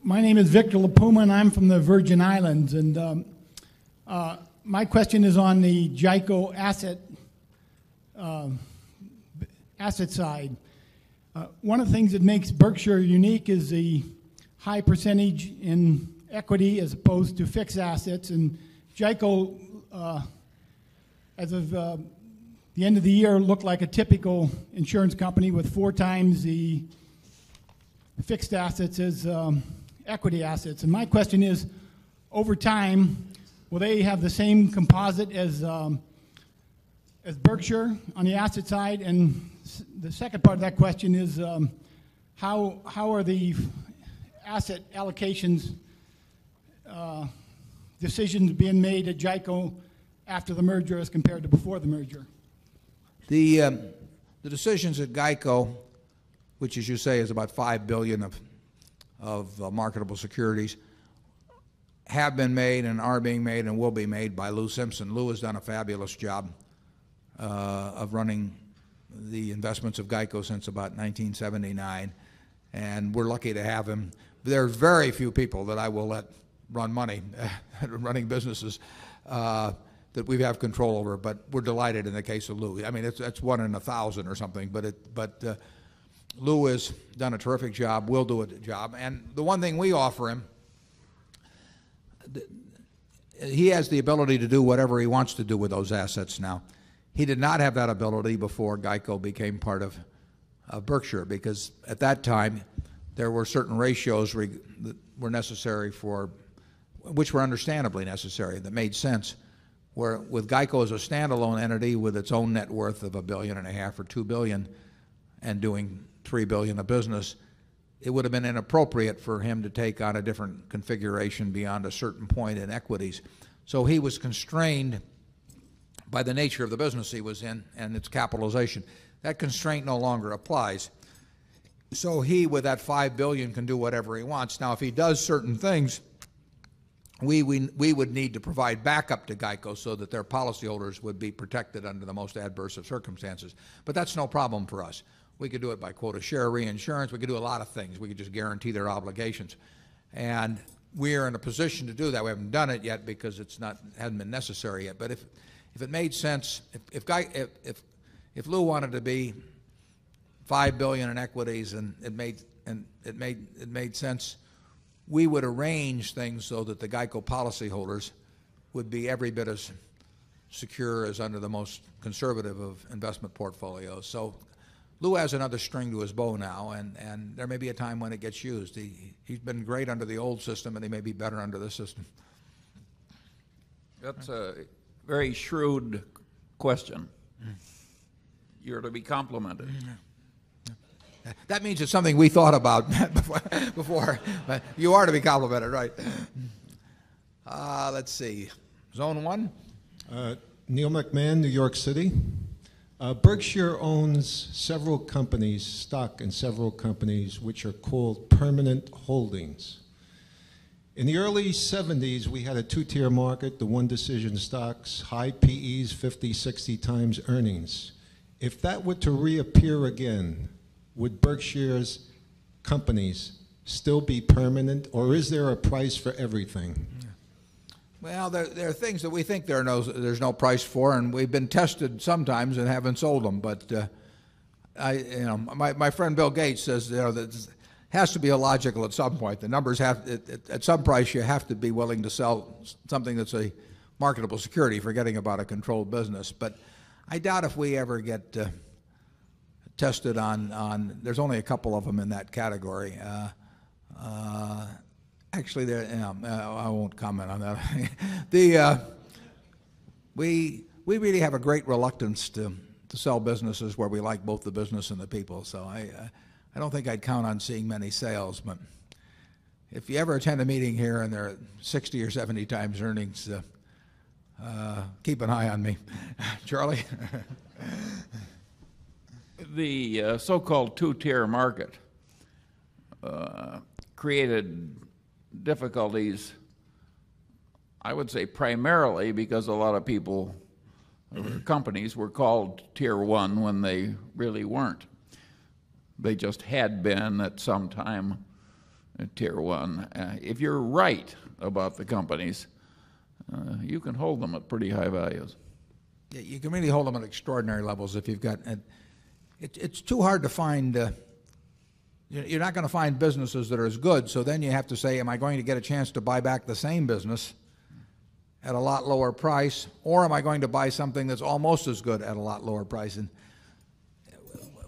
[SPEAKER 29] My name is Victor Lapuma and I'm from the Virgin Islands. And my question is on the JICO asset side. One of the things that makes Berkshire unique is the high percentage in equity as opposed to fixed assets. And JECO, as of the end of the year, looked like a typical insurance company with 4 times the fixed assets as equity assets. And my question is, over time, will they have the same composite as Berkshire on the asset side? And the second part of that question is, how are the asset allocations decisions being made at GEICO after the merger as compared to before the merger?
[SPEAKER 1] The decisions at GEICO, which as you say is about $5,000,000,000 of marketable securities have been made and are being made and will be made by Lou Simpson. Lou has done a fabulous job, of running the There are very few people that I will let run money, running There are very few people that I will let run money, running businesses, that we have control over, but we're delighted in the case of Louis. I mean, that's 1 in 1,000 or something, but Lou has done a terrific job, will do a job. And the one thing we offer him, he has the ability to do whatever he wants to do with those assets now. He did not have that ability before GEICO became part of Berkshire because at that time there were certain ratios that were necessary for which were understandably necessary. That made sense where with GEICO as a standalone entity with its own net worth of $1,500,000,000 or $2,000,000,000 and doing $3,000,000,000 of business, It would have been inappropriate for him to take on a different configuration beyond a certain point in equities. So he was constrained by the nature of the business he was in and its capitalization. That constraint no longer applies. So he with that 5,000,000,000 can do whatever he wants. Now, if he does But that's no problem But that's no problem for us. We could do it by share reinsurance. We could do a lot of things. We could just guarantee their obligations. And we are in a position to do that. We haven't done it yet because it's not it hasn't been necessary yet. But if it made sense, if Lou wanted to be $5,000,000,000 in equities and it made sense, we would arrange things so that the GEICO policyholders would be every bit as secure as under the most conservative of investment portfolios. So Lou has another string to his bow now and there may be a time when it gets used. He's been great under the old system and he may be better under the system.
[SPEAKER 4] That's a very shrewd question. You're to be complimented.
[SPEAKER 1] That means it's something we thought about before. You are to be complimented, right? Let's see. Zone 1.
[SPEAKER 30] Neil McMahon, New York City. Berkshire owns several companies, stock in several companies, which are called permanent holdings. In the early '70s, we had a 2 tier market, the one decision stocks, high PEs 50, 60 times earnings. If that were to reappear again, would Berkshire's companies still be permanent or is there a price for everything?
[SPEAKER 1] Well, there are things that we think there's no price for and we've been tested sometimes and haven't sold them. But my friend Bill Gates says, you know, that has to be illogical at some point. The numbers have, at some price, you have to be willing to sell something that's a marketable security, forgetting about a controlled business. But I doubt if we ever get tested on there's only a couple of them in that category. Actually, I won't comment on that. We really have a great reluctance to sell businesses where we like both the business and the people. So I don't think I'd count on seeing many sales. But if you ever attend a meeting here and there are 60 or 70 times earnings, keep an eye on me. Charlie?
[SPEAKER 4] The, so called 2 tier market, created difficulties, I would say primarily because a lot of people, companies were called tier 1 when they really weren't. They just had been at some time Tier 1. If you're right about the companies, you can hold them at pretty high values.
[SPEAKER 1] You can really hold them at extraordinary levels if you've got it. It's too hard to find, you're not going to find businesses that are as good. So then you have to say, am I going to get a chance to buy back the same business at a lot lower price or am I going to buy something that's almost as good at a lot lower price? And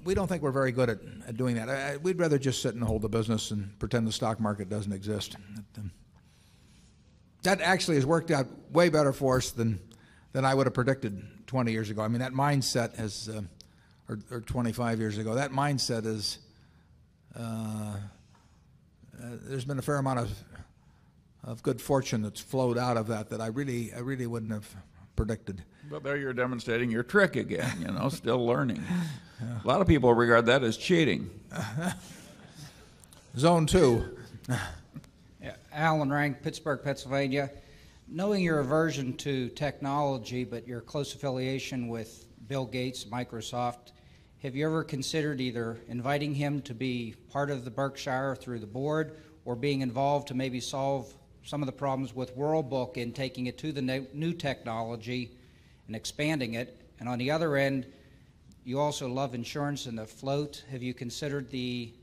[SPEAKER 1] we don't think we're very good at doing that. We'd rather just sit and hold the business and pretend the stock market doesn't exist. That actually has worked out way better for us than I would have predicted 20 years ago. I mean that mindset has or 25 years ago, that mindset is there's been a fair amount of good fortune that's flowed out of that, that I really wouldn't have predicted.
[SPEAKER 4] But there you're demonstrating your trick again, you know, still learning. A lot of people regard that as cheating.
[SPEAKER 1] Zone 2.
[SPEAKER 31] Alan Rang, Pittsburgh, Pennsylvania. Knowing your aversion to technology, but your close affiliation with Bill Gates, Microsoft, have you ever considered either inviting him to be part of the Berkshire through the board or being involved to maybe solve some of the problems with World Book and taking it to the new technology and expanding it? And on the other end, you also love insurance and the float. Have you considered the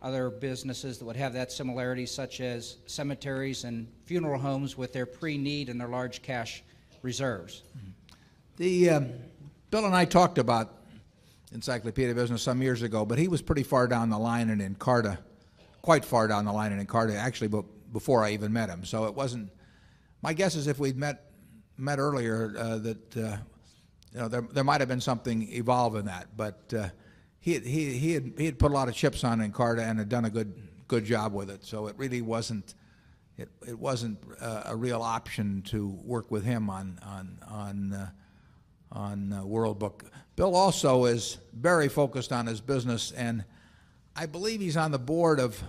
[SPEAKER 31] other businesses that would have that similarity, such as cemeteries and funeral homes with their pre need and their large cash reserves?
[SPEAKER 1] Bill and I talked about Encyclopedia Business some years ago, but he was pretty far down the line in Encarta, quite far down the line in Encarta actually before I even met him. So it wasn't, my guess is if we'd met earlier, that there might have been something evolving that, but he had put a lot of chips on Encarta and had done a good job with it. So it really wasn't, it wasn't a real option to work with him on World Book. Bill also is very focused on his business and I believe he's on the board of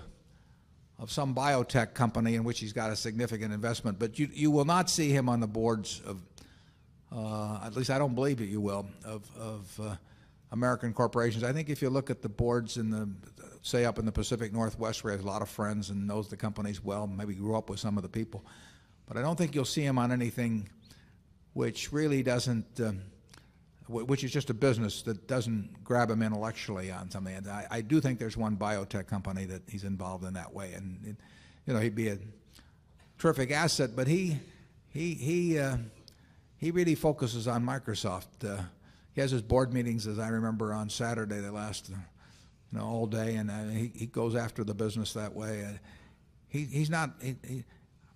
[SPEAKER 1] some biotech company in which he's got a significant investment, but you will not see him on the Boards of, at least I don't believe that you will, of American Corporations. I think if you look at the boards in the, say up in the Pacific Northwest where he has a lot of friends and knows the companies well, maybe grew up with some of the people. But I don't think you'll see him on anything which really doesn't, which is just a business that doesn't grab him intellectually on something. I do think there's one biotech company that he's involved in that way and he'd be a terrific asset, but he really focuses on Microsoft. He has his board meetings, as I remember on Saturday, they last all day and he goes after the business that way. He's not,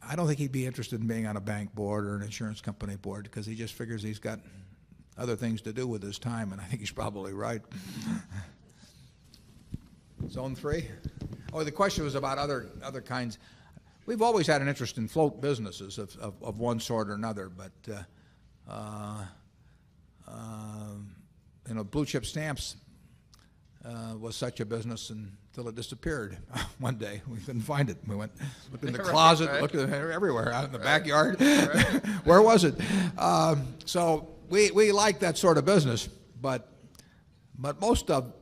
[SPEAKER 1] I don't think he'd be interested in being on a bank board or an insurance company board because he just figures he's got other things to do with his time. And I think he's Zone 3. Oh, the question was about other kinds. We've always had an interest in float businesses of one sort or another, but, blue chip stamps was such a business until it disappeared. One day, we couldn't find it. We went in the closet, looked at it everywhere, out in the backyard. Where was it? So we like that sort of business. But most of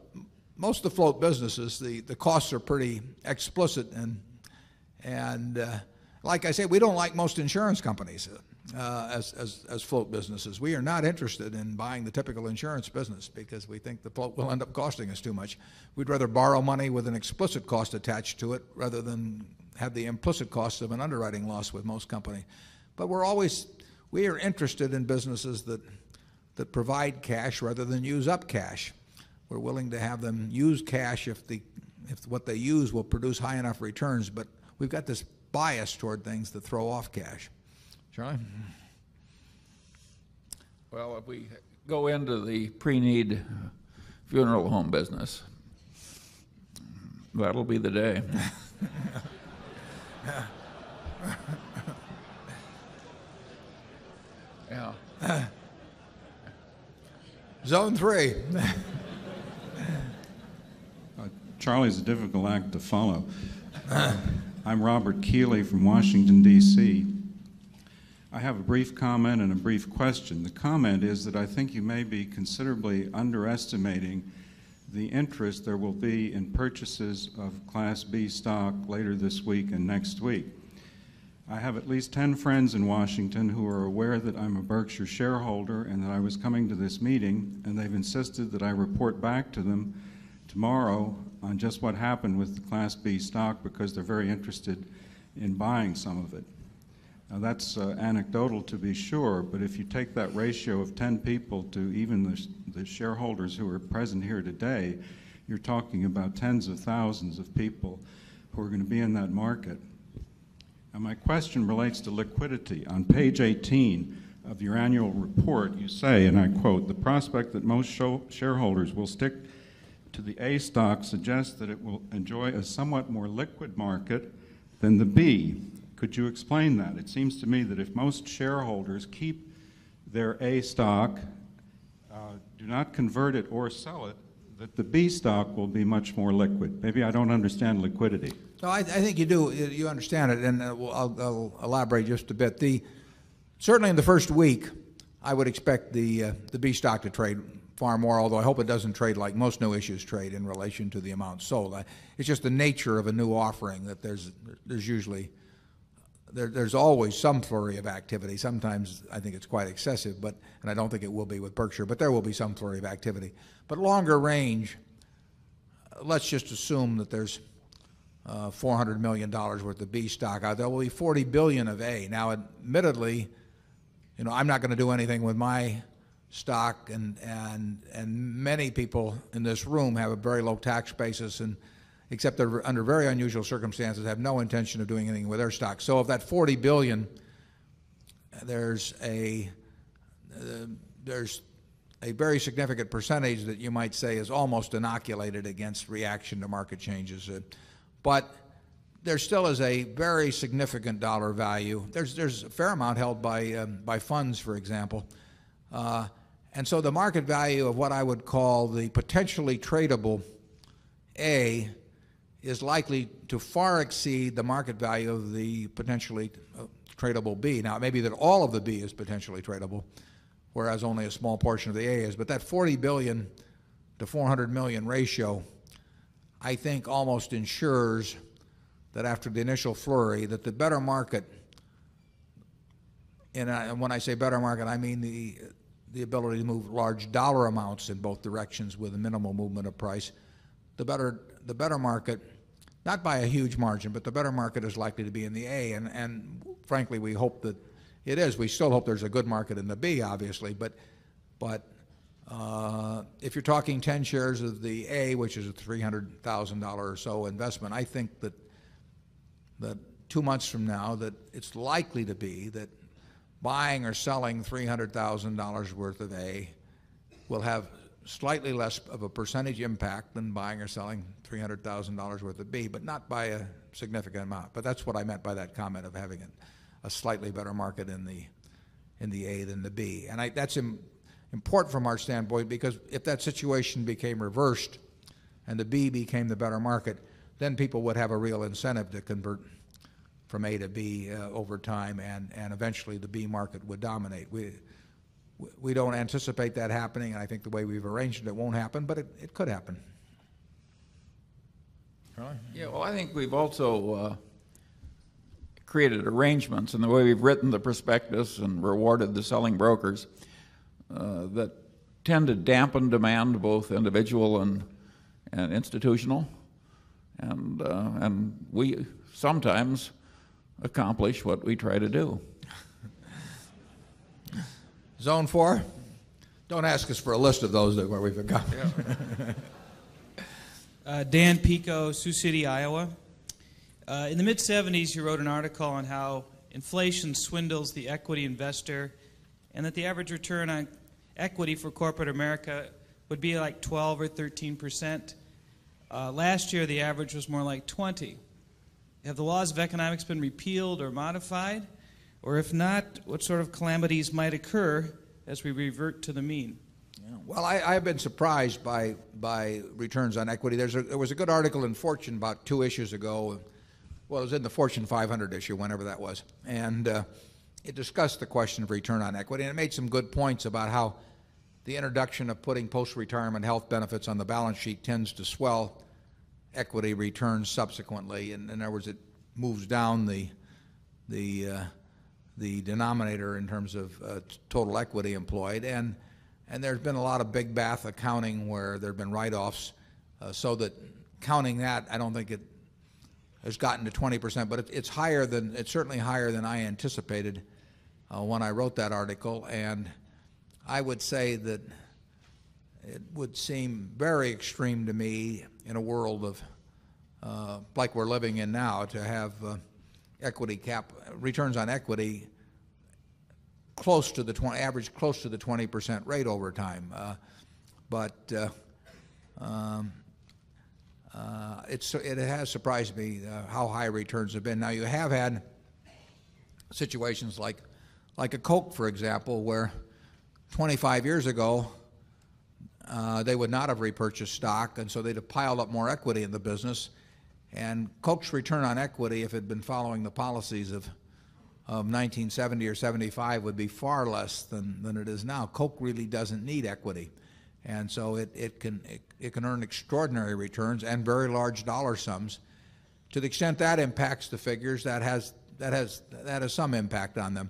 [SPEAKER 1] the float businesses, the costs are pretty explicit. And like I said, we don't like most insurance companies as float businesses. We are not interested in buying the typical insurance business because we think the float will end up costing us too much. We'd rather borrow money with an explicit cost attached to it rather than have the implicit cost of an underwriting loss with most company. But we're always, we are interested in businesses that provide cash rather than use up cash. We're willing to have them use cash if the, if what they use will produce high enough returns, but we've got this bias toward things to throw off cash. John?
[SPEAKER 4] Well, if we go into the pre need funeral home business, that'll be the day.
[SPEAKER 1] Zone 3.
[SPEAKER 9] Charlie is a difficult act to follow. I'm Robert Keeley from Washington, DC. I have a brief comment and a brief question. The comment is that I think you may be considerably underestimating the interest there will be in purchases of Class B stock later this week and next week. I have at ten friends in Washington who are aware that I'm a Berkshire shareholder and that I was coming to this meeting and they've insisted that I report back to them tomorrow on just what happened with the Class B stock because they're very interested in buying some of it. Now that's anecdotal to be sure, but if you take that ratio of 10 people to even the shareholders who are present here today, you're talking about tens of thousands of people who are going to be in that market. And my question relates to liquidity. On Page 18 of your annual report, you say, and I quote, the prospect that most shareholders will stick to the A stock suggests that it will enjoy a somewhat more liquid market than the B. Could you explain that? It seems to me that if most shareholders keep their A stock, do not convert it or sell it, that the B stock will be much more liquid. Maybe I don't understand liquidity.
[SPEAKER 1] No, I think you do. You understand it. And I'll elaborate just a bit. Certainly in the 1st week, I would expect the B stock to trade far more. Although I hope it doesn't trade like most new issues trade in relation to the amount sold. It's just the nature of a new offering that there's usually, there's always some flurry of activity. Sometimes I think it's quite excessive, but, and I don't think it will be with Berkshire, but there will be some flurry of activity, but longer range. Let's just assume that there's a $400,000,000 worth of B stock out. There will be $40,000,000,000 of A. Now admittedly, I'm not going to do anything with my stock and many people in this room have a very low tax basis and except they're under very unusual circumstances, have no intention of doing anything with their stock. So of that $40,000,000,000 there's a very significant percentage that you might say is almost inoculated against reaction to market changes. But there still is a very significant dollar value. There's a fair amount held by funds, for example. And so the market value of what I would call the potentially tradable A is likely to far exceed the market value of the potentially tradable B. Now it may be that all of the B is potentially tradable, whereas only a small portion of the A is, but that $40,000,000,000 to $400,000,000 ratio, I think almost ensures that after the initial flurry that the better market and when I say better market, I mean the ability to move large dollar amounts in both directions with a minimal movement of price. The better market, not by a huge margin, but the better market is likely to be in the A and frankly, we hope that it is, we still hope there's a good market in the B obviously, But, if you're talking 10 shares of the A, which is a $300,000 or so investment, I think that the 2 months from now that it's likely to be that buying or selling $300,000 worth of A will have slightly less of a percentage impact than buying or selling $300,000 worth of B, but not by a significant amount. But that's what I meant by that comment of having a slightly better market in the A than the B. And that's important from our standpoint because if that situation became reversed and the B became the better market, then people would have a real incentive to convert from A to B over time and eventually the B market would dominate. We don't anticipate that happening. I think the way we've arranged it, it won't happen, but it could happen.
[SPEAKER 4] Well, I think we've also created arrangements in the way we've written the prospectus and rewarded the selling brokers, that tend to dampen demand, both individual and institutional. And, and we sometimes accomplish what we try to do.
[SPEAKER 1] Zone 4. Don't ask us for a list of those that we've got.
[SPEAKER 24] Dan Pico, Sioux City, Iowa. In the mid '70s, you wrote an article on how inflation swindles the equity investor and that the average return on equity for corporate America would be like 12% or 13%. Last year, the average was more like 20. Have the laws of economics been repealed or modified, or if not, what sort of calamities might occur as we revert to the mean?
[SPEAKER 1] Well, I've been surprised by returns on equity. There was a good article in Fortune about 2 issues ago, well it was in the Fortune 500 issue, whenever that was. And it discussed the question of return on equity and it made some good points about how the introduction of putting post retirement health benefits on the balance sheet tends to swell equity returns subsequently. And in other words, it moves down the denominator in terms of total equity employed. And there's been a lot of big bath accounting where there've been write offs. So that counting that, I don't think it has gotten to 20%, but it's higher than, it's certainly higher than I anticipated when I wrote that article. And I would say that it would seem very extreme to me in a world of, like we're living in now to have equity cap returns on equity close to the average close to the 20% rate over time. But, it has surprised me how high returns have been. Now you have had situations like, like a Coke for example, where 25 years ago, they would not have repurchased stock and so they'd pile up more equity in the business and Coke's return on equity if it had been following the policies of 1970 or 75 would be far less than it is now. Coke really doesn't need equity. And so it can earn extraordinary returns and very large dollar sums. To the extent that impacts the figures that has some impact on them.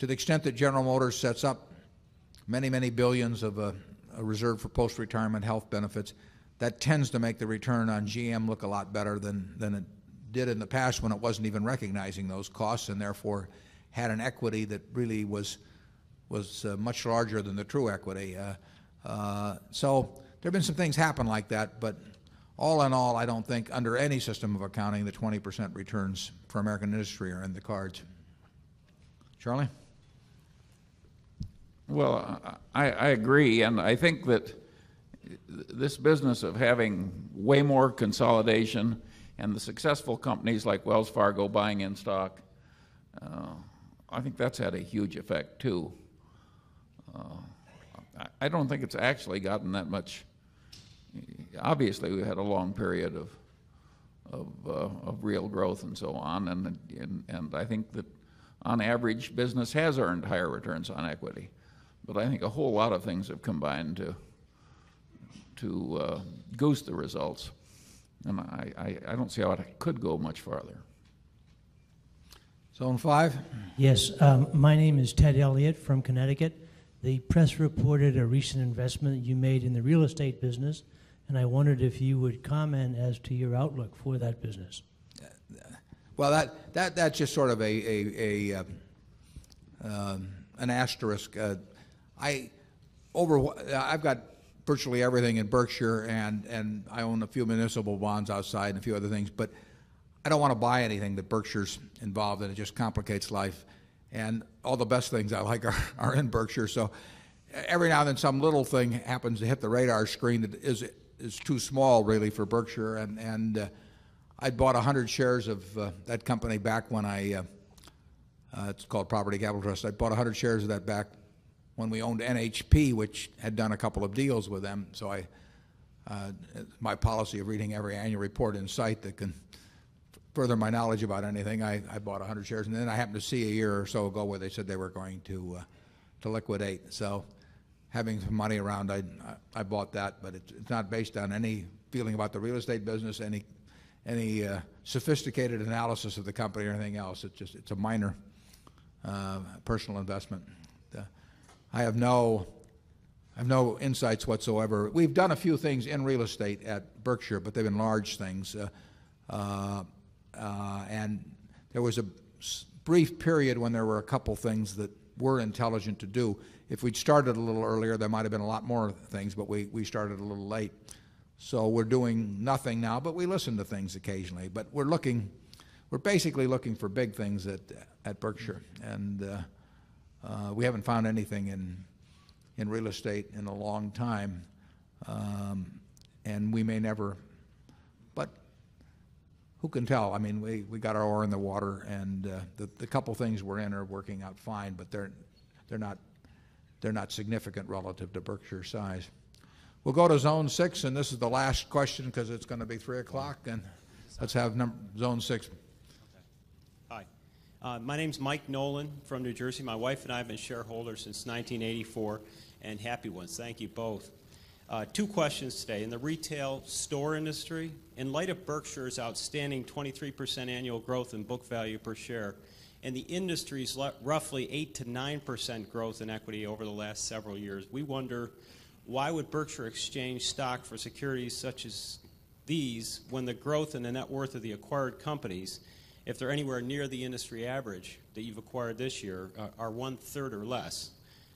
[SPEAKER 1] To the extent that General Motors sets up many, many billions of a reserve for post retirement health benefits, that tends to make the return on GM look a lot better than it did in the past when it wasn't even recognizing those costs and therefore had an equity that really was much larger than the true equity. So there've been some things happen like that, but all in all, I don't think under any system of accounting, the 20% returns for American industry are in the cards. Charlie?
[SPEAKER 4] Well, I agree and I think that this business of having way more consolidation and the successful companies like Wells Fargo buying in stock, I think that's had a huge effect too. I don't think it's actually gotten that much. Obviously, we had a long period of real growth and so on. And I think that on average business has earned higher returns on equity, but I think a whole lot of things have combined to, to, goose the results. And I don't see how it could go much farther.
[SPEAKER 1] Zone 5.
[SPEAKER 32] Yes. My name is Ted Elliott from Connecticut. The press reported a recent investment you made in the real estate business, and I wondered if you would comment as to your outlook for that business.
[SPEAKER 1] Well, that's just sort of an asterisk. Over I've got virtually everything in Berkshire and I own a few municipal bonds outside and a few other things, but I don't want to buy anything that Berkshire's involved in. It just complicates life and all the best things I like are in Berkshire. So every now and then some little thing happens to hit the radar screen that is too small really for Berkshire. And, and, I bought a 100 shares of that company back when I, it's called Property Capital Trust. I bought a 100 shares of that back when we owned NHP, which had done a couple of deals with them. So I, my policy of reading every annual report in sight that can further my knowledge about anything, I bought 100 shares and then I happened to see a year or so ago where they said they were going to liquidate. So having some money around, I bought that, but it's not based on any feeling about the real estate business, any sophisticated analysis of the company or anything else. It's just, it's a minor personal investment. I have no insights whatsoever. We've done a few things in real estate at Berkshire, but they've been large things. And there was a brief period when there were a couple of things that were intelligent to do. If we'd started a little earlier, there might've been a lot more things, but we started a little late. So we're doing nothing now, but we listen to things occasionally, but we're looking, we're basically looking for big things at Berkshire and, we haven't found anything in real estate in a long time. And we may never, but who can tell? I mean, we got our ore in the water and, the couple of things we're in are working out fine, but they're not significant relative to Berkshire size. We'll go to Zone 6 and this is the last question because it's going to be 3 and let's have Zone 6.
[SPEAKER 33] Hi. My name is Mike Nolan from New Jersey. My wife and I have been shareholders since 1984 and happy ones. Thank you both. Two questions today. In the retail store industry, in light of Berkshire's outstanding 23% annual growth in book value per share and the industry's roughly 8% to 9% growth in equity over the last several years. We wonder why would Berkshire exchange stock for securities such as these when the growth in the net worth of the acquired companies, if they're anywhere near the industry average that you've acquired this year, are 1 third or less.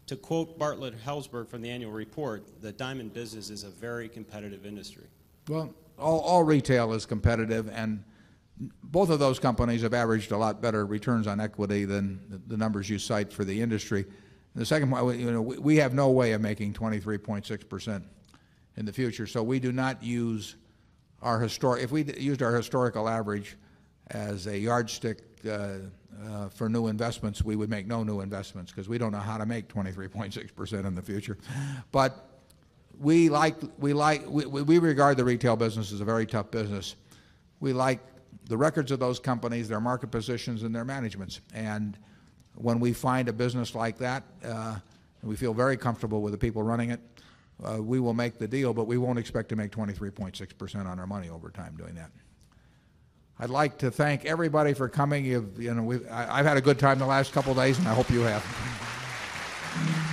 [SPEAKER 33] To quote Bartlett Helzberg from the annual report, the diamond business is a very competitive industry.
[SPEAKER 1] Well, all retail is competitive and both of those companies have averaged a lot better returns on equity than the numbers you cite for the industry. And the second one, we have no way of making 23.6% in the future. So we do not use our historic, if we used our historical average as a yardstick for new investments, we would make no new investments because we don't know how to make 23.6% in the future. But we like we regard the retail business as a very tough business. We like the records of those companies, their market positions and their managements. And when we find a business like that, we feel very comfortable with the people running it. We will make the deal, but we won't expect to make 23.6% on our money over time doing that. I'd like to thank everybody for coming. I've had a good time the last couple of days and I hope you have.